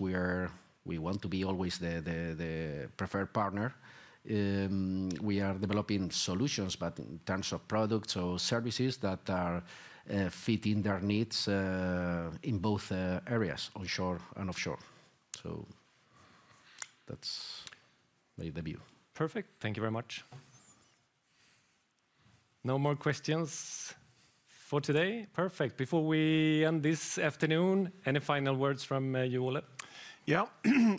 we want to be always the preferred partner. We are developing solutions, but in terms of products or services that are fitting their needs in both areas, onshore and offshore. That's the view. Perfect. Thank you very much. No more questions for today. Perfect. Before we end this afternoon, any final words from you, Ole? Yeah.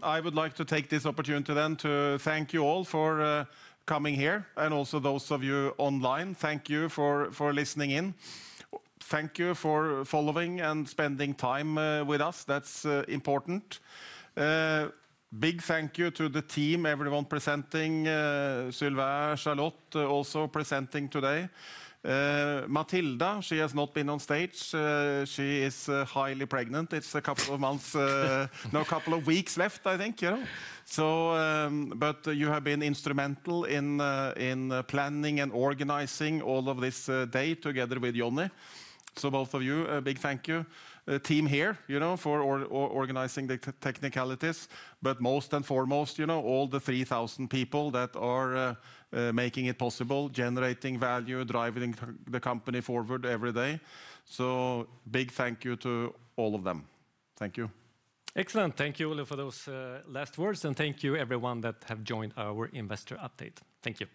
I would like to take this opportunity then to thank you all for coming here. And also those of you online, thank you for listening in. Thank you for following and spending time with us. That's important. Big thank you to the team, everyone presenting, Sylvain, Charlotte, also presenting today. Matilda, she has not been on stage. She is highly pregnant. It's a couple of months, a couple of weeks left, I think. But you have been instrumental in planning and organizing all of this day together with Johnny. So both of you, a big thank you. Team here for organizing the technicalities. But most and foremost, all the 3,000 people that are making it possible, generating value, driving the company forward every day. So big thank you to all of them. Thank you. Excellent. Thank you, Ole, for those last words. And thank you, everyone that have joined our investor update. Thank you.